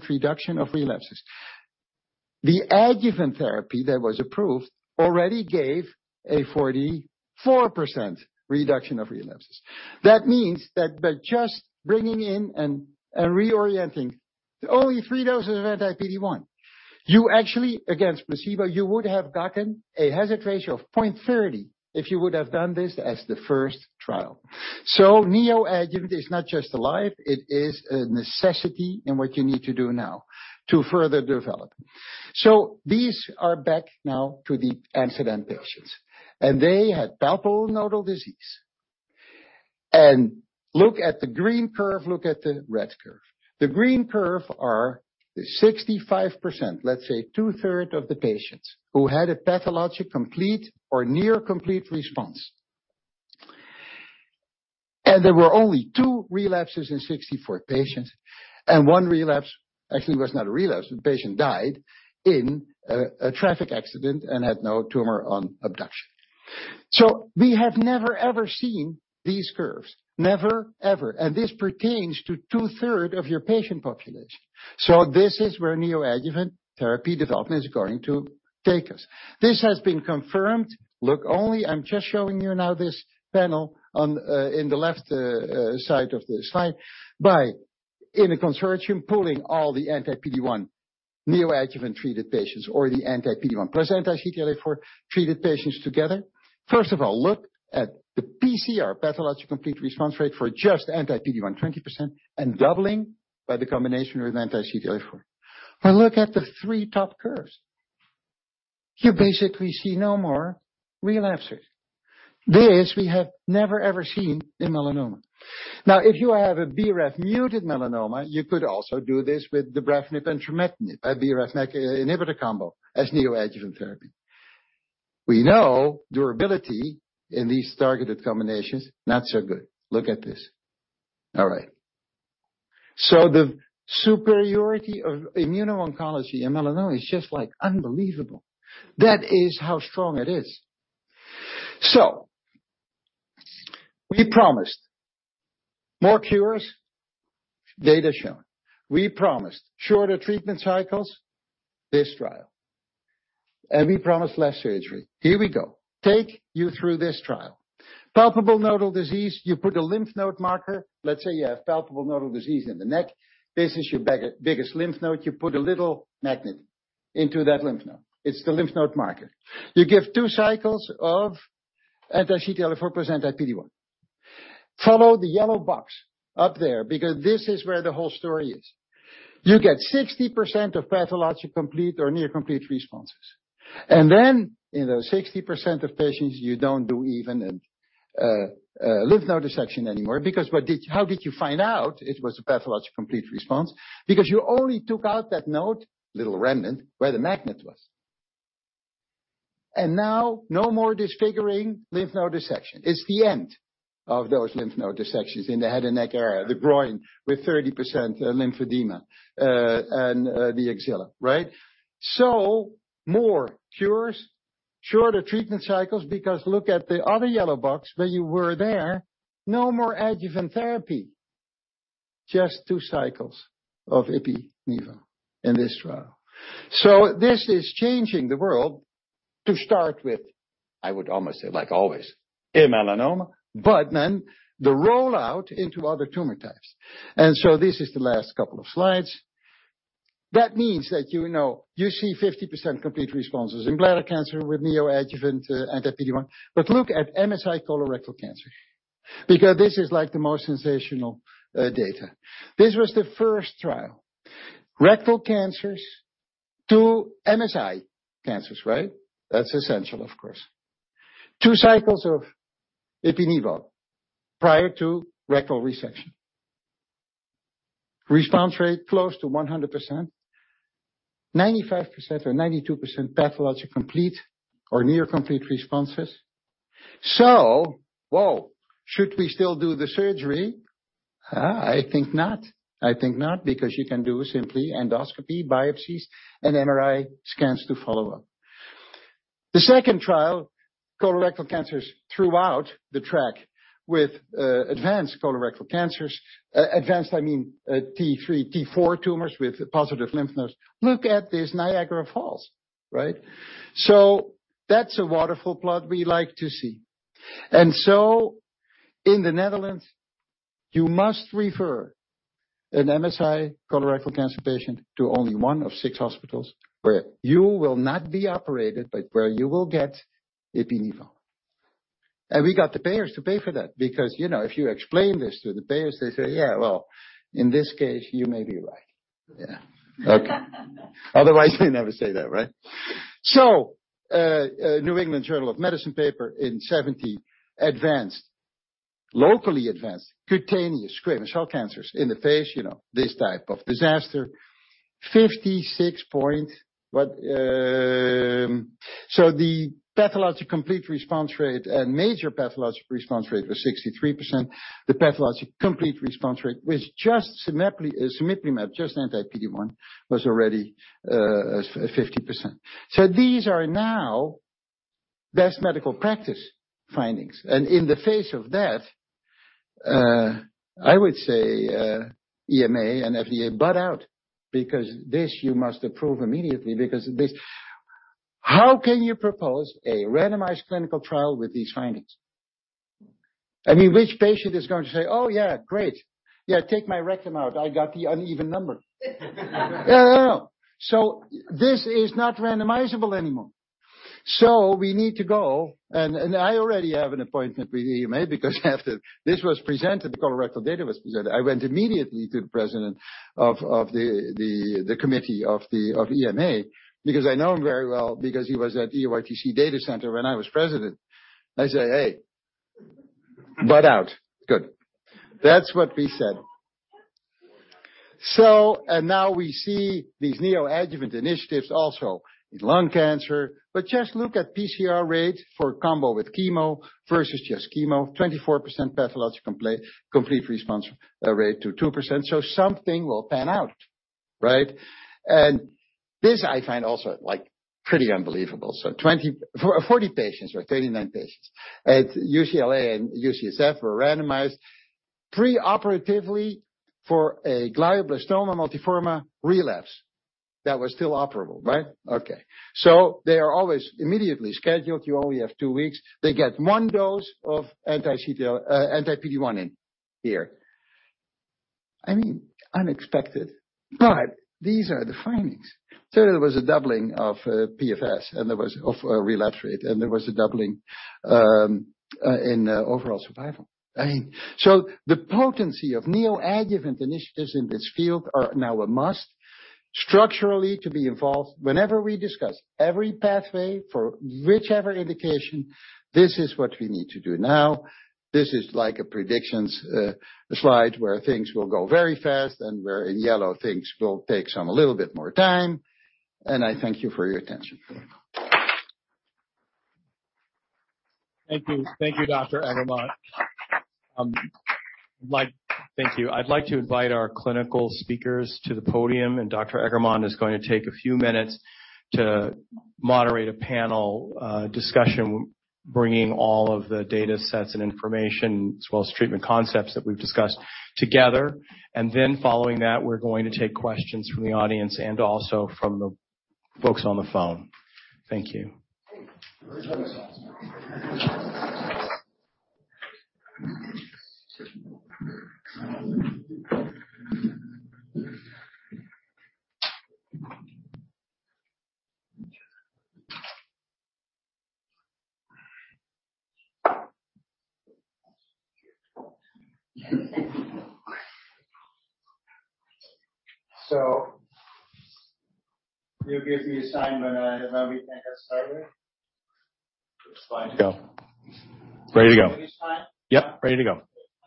reduction of relapses. The adjuvant therapy that was approved already gave a 44% reduction of relapses. That means that by just bringing in and reorienting only 3 doses of anti-PD-1, you actually, against placebo, you would have gotten a hazard ratio of 0.30 if you would have done this as the first trial. Neoadjuvant is not just alive, it is a necessity in what you need to do now to further develop. These are back now to the in-transit patients, and they had palpable nodal disease. Look at the green curve, look at the red curve. The green curve are 65%, let's say 2/3 of the patients who had a pathologic complete or near complete response. There were only two relapses in 64 patients, and one relapse actually was not a relapse. The patient died in a traffic accident and had no tumor on autopsy. We have never, ever seen these curves. Never, ever. This pertains to 2/3 of your patient population. This is where neoadjuvant therapy development is going to take us. This has been confirmed. Look, I'm just showing you now this panel on the left side of the slide by a consortium, pooling all the anti-PD-1 neoadjuvant-treated patients or the anti-PD-1 + anti-CTLA-4 treated patients together. First of all, look at the PCR, pathologic complete response rate for just anti-PD-1, 20%, and doubling by the combination with anti-CTLA-4. Look at the three top curves. You basically see no more relapses. This we have never, ever seen in melanoma. Now, if you have a BRAF-mutated melanoma, you could also do this with dabrafenib and trametinib, a BRAF MEK inhibitor combo as neoadjuvant therapy. We know durability in these targeted combinations, not so good. Look at this. All right. The superiority of immuno-oncology in melanoma is just like unbelievable. That is how strong it is. We promised more cures, data shown. We promised shorter treatment cycles, this trial. We promised less surgery. Here we go. Take you through this trial. Palpable nodal disease, you put a lymph node marker. Let's say you have palpable nodal disease in the neck. This is your biggest lymph node. You put a little magnet into that lymph node. It's the lymph node marker. You give 2 cycles of anti-CTLA-4 + anti-PD-1. Follow the yellow box up there because this is where the whole story is. You get 60% of pathologic complete or near complete responses. Then in the 60% of patients, you don't do even lymph node dissection anymore because how did you find out it was a pathologic complete response? Because you only took out that node, little remnant, where the magnet was. Now no more disfiguring lymph node dissection. It's the end of those lymph node dissections in the head and neck area, the groin with 30% lymphedema, and the axilla, right? More cures, shorter treatment cycles, because look at the other yellow box where you were there, no more adjuvant therapy. Just two cycles of Ipi Nivo in this trial. This is changing the world to start with, I would almost say like always, in melanoma, but then the rollout into other tumor types. This is the last couple of slides. That means that, you know, you see 50% complete responses in bladder cancer with neoadjuvant anti-PD-1. Look at MSI colorectal cancer because this is like the most sensational data. This was the first trial. Rectal cancers to MSI cancers, right? That's essential of course. Two cycles of Ipilimumab prior to rectal resection. Response rate close to 100%. 95% or 92% pathologic complete or near complete responses. Whoa, should we still do the surgery? I think not. I think not because you can do simply endoscopy, biopsies, and MRI scans to follow up. The second trial, colorectal cancers throughout the tract with advanced colorectal cancers. Advanced I mean T3, T4 tumors with positive lymph nodes. Look at this Niagara Falls, right? That's a waterfall plot we like to see. In the Netherlands, you must refer an MSI colorectal cancer patient to only one of six hospitals where you will not be operated, but where you will get Ipilimumab. We got the payers to pay for that because, you know, if you explain this to the payers, they say, "Yeah, well, in this case you may be right." Yeah. Okay. Otherwise, they never say that, right? New England Journal of Medicine paper in 70 advanced, locally advanced cutaneous squamous cell cancers in the face, you know, this type of disaster. Fifty-six point but, the pathologic complete response rate and major pathologic response rate was 63%. The pathologic complete response rate with just cemiplimab, just anti-PD-1, was already, fifty percent. These are now best medical practice findings. In the face of that, I would say, EMA and FDA butt out because this you must approve immediately because this. How can you propose a randomized clinical trial with these findings? I mean, which patient is going to say, "Oh, yeah, great. Yeah, take my rectum out. I got the uneven number." No, no. This is not randomizable anymore. We need to go, and I already have an appointment with EMA because after this was presented, the colorectal data was presented, I went immediately to the President of the committee of EMA because I know him very well because he was at EORTC Data Center when I was President. I say, "Hey, butt out." Good. That's what we said. Now we see these neoadjuvant initiatives also in lung cancer. Just look at PCR rate for combo with chemo versus just chemo. 24% pathologic complete response rate to 2%. Something will pan out, right? This I find also, like, pretty unbelievable. 40 patients or 39 patients at UCLA and UCSF were randomized preoperatively for a glioblastoma multiforme relapse that was still operable, right? Okay. They are always immediately scheduled. You only have two weeks. They get one dose of anti-CTLA-4, anti-PD-1 in here. I mean, unexpected, but these are the findings. There was a doubling of PFS, and a halving of relapse rate, and there was a doubling in overall survival. I mean, the potency of neoadjuvant initiatives in this field are now a must structurally to be involved. Whenever we discuss every pathway for whichever indication, this is what we need to do now. This is like a predictions slide where things will go very fast and where in yellow things will take some a little bit more time. I thank you for your attention. Thank you. Thank you, Dr. Eggermont. I'd like to invite our clinical speakers to the podium, and Dr. Eggermont is going to take a few minutes to moderate a panel discussion bringing all of the data sets and information, as well as treatment concepts that we've discussed together. Then following that, we're going to take questions from the audience and also from the folks on the phone.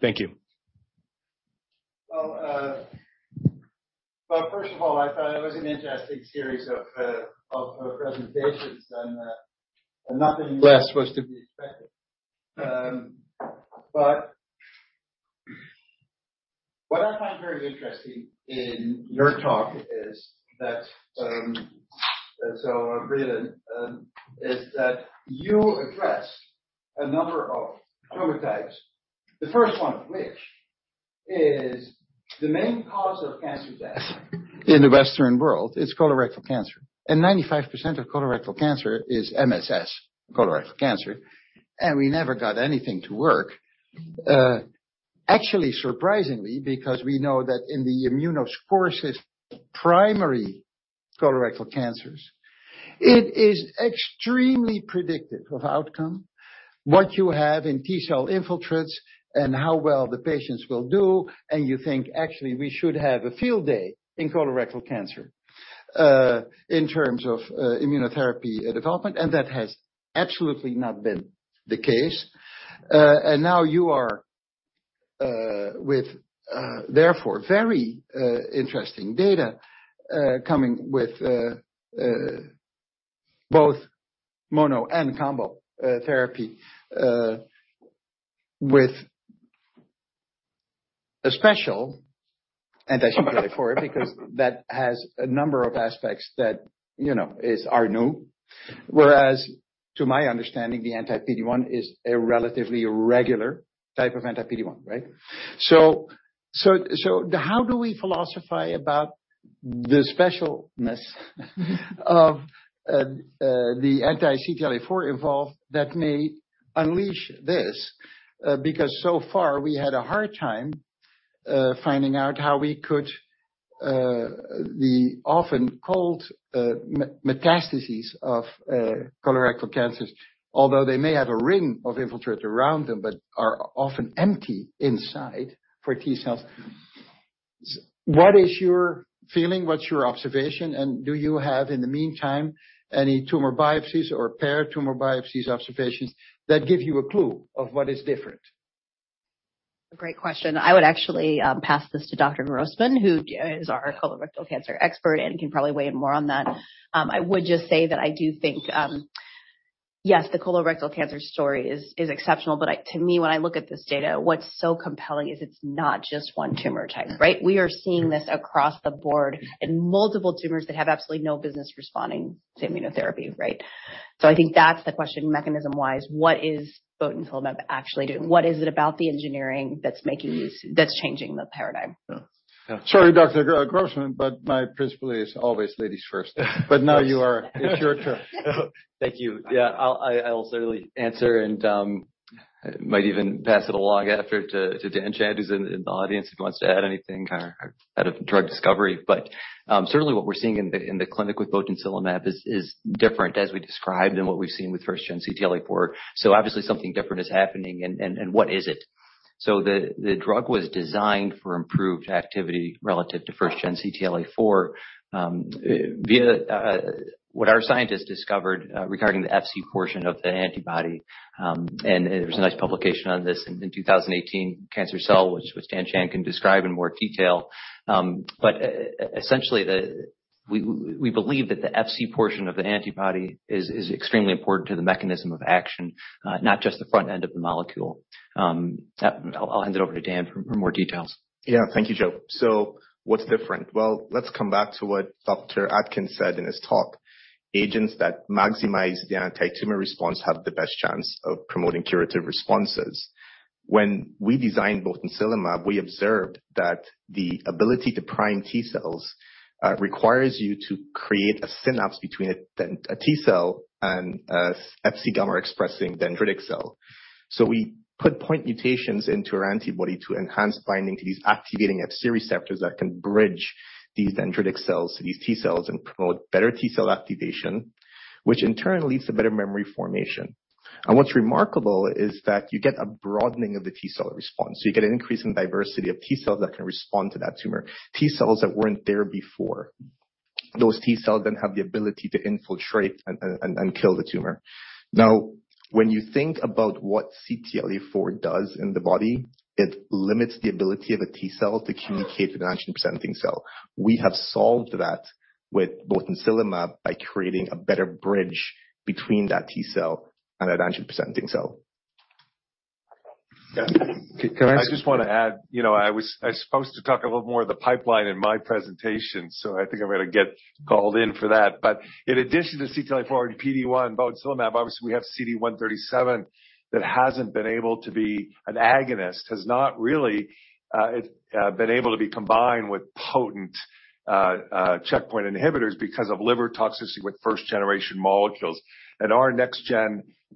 Thank you. Well, first of all, I thought it was an interesting series of presentations and nothing less was to be expected. What I find very interesting in your talk is that, Breelyn, is that you address a number of tumor types. The first one of which is the main cause of cancer death in the Western world is colorectal cancer. 95% of colorectal cancer is MSS colorectal cancer, and we never got anything to work. Actually, surprisingly, because we know that in the Immunoscore system primary colorectal cancers, it is extremely predictive of outcome, what you have in T cell infiltrates and how well the patients will do, and you think, actually we should have a field day in colorectal cancer, in terms of immunotherapy development, and that has absolutely not been the case. Now you are with therefore very interesting data coming with both mono and combo therapy with a special anti-CTLA-4 because that has a number of aspects that, you know, are new. Whereas to my understanding, the anti-PD-1 is a relatively regular type of anti-PD-1, right? How do we philosophize about the specialness of the anti-CTLA-4 involved that may unleash this? Because so far we had a hard time finding out how we could the often cold metastases of colorectal cancers, although they may have a ring of infiltrate around them, but are often empty inside for T cells. What is your feeling, what's your observation, and do you have, in the meantime, any tumor biopsies or paired tumor biopsies observations that give you a clue of what is different? A great question. I would actually pass this to Dr. Grossman, who is our colorectal cancer expert and can probably weigh in more on that. I would just say that I do think, yes, the colorectal cancer story is exceptional, but to me, when I look at this data, what's so compelling is it's not just one tumor type, right? We are seeing this across the board in multiple tumors that have absolutely no business responding to immunotherapy, right? I think that's the question mechanism-wise, what is botensilimab actually doing? What is it about the engineering that's making these that's changing the paradigm? Yeah. Sorry, Dr. Grossman, but my principle is always ladies first. Now you are. It's your turn. Thank you. Yeah, I will certainly answer and might even pass it along after to Dhan Chand, who's in the audience, if he wants to add anything kinda out of drug discovery. Certainly what we're seeing in the clinic with botensilimab is different as we described than what we've seen with first gen CTLA-4. Obviously something different is happening and what is it? The drug was designed for improved activity relative to first gen CTLA-4 via what our scientists discovered regarding the Fc portion of the antibody and there's a nice publication on this in 2018, Cancer Cell, which Dhan Chand can describe in more detail. Essentially we believe that the Fc portion of an antibody is extremely important to the mechanism of action, not just the front end of the molecule. I'll hand it over to Dhan for more details. Yeah. Thank you, Joe. What's different? Well, let's come back to what Dr. Atkins said in his talk. Agents that maximize the antitumor response have the best chance of promoting curative responses. When we designed botensilimab, we observed that the ability to prime T cells requires you to create a synapse between a T cell and a Fc gamma expressing dendritic cell. We put point mutations into our antibody to enhance binding to these activating Fc receptors that can bridge these dendritic cells to these T cells and promote better T cell activation, which in turn leads to better memory formation. What's remarkable is that you get a broadening of the T cell response. You get an increase in diversity of T cells that can respond to that tumor. T cells that weren't there before. Those T cells then have the ability to infiltrate and kill the tumor. Now, when you think about what CTLA-4 does in the body, it limits the ability of a T cell to communicate with an antigen-presenting cell. We have solved that with botensilimab by creating a better bridge between that T cell and that antigen-presenting cell. I just wanna add, I was supposed to talk a little more of the pipeline in my presentation, so I think I'm gonna get called in for that. In addition to CTLA-4 and PD-1 botensilimab, obviously we have CD137 that hasn't been able to be an agonist. Has not really been able to be combined with potent checkpoint inhibitors because of liver toxicity with first generation molecules. Our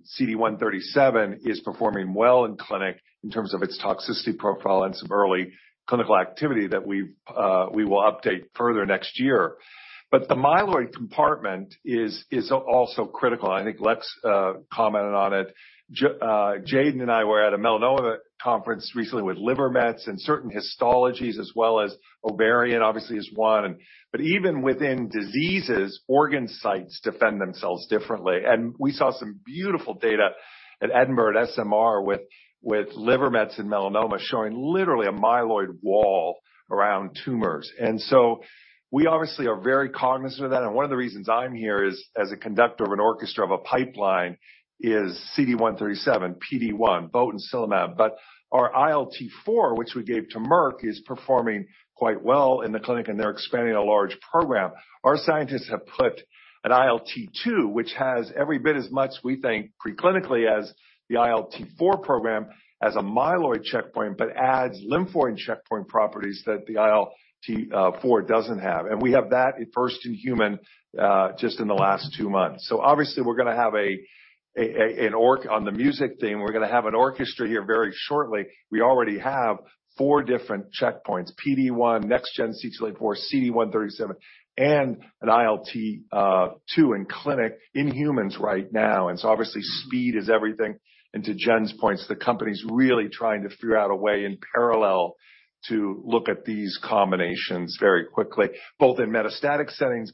next-gen CD137 is performing well in clinic in terms of its toxicity profile and some early clinical activity that we will update further next year. The myeloid compartment is also critical, and I think Lex commented on it. Jaden and I were at a Melanoma Conference recently with liver mets and certain histologies as well as ovarian obviously is one. Even within diseases, organ sites defend themselves differently. We saw some beautiful data at Edinburgh at SMR with liver mets and melanoma showing literally a myeloid wall around tumors. We obviously are very cognizant of that, and one of the reasons I'm here is as a conductor of an orchestra of a pipeline is CD137, PD-1, botensilimab. Our ILT4, which we gave to Merck, is performing quite well in the clinic, and they're expanding a large program. Our scientists have put an ILT2, which has every bit as much we think pre-clinically as the ILT4 program as a myeloid checkpoint, but adds lymphoid checkpoint properties that the ILT4 doesn't have. We have that first in human just in the last two months. On the music theme, we're gonna have an orchestra here very shortly. We already have four different checkpoints, PD-1, next gen CTLA-4, CD137, and an ILT2 in clinic in humans right now. Obviously, speed is everything, and to Jen's points, the company's really trying to figure out a way in parallel to look at these combinations very quickly, both in metastatic settings.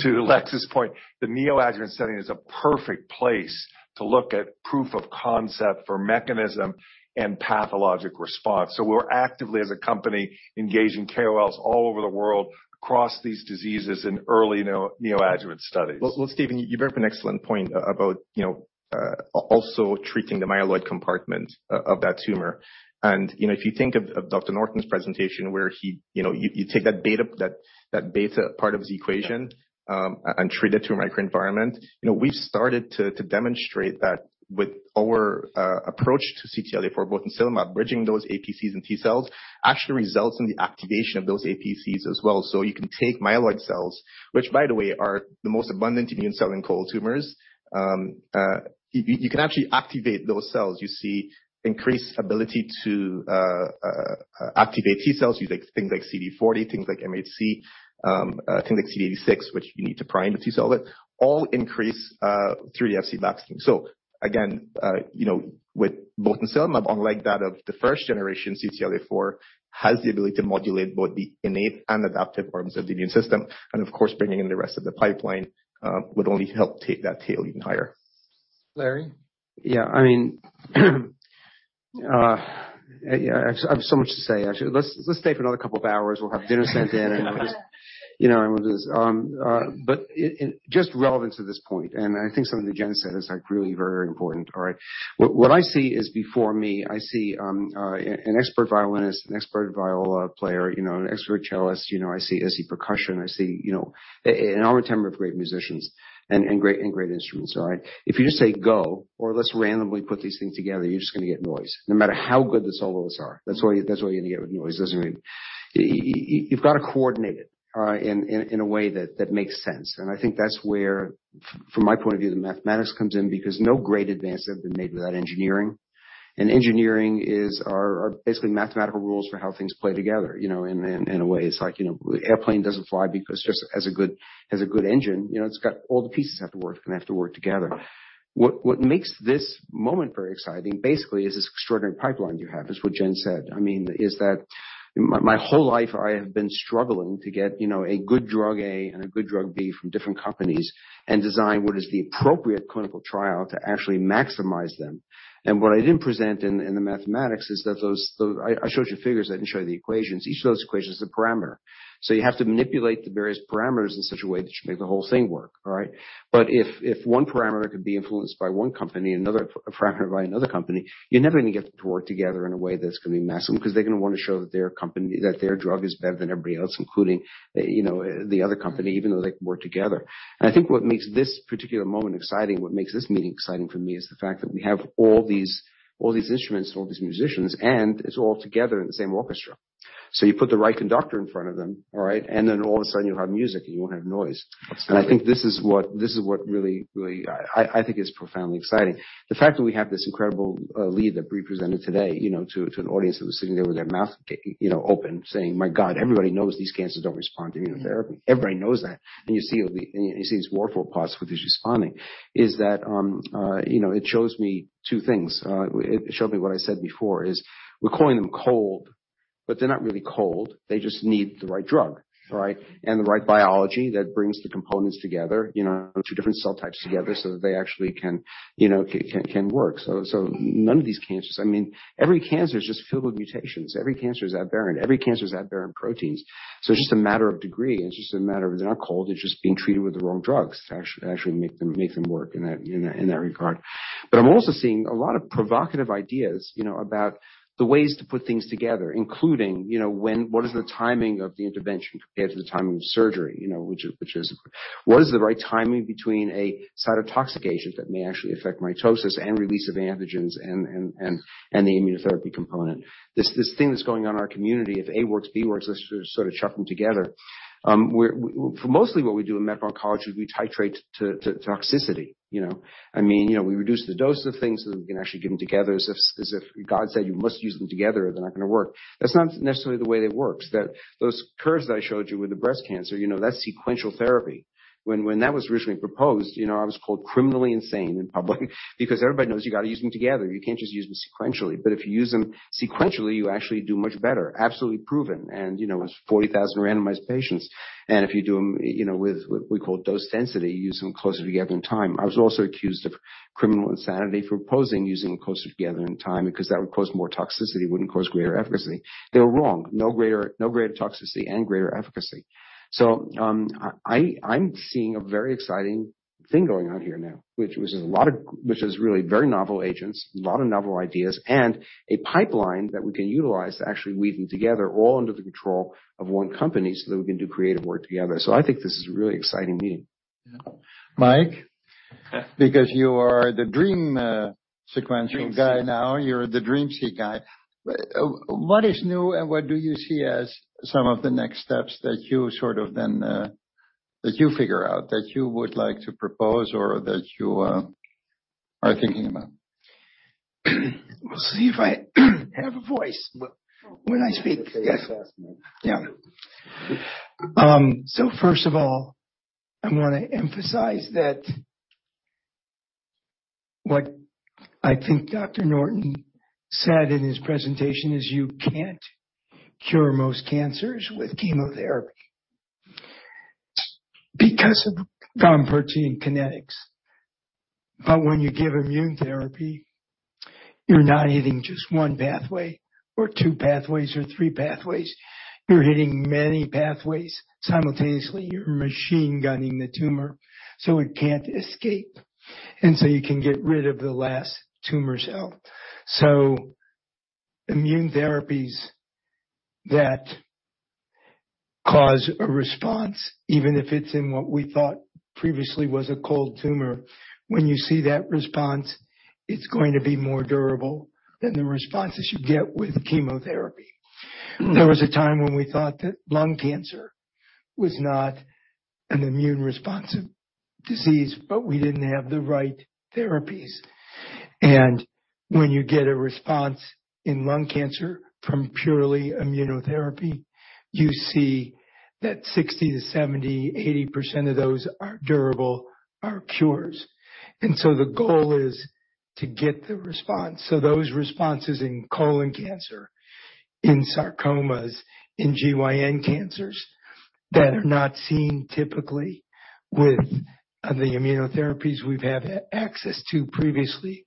To Lex's point, the neoadjuvant setting is a perfect place to look at proof of concept for mechanism and pathologic response. We're actively, as a company, engaging KOLs all over the world across these diseases in early neoadjuvant studies. Well, Steven, you've made an excellent point about, you know, also treating the myeloid compartment of that tumor. You know, if you think of Dr. Norton's presentation, you take that beta part of the equation and treat the microenvironment. You know, we've started to demonstrate that with our approach to CTLA-4, botensilimab bridging those APCs and T cells actually results in the activation of those APCs as well. You can take myeloid cells, which, by the way, are the most abundant immune cell in cold tumors. You can actually activate those cells. You see increased ability to activate T cells. You take things like CD40, things like MHC, things like CD86, which you need to prime the T cell with, all increase through the Fc. Again, you know, with botensilimab, unlike that of the first generation, CTLA-4 has the ability to modulate both the innate and adaptive forms of the immune system, and of course, bringing in the rest of the pipeline would only help take that tail even higher. Larry. Yeah. I mean, yeah, I have so much to say, actually. Let's stay for another couple of hours. We'll have dinner sent in. We'll just, you know, just relevant to this point. I think something that Jen said is, like, really very important. All right. What I see is before me. I see an expert violinist, an expert viola player, you know, an expert cellist. You know, I see percussion. I see, you know, an ensemble of great musicians and great instruments. All right. If you just say, "Go," or, "Let's randomly put these things together," you're just gonna get noise. No matter how good the solos are, that's all you're gonna get with noise. That's what I mean. You've got to coordinate it in a way that makes sense. I think that's where, from my point of view, the mathematics comes in because no great advances have been made without engineering. Engineering is our basically mathematical rules for how things play together, you know, in a way. It's like, you know, airplane doesn't fly because just has a good engine. You know, it's got all the pieces have to work and have to work together. What makes this moment very exciting, basically, is this extraordinary pipeline you have, is what Jen said. I mean, is that my whole life, I have been struggling to get, you know, a good drug A and a good drug B from different companies and design what is the appropriate clinical trial to actually maximize them. What I didn't present in the mathematics is that those. I showed you figures. I didn't show you the equations. Each of those equation is a parameter. So you have to manipulate the various parameters in such a way that should make the whole thing work. All right. If one parameter could be influenced by one company and another parameter by another company, you're never gonna get them to work together in a way that's gonna be maximum, 'cause they're gonna wanna show that their company, that their drug is better than everybody else, including, you know, the other company, even though they work together. I think what makes this particular moment exciting, what makes this meeting exciting for me, is the fact that we have all these instruments and all these musicians, and it's all together in the same orchestra. You put the right conductor in front of them, all right? Then all of a sudden you have music, and you won't have noise. Absolutely. I think this is what really is profoundly exciting. The fact that we have this incredible lead that Breelyn Wilky presented today, you know, to an audience that was sitting there with their mouths open, saying, "My God, everybody knows these cancers don't respond to immunotherapy." Everybody knows that. You see these waterfall plots with this responding is that, you know, it shows me two things. It showed me what I said before, is we're calling them cold, but they're not really cold. They just need the right drug, right, and the right biology that brings the components together, you know, two different cell types together so that they actually can, you know, can work. None of these cancers... I mean, every cancer is just filled with mutations. Every cancer is aberrant. Every cancer is aberrant proteins. So it's just a matter of degree, and it's just a matter of they're not cold. They're just being treated with the wrong drugs to actually make them work in that regard. But I'm also seeing a lot of provocative ideas, you know, about the ways to put things together, including, you know, what is the timing of the intervention compared to the timing of surgery, you know, which is. What is the right timing between a cytotoxic agent that may actually affect mitosis and release of antigens and the immunotherapy component? This thing that's going on in our community, if A works, B works, let's just sort of chuck them together. For mostly what we do in medical oncology is we titrate to toxicity, you know. I mean, you know, we reduce the dose of things, so that we can actually give them together as if, as if God said, "You must use them together, or they're not gonna work." That's not necessarily the way that works. That, those curves that I showed you with the breast cancer, you know, that's sequential therapy. When that was originally proposed, you know, I was called criminally insane in public because everybody knows you gotta use them together. You can't just use them sequentially. If you use them sequentially, you actually do much better. Absolutely proven. You know, it's 40,000 randomized patients. If you do 'em, you know, with what we call dose density, you use them closer together in time. I was also accused of criminal insanity for proposing using them closer together in time because that would cause more toxicity. It wouldn't cause greater efficacy. They were wrong. No greater toxicity and greater efficacy. I'm seeing a very exciting thing going on here now, which is really very novel agents, a lot of novel ideas, and a pipeline that we can utilize to actually weave them together all under the control of one company so that we can do creative work together. I think this is a really exciting meeting. Mike, because you are the DREAMseq guy now. You're the DREAMseq guy. What is new, and what do you see as some of the next steps that you sort of figure out, that you would like to propose or that you are thinking about? We'll see if I have a voice when I speak. First of all, I wanna emphasize that what I think Dr. Norton said in his presentation is you can't cure most cancers with chemotherapy because of Gompertzian kinetics. When you give immunotherapy, you're not hitting just one pathway or two pathways or three pathways. You're machine gunning the tumor, so it can't escape. You can get rid of the last tumor cell. Immunotherapies that cause a response, even if it's in what we thought previously was a cold tumor, when you see that response, it's going to be more durable than the responses you get with chemotherapy. There was a time when we thought that lung cancer was not an immunoresponsive disease, but we didn't have the right therapies. When you get a response in lung cancer from purely immunotherapy, you see that 60%-80% of those are durable, are cures. The goal is to get the response. Those responses in colon cancer, in sarcomas, in GYN cancers that are not seen typically with the immunotherapies we've had access to previously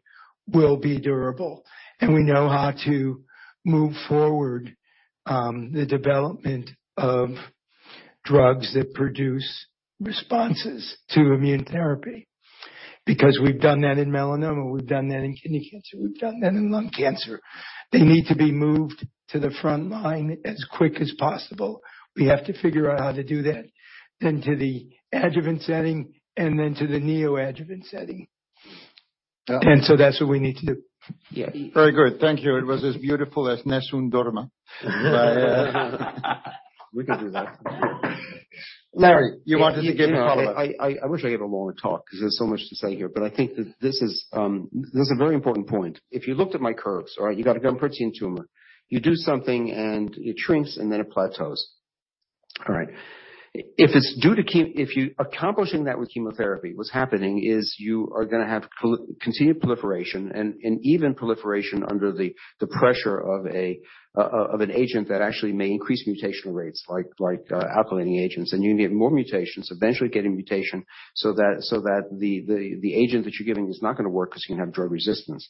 will be durable. We know how to move forward the development of drugs that produce responses to immune therapy. Because we've done that in melanoma, we've done that in kidney cancer, we've done that in lung cancer. They need to be moved to the front line as quick as possible. We have to figure out how to do that, then to the adjuvant setting and then to the neoadjuvant setting. That's what we need to do. Yeah. Very good. Thank you. It was as beautiful as Nessun Dorma. We can do that. Larry, you wanted to give a follow-up. I wish I gave a longer talk because there's so much to say here, but I think that this a very important point. If you looked at my curves, all right, you got a Gompertzian tumor, you do something and it shrinks, and then it plateaus. All right. If you're accomplishing that with chemotherapy, what's happening is you are gonna have continued proliferation and even proliferation under the pressure of an agent that actually may increase mutation rates like alkylating agents, and you get more mutations, eventually getting mutations so that the agent that you're giving is not gonna work 'cause you're gonna have drug resistance.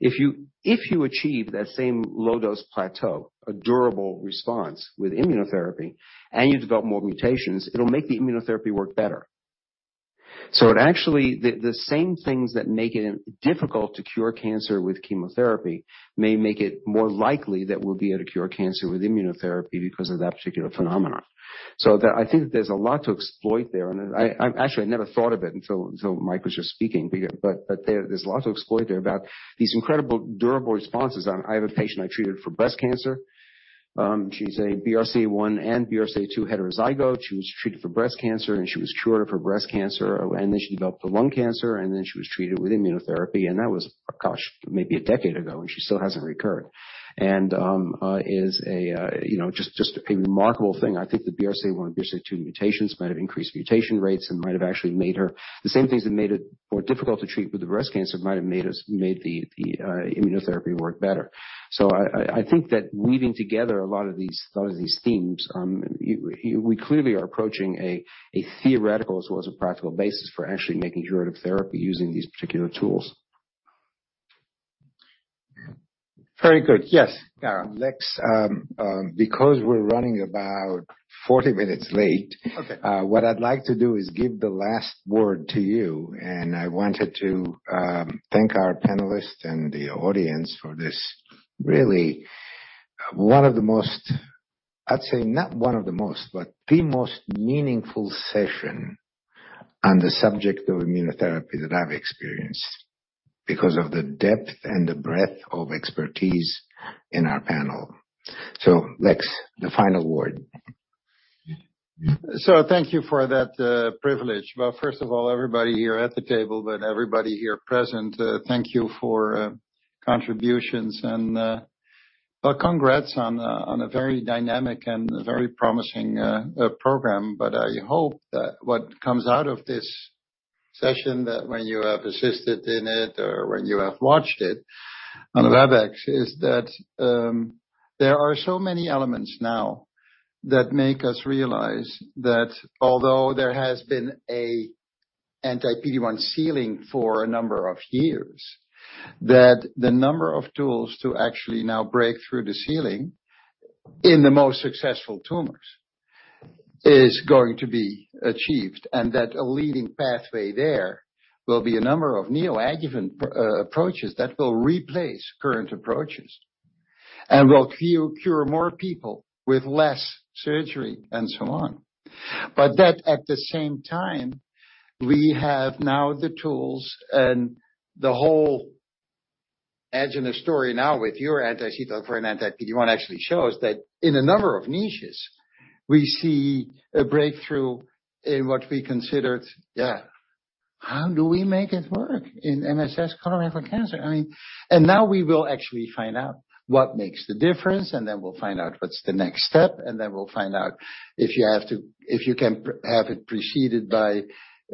If you achieve that same low dose plateau, a durable response with immunotherapy, and you develop more mutations, it'll make the immunotherapy work better. It actually, the same things that make it difficult to cure cancer with chemotherapy may make it more likely that we'll be able to cure cancer with immunotherapy because of that particular phenomenon. That I think that there's a lot to exploit there. I've actually never thought of it until Mike was just speaking. There's a lot to exploit there about these incredible durable responses. I have a patient I treated for breast cancer. She's a BRCA1 and BRCA2 heterozygote. She was treated for breast cancer, and she was cured of her breast cancer. Then she developed a lung cancer, and then she was treated with immunotherapy. That was, gosh, maybe a decade ago, and she still hasn't recurred. It's a you know just a remarkable thing. I think the BRCA1 and BRCA2 mutations might have increased mutation rates and might have actually made her. The same things that made it more difficult to treat the breast cancer might have made the immunotherapy work better. I think that weaving together a lot of these themes, we clearly are approaching a theoretical as well as a practical basis for actually making curative therapy using these particular tools. Very good. Yes, Garo. Lex, because we're running about 40 minutes late. Okay. What I'd like to do is give the last word to you. I wanted to thank our panelists and the audience for this really the most meaningful session on the subject of immunotherapy that I've experienced because of the depth and the breadth of expertise in our panel. Lex, the final word. Thank you for that privilege. Well, first of all, everybody here at the table and everybody here present, thank you for contributions and, well, congrats on a very dynamic and very promising program. I hope that what comes out of this session, that when you have assisted in it or when you have watched it on Webex, is that there are so many elements now that make us realize that although there has been an anti-PD-1 ceiling for a number of years, that the number of tools to actually now break through the ceiling in the most successful tumors is going to be achieved. That a leading pathway there will be a number of neoadjuvant approaches that will replace current approaches. We'll cure more people with less surgery and so on. That at the same time, we have now the tools and the whole Agenus story now with your anti-CTLA-4, anti-PD-1 actually shows that in a number of niches we see a breakthrough in what we considered, yeah, how do we make it work in MSS colorectal cancer? I mean, now we will actually find out what makes the difference, and then we'll find out what's the next step, and then we'll find out if you can have it preceded by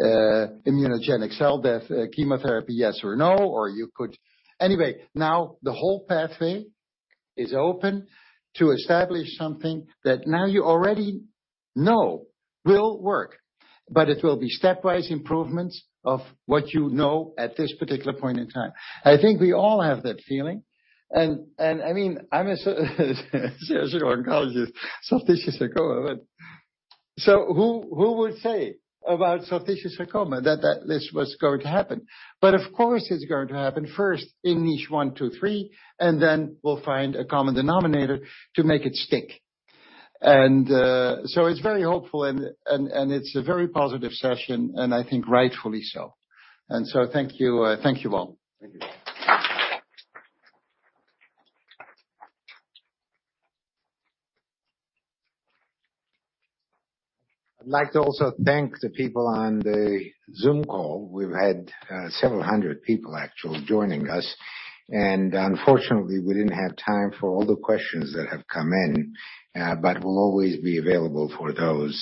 immunogenic cell death, chemotherapy, yes or no, or you could. Anyway, now the whole pathway is open to establish something that now you already know will work, but it will be stepwise improvements of what you know at this particular point in time. I think we all have that feeling. I mean, I'm a surgical oncologist, soft tissue sarcoma. Who would say about soft tissue sarcoma that this was going to happen? Of course, it's going to happen first in niche one, two, three, and then we'll find a common denominator to make it stick. It's very hopeful and it's a very positive session, and I think rightfully so. Thank you. Thank you, all. Thank you. I'd like to also thank the people on the Zoom call. We've had several hundred people actually joining us, and unfortunately, we didn't have time for all the questions that have come in, but we'll always be available for those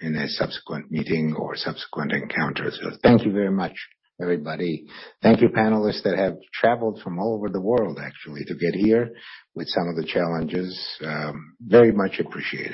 in a subsequent meeting or subsequent encounters. Thank you very much, everybody. Thank you, panelists that have traveled from all over the world, actually, to get here with some of the challenges, very much appreciated.